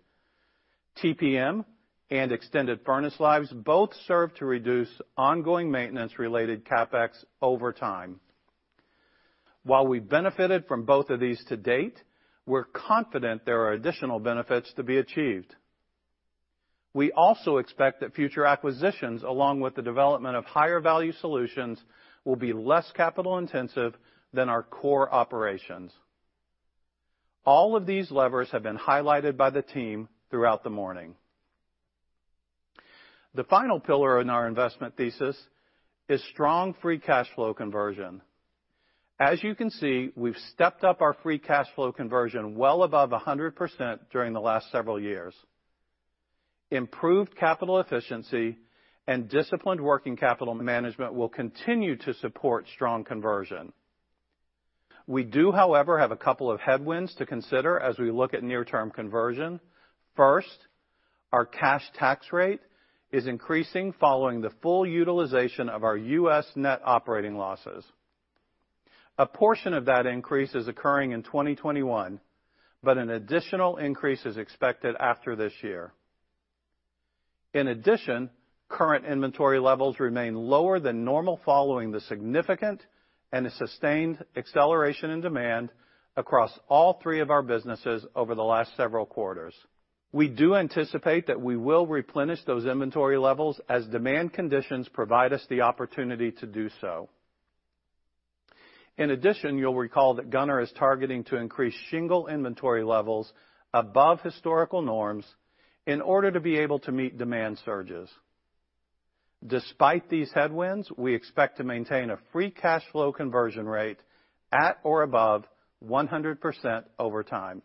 TPM and extended furnace lives both serve to reduce ongoing maintenance-related CapEx over time. While we benefited from both of these to date, we're confident there are additional benefits to be achieved. We also expect that future acquisitions, along with the development of higher-value solutions, will be less capital intensive than our core operations. All of these levers have been highlighted by the team throughout the morning. The final pillar in our investment thesis is strong free cash flow conversion. As you can see, we've stepped up our free cash flow conversion well above 100% during the last several years. Improved capital efficiency and disciplined working capital management will continue to support strong conversion. We do, however, have a couple of headwinds to consider as we look at near-term conversion. First, our cash tax rate is increasing following the full utilization of our U.S. net operating losses. A portion of that increase is occurring in 2021, but an additional increase is expected after this year. In addition, current inventory levels remain lower than normal following the significant and the sustained acceleration in demand across all three of our businesses over the last several quarters. We do anticipate that we will replenish those inventory levels as demand conditions provide us the opportunity to do so. In addition, you'll recall that Gunner is targeting to increase shingle inventory levels above historical norms in order to be able to meet demand surges. Despite these headwinds, we expect to maintain a free cash flow conversion rate at or above 100% over time.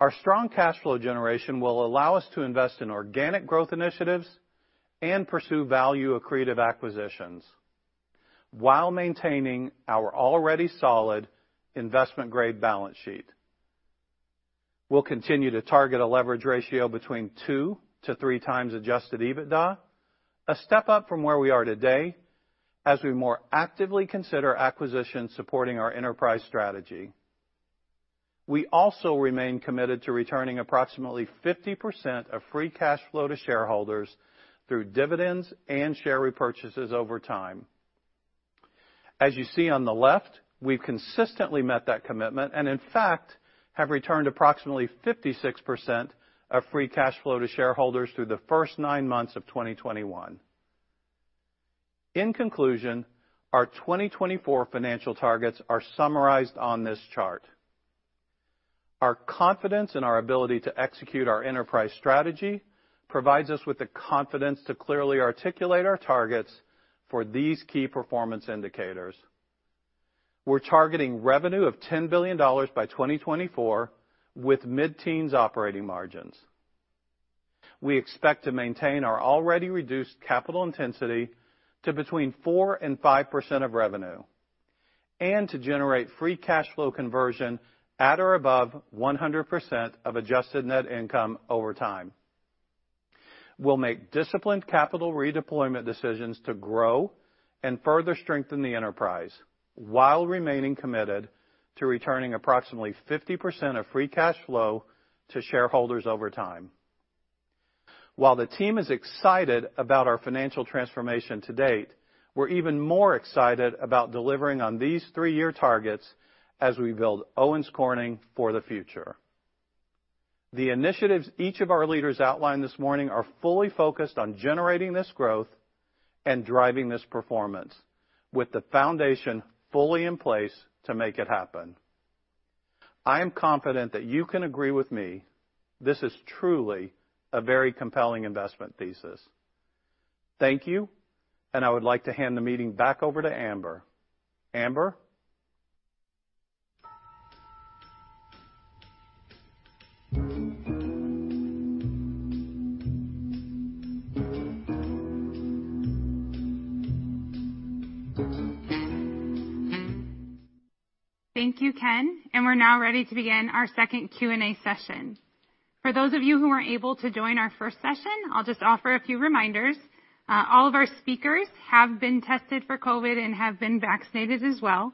Our strong cash flow generation will allow us to invest in organic growth initiatives and pursue value-accretive acquisitions while maintaining our already solid investment-grade balance sheet. We'll continue to target a leverage ratio between 2x-3x times adjusted EBITDA, a step up from where we are today, as we more actively consider acquisitions supporting our enterprise strategy. We also remain committed to returning approximately 50% of free cash flow to shareholders through dividends and share repurchases over time. As you see on the left, we've consistently met that commitment and, in fact, have returned approximately 56% of free cash flow to shareholders through the first nine months of 2021. In conclusion, our 2024 financial targets are summarized on this chart. Our confidence in our ability to execute our enterprise strategy provides us with the confidence to clearly articulate our targets for these key performance indicators. We're targeting revenue of $10 billion by 2024, with mid-teens operating margins. We expect to maintain our already reduced capital intensity to between 4% and 5% of revenue and to generate free cash flow conversion at or above 100% of adjusted net income over time. We'll make disciplined capital redeployment decisions to grow and further strengthen the enterprise while remaining committed to returning approximately 50% of free cash flow to shareholders over time. While the team is excited about our financial transformation to date, we're even more excited about delivering on these three-year targets as we build Owens Corning for the future. The initiatives each of our leaders outlined this morning are fully focused on generating this growth and driving this performance with the foundation fully in place to make it happen. I am confident that you can agree with me, this is truly a very compelling investment thesis. Thank you, and I would like to hand the meeting back over to Amber. Amber? Thank you, Ken, and we're now ready to begin our second Q&A session. For those of you who weren't able to join our first session, I'll just offer a few reminders. All of our speakers have been tested for COVID and have been vaccinated as well.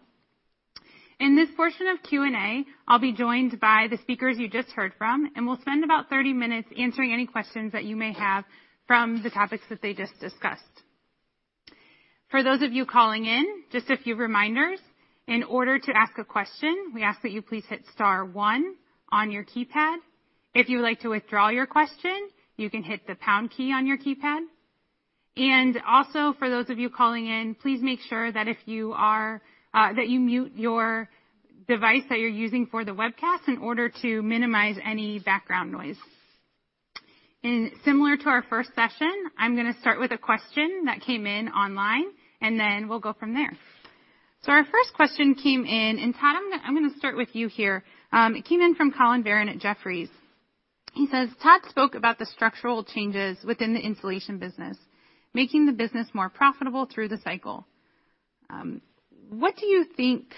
In this portion of Q&A, I'll be joined by the speakers you just heard from, and we'll spend about 30 minutes answering any questions that you may have from the topics that they just discussed. For those of you calling in, just a few reminders. In order to ask a question, we ask that you please hit star one on your keypad. If you would like to withdraw your question, you can hit the pound key on your keypad. Also, for those of you calling in, please make sure that you mute your device that you're using for the webcast in order to minimize any background noise. Similar to our first session, I'm gonna start with a question that came in online, and then we'll go from there. Our first question came in, and Todd, I'm gonna start with you here. It came in from Colin Verron at Jefferies. He says, "Todd spoke about the structural changes within the insulation business, making the business more profitable through the cycle. What do you think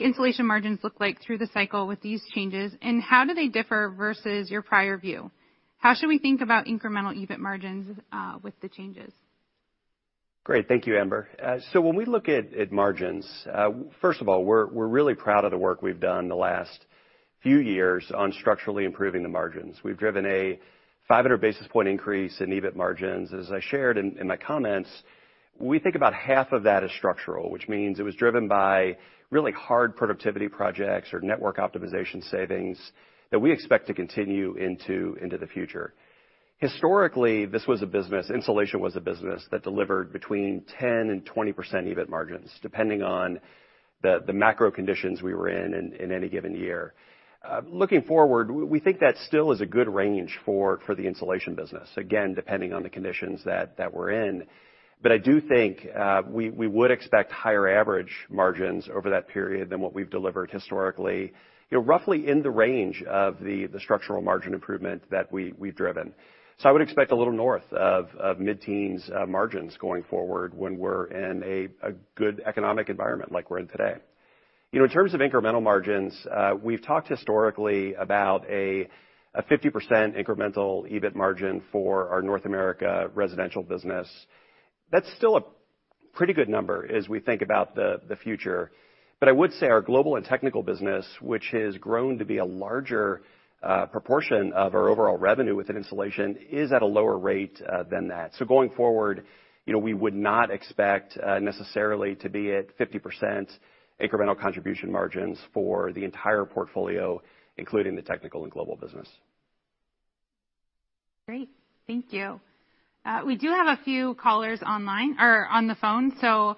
insulation margins look like through the cycle with these changes, and how do they differ versus your prior view? How should we think about incremental EBIT margins with the changes? Great. Thank you, Amber. So when we look at margins, first of all, we're really proud of the work we've done the last few years on structurally improving the margins. We've driven a 500-basis point increase in EBIT margins. As I shared in my comments, we think about half of that as structural, which means it was driven by really hard productivity projects or network optimization savings that we expect to continue into the future. Historically, this was a business, insulation was a business that delivered between 10% and 20% EBIT margins, depending on the macro conditions we were in in any given year. Looking forward, we think that still is a good range for the insulation business, again, depending on the conditions that we're in. I do think we would expect higher average margins over that period than what we've delivered historically, you know, roughly in the range of the structural margin improvement that we've driven. I would expect a little north of mid-teens margins going forward when we're in a good economic environment like we're in today. You know, in terms of incremental margins, we've talked historically about a 50% incremental EBIT margin for our North America Residential business. That's still a pretty good number as we think about the future. I would say our Global and Technical business, which has grown to be a larger proportion of our overall revenue within Insulation, is at a lower rate than that. Going forward, you know, we would not expect necessarily to be at 50% incremental contribution margins for the entire portfolio, including the technical and global business. Great. Thank you. We do have a few callers online or on the phone, so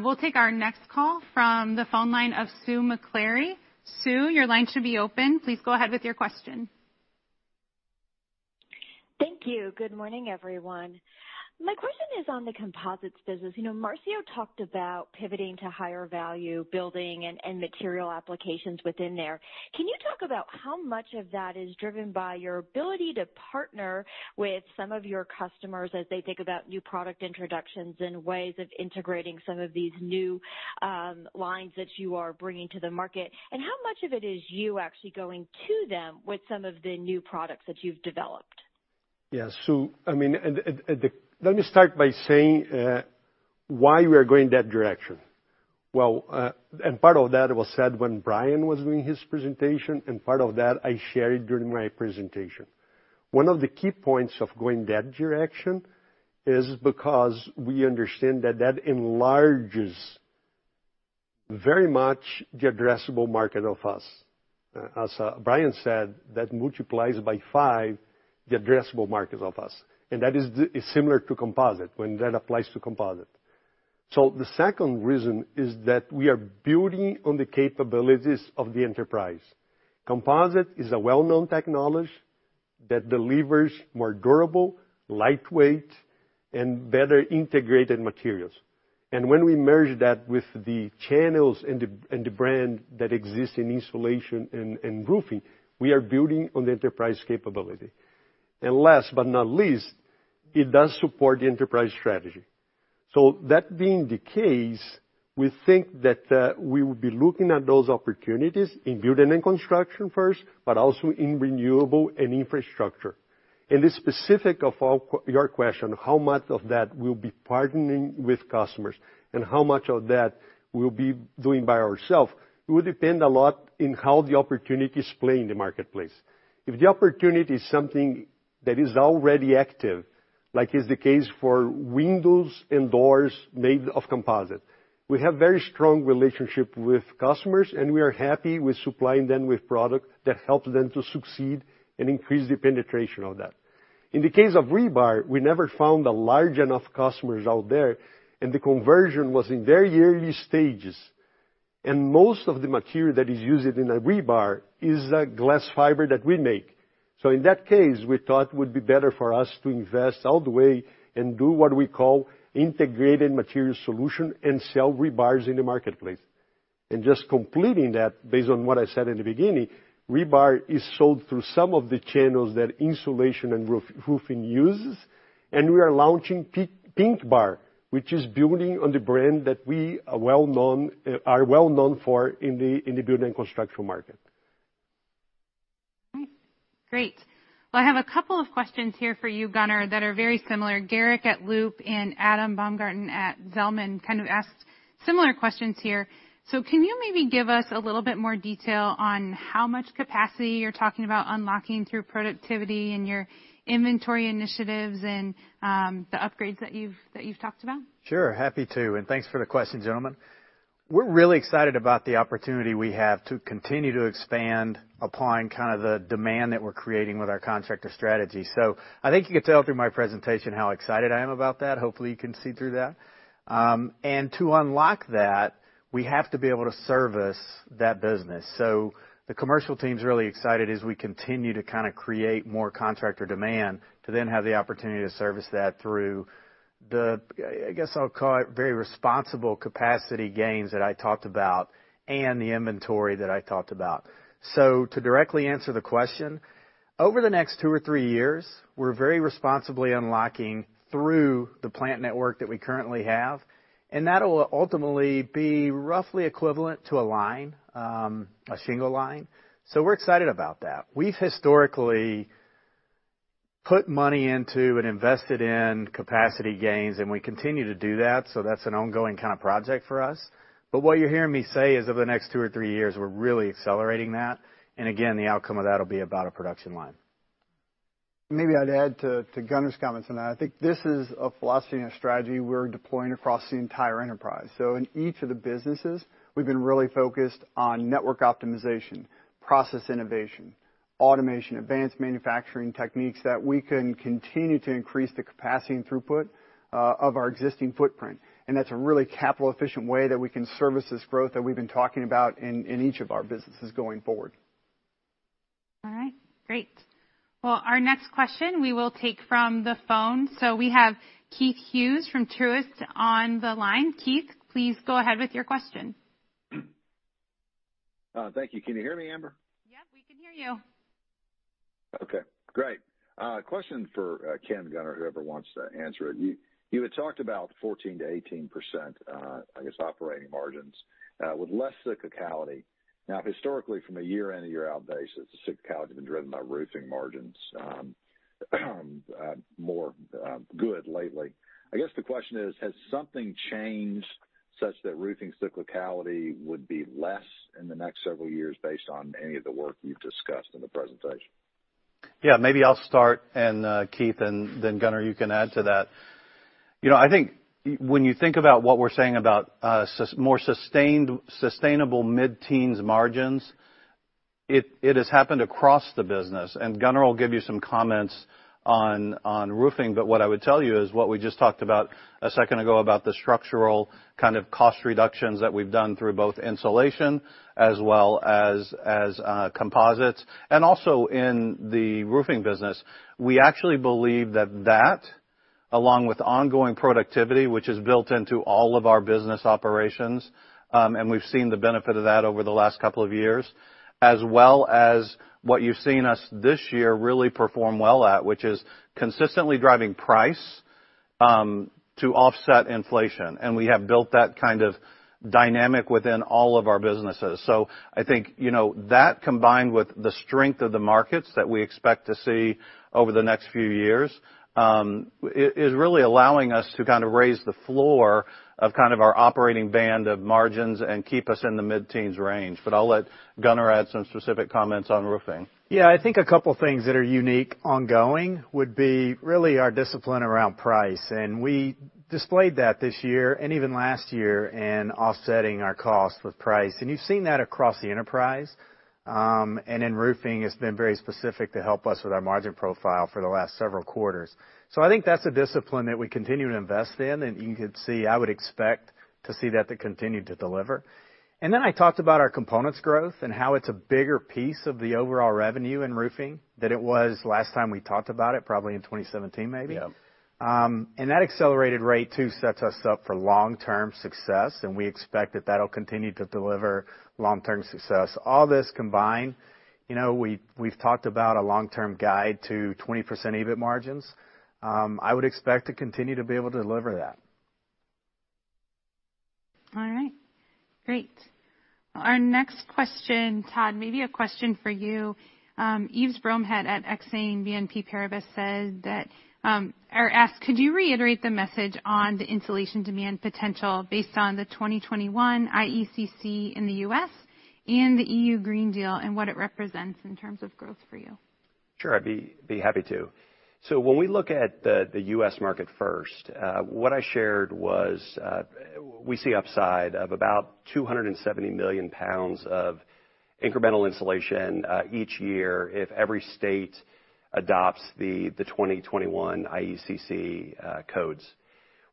we'll take our next call from the phone line of Sue Maklari. Sue, your line should be open. Please go ahead with your question. Thank you. Good morning, everyone. My question is on the Composites business. You know, Marcio talked about pivoting to higher-value building and material applications within there. Can you talk about how much of that is driven by your ability to partner with some of your customers as they think about new product introductions and ways of integrating some of these new lines that you are bringing to the market? How much of it is you actually going to them with some of the new products that you've developed? Yes Sue, I mean, let me start by saying why we are going that direction. Well, part of that was said when Brian was doing his presentation, and part of that I shared during my presentation. One of the key points of going that direction is because we understand that that enlarges very much the addressable market of us. Brian said, that multiplies by five the addressable markets of us, and that is similar to Composites, when that applies to Composites. The second reason is that we are building on the capabilities of the enterprise. Composites is a well-known technology that delivers more durable, lightweight, and better integrated materials. When we merge that with the channels and the brand that exists in Insulation and Roofing, we are building on the enterprise capability. Last but not least, it does support the enterprise strategy. That being the case, we think that we will be looking at those opportunities in building and construction first, but also in renewable and infrastructure. In the specifics of your question, how much of that we'll be partnering with customers and how much of that we'll be doing by ourselves, it will depend a lot in how the opportunities play in the marketplace. If the opportunity is something that is already active, as is the case for windows and doors made of composite, we have very strong relationship with customers, and we are happy with supplying them with product that helps them to succeed and increase the penetration of that. In the case of rebar, we never found a large enough customers out there, and the conversion was in very early stages. Most of the material that is used in a rebar is glass fiber that we make. In that case, we thought it would be better for us to invest all the way and do what we call integrated material solution and sell rebars in the marketplace. Just completing that based on what I said in the beginning, rebar is sold through some of the channels that insulation and roofing uses, and we are launching PINKBAR, which is building on the brand that we are well-known for in the building and construction market. All right. Great. Well, I have a couple of questions here for you, Gunner, that are very similar. Garrick at Loop and Adam Baumgarten at Zelman kind of asked similar questions here. Can you maybe give us a little bit more detail on how much capacity you're talking about unlocking through productivity and your inventory initiatives and the upgrades that you've talked about? Sure. Happy to, and thanks for the question, gentlemen. We're really excited about the opportunity we have to continue to expand upon kind of the demand that we're creating with our contractor strategy. I think you can tell through my presentation how excited I am about that. Hopefully, you can see through that. And to unlock that, we have to be able to service that business. The commercial team's really excited as we continue to kinda create more contractor demand to then have the opportunity to service that through the, I guess I'll call it, very responsible capacity gains that I talked about and the inventory that I talked about. To directly answer the question, over the next two or three years, we're very responsibly unlocking through the plant network that we currently have, and that'll ultimately be roughly equivalent to a line, a shingle line. We're excited about that. We've historically put money into and invested in capacity gains, and we continue to do that, so that's an ongoing kinda project for us. What you're hearing me say is over the next two or three years, we're really accelerating that. Again, the outcome of that'll be about a production line. Maybe I'd add to Gunner's comments on that. I think this is a philosophy and a strategy we're deploying across the entire enterprise. In each of the businesses, we've been really focused on network optimization, process innovation, automation, advanced manufacturing techniques that we can continue to increase the capacity and throughput of our existing footprint. That's a really capital-efficient way that we can service this growth that we've been talking about in each of our businesses going forward. All right, great. Well, our next question we will take from the phone. We have Keith Hughes from Truist on the line. Keith, please go ahead with your question. Thank you. Can you hear me, Amber? Yep, we can hear you. Okay, great. Question for Ken, Gunner, whoever wants to answer it. You had talked about 14%-18%, I guess, operating margins with less cyclicality. Now, historically, from a year in, year out basis, the cyclicality has been driven by Roofing margins, more good lately. I guess the question is, has something changed such that Roofing cyclicality would be less in the next several years based on any of the work you've discussed in the presentation? Yeah, maybe I'll start and Keith and then Gunner, you can add to that. You know, I think when you think about what we're saying about more sustained, sustainable mid-teens% margins. It has happened across the business, and Gunner will give you some comments on roofing. What I would tell you is what we just talked about a second ago about the structural kind of cost reductions that we've done through both insulation as well as composites. Also in the roofing business, we actually believe that, along with ongoing productivity, which is built into all of our business operations, and we've seen the benefit of that over the last couple of years, as well as what you've seen us this year really perform well at, which is consistently driving price to offset inflation. We have built that kind of dynamic within all of our businesses. I think, you know, that combined with the strength of the markets that we expect to see over the next few years, is really allowing us to kind of raise the floor of kind of our operating band of margins and keep us in the mid-teens range. I'll let Gunner add some specific comments on roofing. Yeah, I think a couple things that are unique ongoing would be really our discipline around price. We displayed that this year and even last year in offsetting our cost with price. You've seen that across the enterprise. In roofing, it's been very specific to help us with our margin profile for the last several quarters. I think that's a discipline that we continue to invest in, and you could see, I would expect to see that to continue to deliver. Then I talked about our components growth and how it's a bigger piece of the overall revenue in roofing than it was last time we talked about it, probably in 2017 maybe. Yep. That accelerated rate too sets us up for long-term success, and we expect that that'll continue to deliver long-term success. All this combined, you know, we've talked about a long-term guide to 20% EBIT margins. I would expect to continue to be able to deliver that. All right. Great. Our next question, Todd, may be a question for you. Yves Bromehead at Exane BNP Paribas said that, or asked, "Could you reiterate the message on the insulation demand potential based on the 2021 IECC in the U.S. and the EU Green Deal and what it represents in terms of growth for you? Sure, I'd be happy to. When we look at the U.S. market first, what I shared was, we see upside of about 270 million lbs of incremental insulation each year if every state adopts the 2021 IECC codes.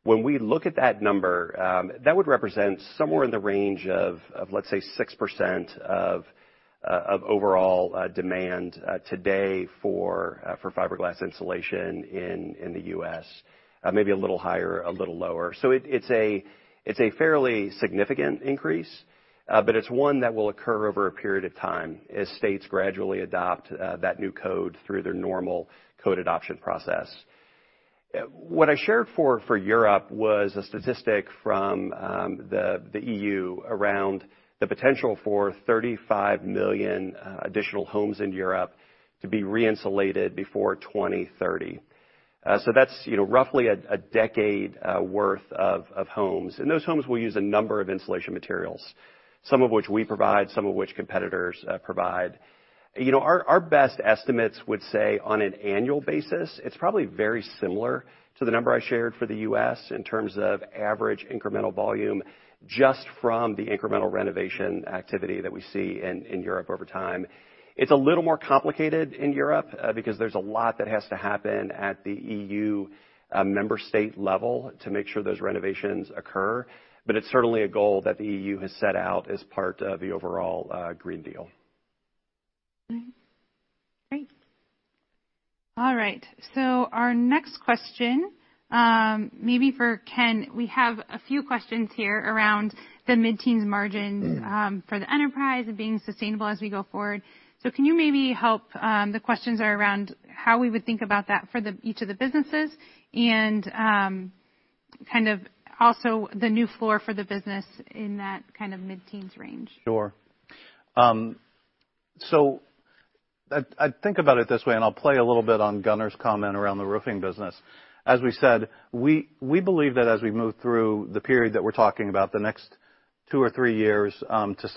When we look at that number, that would represent somewhere in the range of, let's say 6% of overall demand today for fiberglass insulation in the U.S., maybe a little higher, a little lower. It's a fairly significant increase, but it's one that will occur over a period of time as states gradually adopt that new code through their normal code adoption process. What I shared for Europe was a statistic from the EU around the potential for 35 million additional homes in Europe to be re-insulated before 2030. That's, you know, roughly a decade worth of homes. Those homes will use a number of insulation materials, some of which we provide, some of which competitors provide. You know, our best estimates would say on an annual basis, it's probably very similar to the number I shared for the U.S. in terms of average incremental volume just from the incremental renovation activity that we see in Europe over time. It's a little more complicated in Europe because there's a lot that has to happen at the EU member state level to make sure those renovations occur. It's certainly a goal that the EU has set out as part of the overall Green Deal. Great. All right, our next question, maybe for Ken. We have a few questions here around the mid-teens margin. Mm. For the enterprise and being sustainable as we go forward. Can you maybe help? The questions are around how we would think about that for each of the businesses and kind of also the new floor for the business in that kind of mid-teens range. Sure. So I think about it this way, and I'll play a little bit on Gunner's comment around the roofing business. As we said, we believe that as we move through the period that we're talking about, the next two or three years, to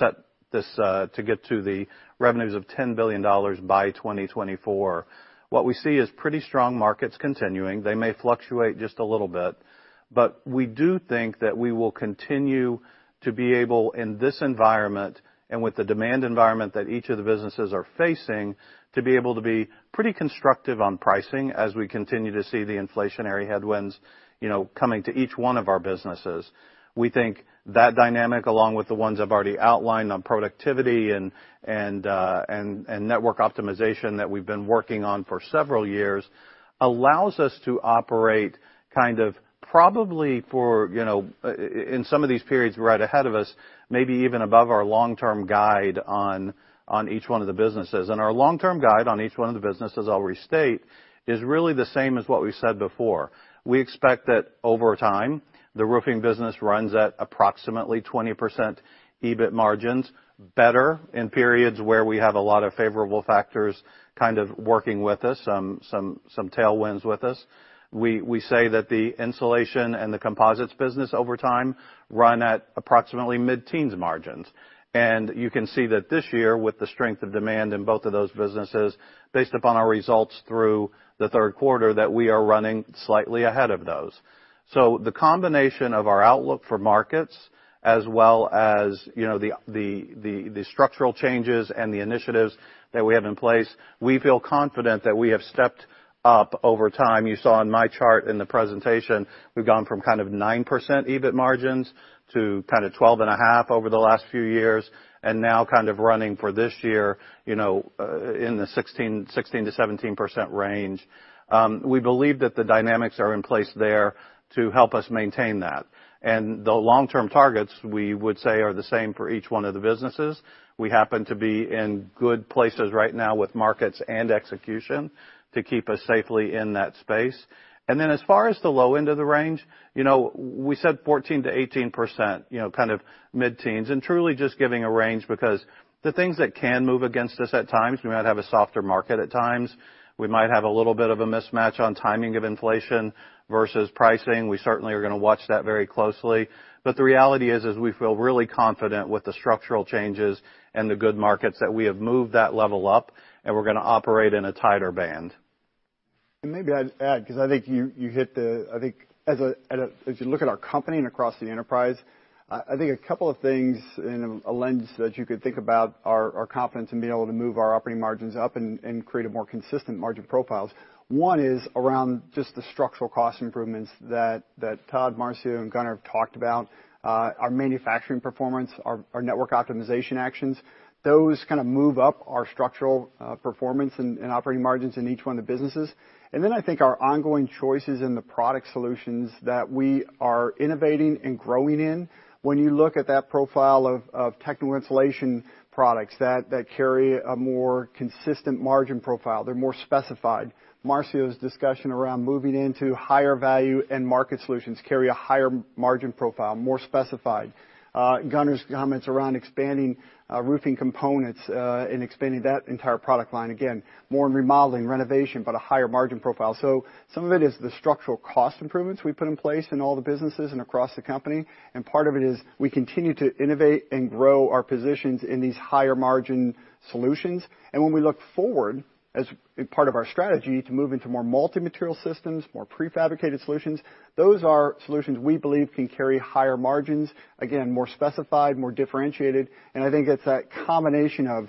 get to the revenues of $10 billion by 2024, what we see is pretty strong markets continuing. They may fluctuate just a little bit, but we do think that we will continue to be able, in this environment and with the demand environment that each of the businesses are facing, to be able to be pretty constructive on pricing as we continue to see the inflationary headwinds, you know, coming to each one of our businesses. We think that dynamic, along with the ones I've already outlined on productivity and network optimization that we've been working on for several years, allows us to operate kind of probably for, you know, in some of these periods right ahead of us, maybe even above our long-term guide on each one of the businesses. Our long-term guide on each one of the businesses, I'll restate, is really the same as what we've said before. We expect that over time, the roofing business runs at approximately 20% EBIT margins, better in periods where we have a lot of favorable factors kind of working with us, some tailwinds with us. We say that the insulation and the composites business over time run at approximately mid-teens margins. You can see that this year, with the strength of demand in both of those businesses, based upon our results through the third quarter, that we are running slightly ahead of those. The combination of our outlook for markets as well as, you know, the structural changes and the initiatives that we have in place, we feel confident that we have stepped up over time. You saw in my chart in the presentation, we've gone from kind of 9% EBIT margins to kind of 12.5% over the last few years, and now kind of running for this year, you know, in the 16%-17% range. We believe that the dynamics are in place there to help us maintain that. The long-term targets, we would say are the same for each one of the businesses. We happen to be in good places right now with markets and execution to keep us safely in that space. Then as far as the low-end of the range, you know, we said 14%-18%, you know, kind of mid-teens, and truly just giving a range because the things that can move against us at times, we might have a softer market at times, we might have a little bit of a mismatch on timing of inflation versus pricing. We certainly are gonna watch that very closely. The reality is we feel really confident with the structural changes and the good markets that we have moved that level up and we're gonna operate in a tighter band. Maybe I'd add, 'cause I think as you look at our company and across the enterprise, I think a couple of things in a lens that you could think about our confidence in being able to move our operating margins up and create a more consistent margin profiles. One is around just the structural cost improvements that Todd, Marcio, and Gunner have talked about, our manufacturing performance, our network optimization actions. Those kind of move up our structural performance and operating margins in each one of the businesses. I think our ongoing choices in the product solutions that we are innovating and growing in. When you look at that profile of technical insulation products that carry a more consistent margin profile, they're more specified. Marcio's discussion around moving into higher value end market solutions carry a higher margin profile, more specified. Gunner's comments around expanding roofing components and expanding that entire product line, again, more in remodeling, renovation, but a higher margin profile. Some of it is the structural cost improvements we put in place in all the businesses and across the company, and part of it is we continue to innovate and grow our positions in these higher margin solutions. When we look forward, as part of our strategy, to move into more multi-material systems, more prefabricated solutions, those are solutions we believe can carry higher margins, again, more specified, more differentiated. I think it's that combination of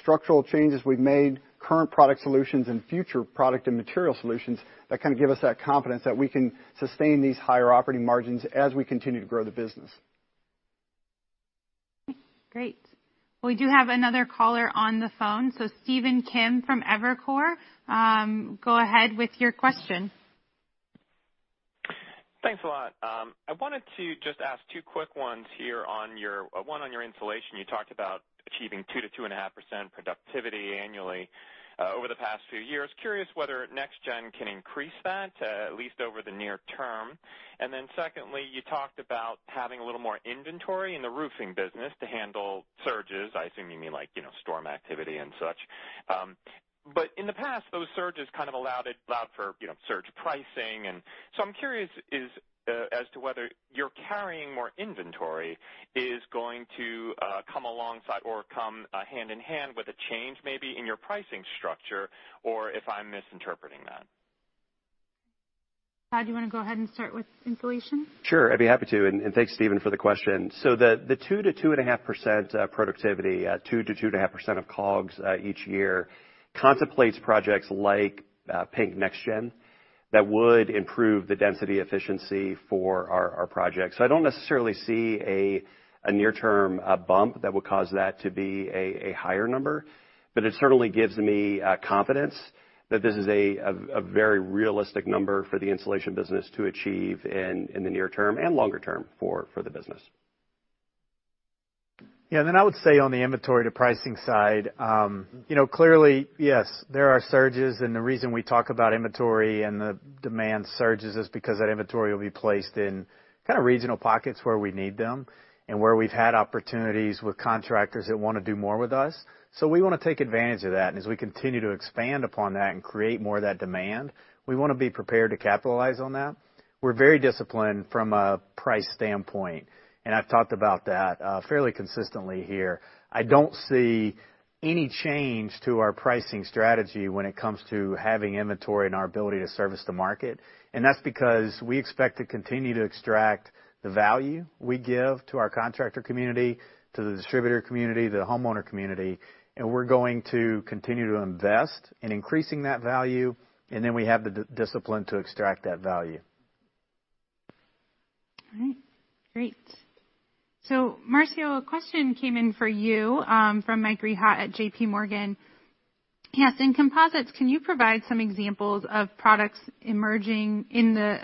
structural changes we've made, current product solutions, and future product and material solutions that kind of give us that confidence that we can sustain these higher operating margins as we continue to grow the business. Great. We do have another caller on the phone, so Stephen Kim from Evercore, go ahead with your question. Thanks a lot. I wanted to just ask two quick ones here on your one, on your insulation, you talked about achieving 2%-2.5% productivity annually over the past few years. Curious whether NexGen can increase that at least over the near term. Then secondly, you talked about having a little more inventory in the roofing business to handle surges. I assume you mean like, you know, storm activity and such. In the past, those surges kind of allowed for, you know, surge pricing. I'm curious as to whether you're carrying more inventory is going to come alongside or come hand in hand with a change maybe in your pricing structure, or if I'm misinterpreting that. Todd, do you wanna go ahead and start with insulation? Sure, I'd be happy to, and thanks, Stephen, for the question. The 2%-2.5% productivity 2%-2.5% of COGS each year contemplates projects like PINK Next Gen that would improve the density efficiency for our projects. I don't necessarily see a near-term bump that would cause that to be a higher number, but it certainly gives me confidence that this is a very realistic number for the insulation business to achieve in the near-term and longer-term for the business. Yeah, I would say on the inventory to pricing side, you know, clearly, yes, there are surges, and the reason we talk about inventory and the demand surges is because that inventory will be placed in kind of regional pockets where we need them and where we've had opportunities with contractors that wanna do more with us. We wanna take advantage of that. As we continue to expand upon that and create more of that demand, we wanna be prepared to capitalize on that. We're very disciplined from a price standpoint, and I've talked about that fairly consistently here. I don't see any change to our pricing strategy when it comes to having inventory and our ability to service the market, and that's because we expect to continue to extract the value we give to our contractor community, to the distributor community, the homeowner community, and we're going to continue to invest in increasing that value, and then we have the discipline to extract that value. All right. Great. Marcio, a question came in for you from Michael Rehaut at J.P. Morgan. He asked, "In composites, can you provide some examples of products emerging in the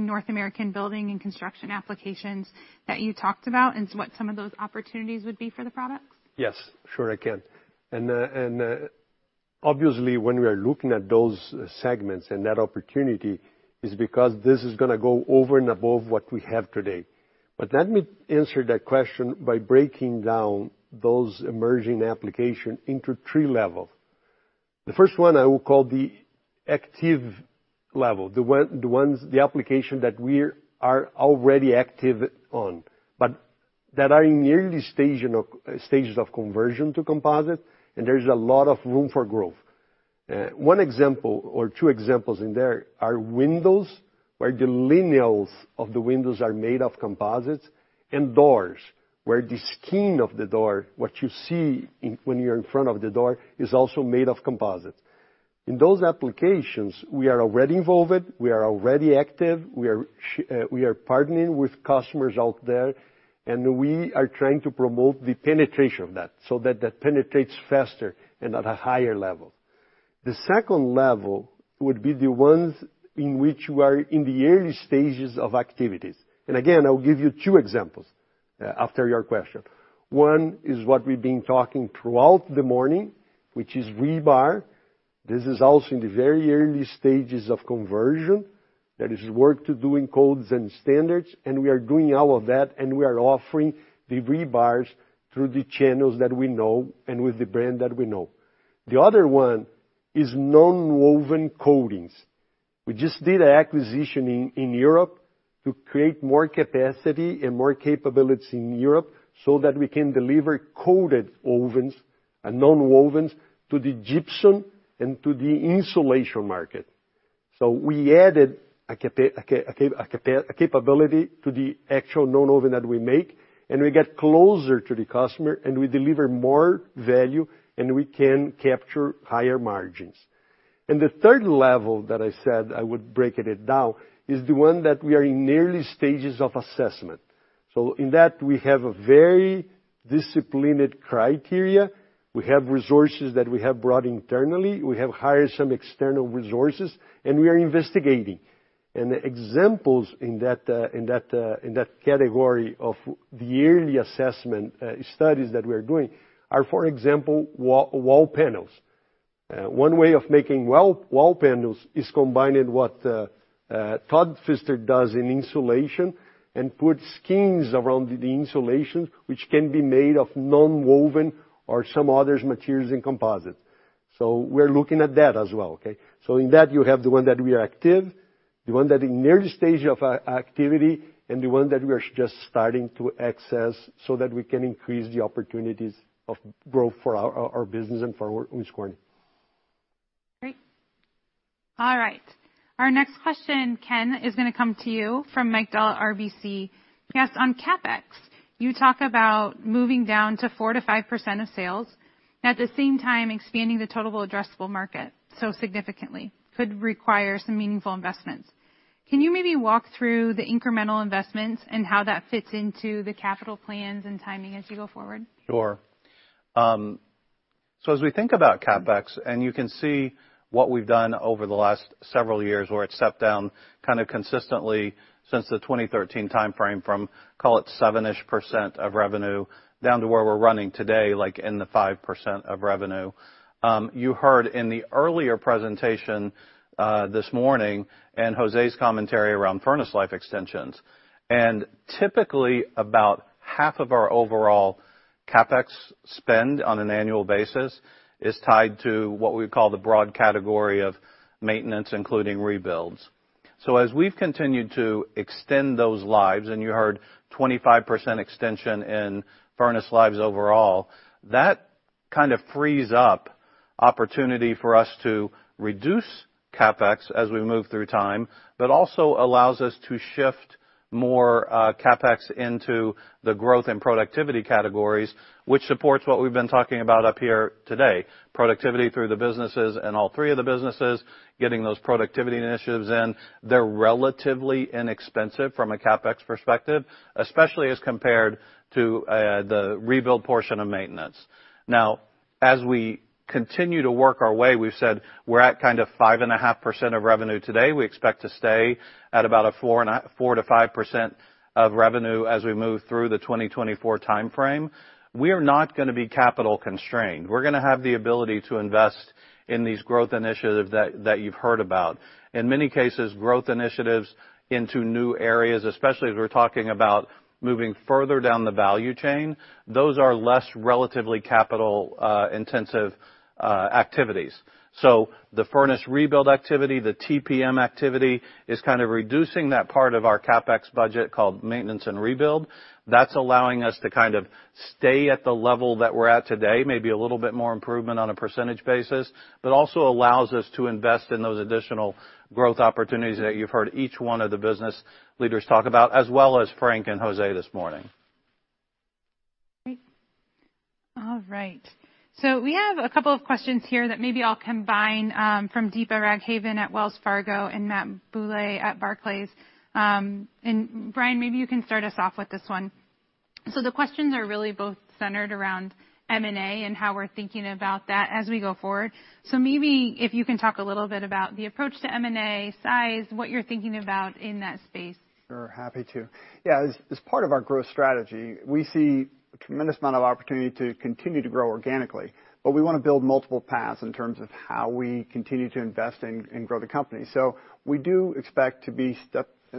North American building and construction applications that you talked about, and what some of those opportunities would be for the products? Yes, sure I can. Obviously, when we are looking at those segments and that opportunity is because this is gonna go over and above what we have today. Let me answer that question by breaking down those emerging application into three levels. The first one I will call the active level, the applications that we are already active on, but that are in early stage, you know, stages of conversion to composite, and there's a lot of room for growth. One example or two examples in there are windows, where the lineals of the windows are made of composites, and doors, where the skin of the door, what you see when you're in front of the door, is also made of composite. In those applications, we are already involved, we are already active, we are partnering with customers out there, and we are trying to promote the penetration of that so that that penetrates faster and at a higher level. The second level would be the ones in which we are in the early stages of activities. Again, I will give you two examples after your question. One is what we've been talking throughout the morning, which is rebar. This is also in the very early stages of conversion. There is work to do in codes and standards, and we are doing all of that, and we are offering the rebars through the channels that we know and with the brand that we know. The other one is nonwoven coatings. We just did an acquisition in Europe to create more capacity and more capability in Europe so that we can deliver coated wovens and nonwovens to the gypsum and to the insulation market. We added a capability to the actual nonwoven that we make, and we get closer to the customer, and we deliver more value, and we can capture higher margins. The third level that I said I would break it down is the one that we are in early stages of assessment. In that, we have a very disciplined criteria. We have resources that we have brought internally. We have hired some external resources, and we are investigating. Examples in that category of the early assessment studies that we are doing are, for example, wall panels. One way of making wall panels is combining what Todd Fister does in insulation and put skins around the insulation, which can be made of nonwoven or some other materials and composites. We're looking at that as well, okay? In that, you have the one that we are active, the one that in early stage of activity, and the one that we are just starting to access so that we can increase the opportunities of growth for our business and for Owens Corning. Great. All right. Our next question, Ken, is gonna come to you from Mike Dahl at RBC. He asks, on CapEx, you talk about moving down to 4%-5% of sales, and at the same time expanding the total addressable market so significantly could require some meaningful investments. Can you maybe walk through the incremental investments and how that fits into the capital plans and timing as you go forward? Sure. As we think about CapEx, and you can see what we've done over the last several years, where it's stepped down kind of consistently since the 2013 timeframe from, call it 7-ish% of revenue, down to where we're running today, like in the 5% of revenue. You heard in the earlier presentation this morning and José's commentary around furnace life extensions, and typically, about half of our overall CapEx spend on an annual basis is tied to what we call the broad category of maintenance, including rebuilds. As we've continued to extend those lives, and you heard 25% extension in furnace lives overall, that kind of frees up opportunity for us to reduce CapEx as we move through time, but also allows us to shift more CapEx into the growth and productivity categories, which supports what we've been talking about up here today, productivity through the businesses and all three of the businesses, getting those productivity initiatives in. They're relatively inexpensive from a CapEx perspective, especially as compared to the rebuild portion of maintenance. Now, as we continue to work our way, we've said we're at kind of 5.5% of revenue today. We expect to stay at about 4%-5% of revenue as we move through the 2024 timeframe. We are not gonna be capital constrained. We're gonna have the ability to invest in these growth initiatives that you've heard about. In many cases, growth initiatives into new areas, especially as we're talking about moving further down the value chain, those are less relatively capital intensive activities. The furnace rebuild activity, the TPM activity is kind of reducing that part of our CapEx budget called maintenance and rebuild. That's allowing us to kind of stay at the level that we're at today, maybe a little bit more improvement on a percentage basis, but also allows us to invest in those additional growth opportunities that you've heard each one of the business leaders talk about, as well as Frank and José this morning. Great. All right. We have a couple of questions here that maybe I'll combine from Deepa Raghavan at Wells Fargo and Matthew Bouley at Barclays. Brian, maybe you can start us off with this one. The questions are really both centered around M&A and how we're thinking about that as we go forward. Maybe if you can talk a little bit about the approach to M&A, size, what you're thinking about in that space. Sure. Happy to. Yeah, as part of our growth strategy, we see a tremendous amount of opportunity to continue to grow organically, but we wanna build multiple paths in terms of how we continue to invest and grow the company. We do expect to be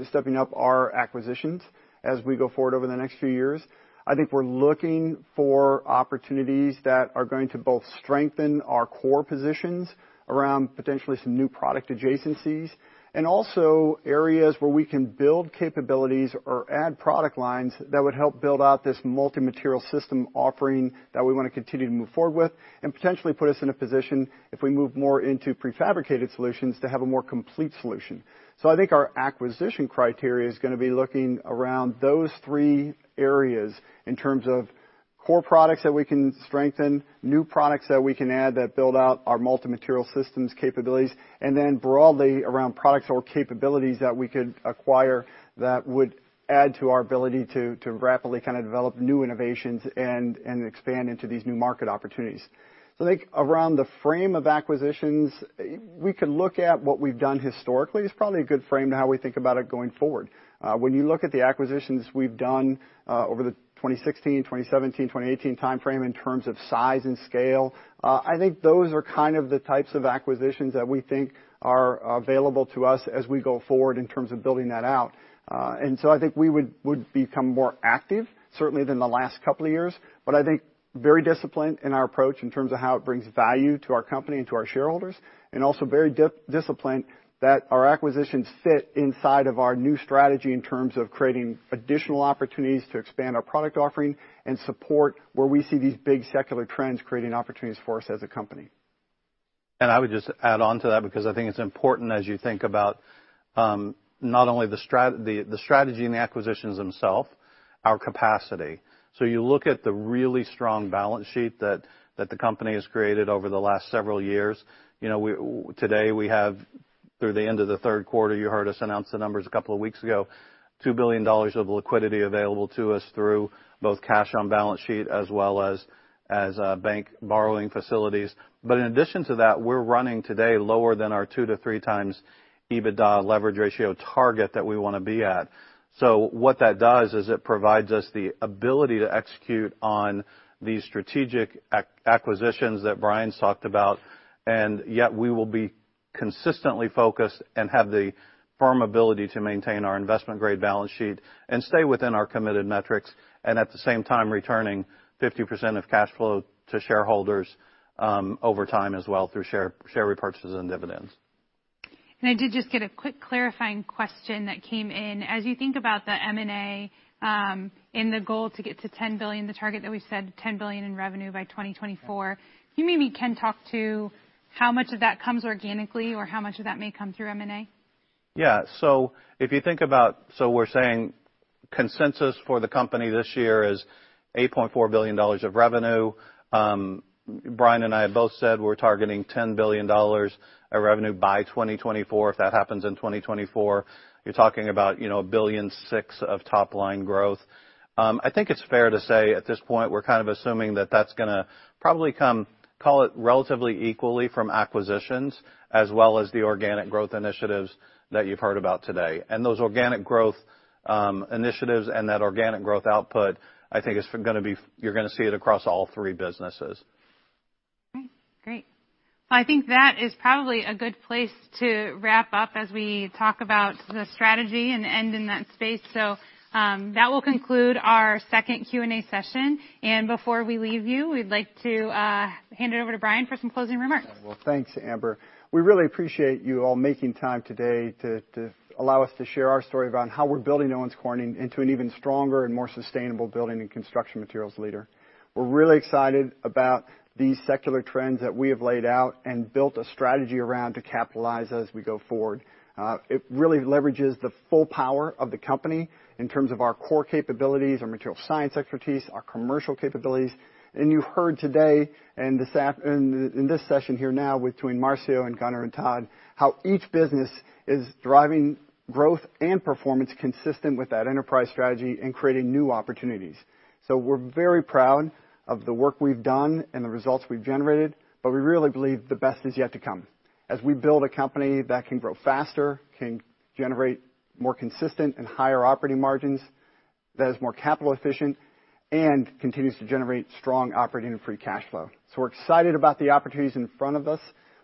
stepping up our acquisitions as we go forward over the next few years. I think we're looking for opportunities that are going to both strengthen our core positions around potentially some new product adjacencies, and also areas where we can build capabilities or add product lines that would help build out this multi-material system offering that we wanna continue to move forward with, and potentially put us in a position, if we move more into prefabricated solutions, to have a more complete solution. I think our acquisition criteria is gonna be looking around those three areas in terms of core products that we can strengthen, new products that we can add that build out our multi-material systems capabilities, and then broadly around products or capabilities that we could acquire that would add to our ability to rapidly kinda develop new innovations and expand into these new market opportunities. I think around the frame of acquisitions, we can look at what we've done historically is probably a good frame to how we think about it going forward. When you look at the acquisitions we've done over the 2016, 2017, 2018 timeframe in terms of size and scale, I think those are kind of the types of acquisitions that we think are available to us as we go forward in terms of building that out. I think we would become more active, certainly than the last couple of years, but I think very disciplined in our approach in terms of how it brings value to our company and to our shareholders, and also very disciplined that our acquisitions fit inside of our new strategy in terms of creating additional opportunities to expand our product offering and support where we see these big secular trends creating opportunities for us as a company. I would just add on to that because I think it's important as you think about, not only the strategy and the acquisitions themselves, our capacity. You look at the really strong balance sheet that the company has created over the last several years. You know, we today have through the end of the third quarter, you heard us announce the numbers a couple of weeks ago, $2 billion of liquidity available to us through both cash on balance sheet as well as bank borrowing facilities. But in addition to that, we're running today lower than our 2x-3x times EBITDA leverage ratio target that we wanna be at. What that does is it provides us the ability to execute on these strategic acquisitions that Brian's talked about, and yet we will be consistently focused and have the firm ability to maintain our investment-grade balance sheet and stay within our committed metrics, and at the same time, returning 50% of cash flow to shareholders, over time as well through share repurchases and dividends. I did just get a quick clarifying question that came in. As you think about the M&A, and the goal to get to $10 billion, the target that we said, $10 billion in revenue by 2024, can you maybe, Ken, talk to how much of that comes organically or how much of that may come through M&A? Yeah. If you think about, we're saying consensus for the company this year is $8.4 billion of revenue. Brian and I have both said we're targeting $10 billion of revenue by 2024. If that happens in 2024, you're talking about, you know, $1.6 billion of top-line growth. I think it's fair to say at this point we're kind of assuming that that's gonna probably come, call it relatively equally from acquisitions as well as the organic growth initiatives that you've heard about today. Those organic growth initiatives and that organic growth output, I think, is gonna be. You're gonna see it across all three businesses. Okay. Great. I think that is probably a good place to wrap up as we talk about the strategy and end in that space. That will conclude our second Q&A session. Before we leave you, we'd like to hand it over to Brian for some closing remarks. Well, thanks, Amber. We really appreciate you all making time today to allow us to share our story about how we're building Owens Corning into an even stronger and more sustainable building and construction materials leader. We're really excited about these secular trends that we have laid out and built a strategy around to capitalize as we go forward. It really leverages the full power of the company in terms of our core capabilities, our material science expertise, our commercial capabilities. You heard today and in this session here now between Marcio and Gunner and Todd, how each business is driving growth and performance consistent with that enterprise strategy and creating new opportunities. We're very proud of the work we've done and the results we've generated, but we really believe the best is yet to come as we build a company that can grow faster, can generate more consistent and higher operating margins, that is more capital efficient, and continues to generate strong operating and free cash flow. We're excited about the opportunities in front of us.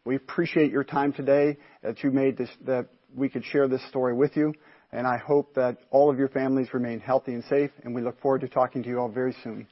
We appreciate your time today that we could share this story with you, and I hope that all of your families remain healthy and safe, and we look forward to talking to you all very soon.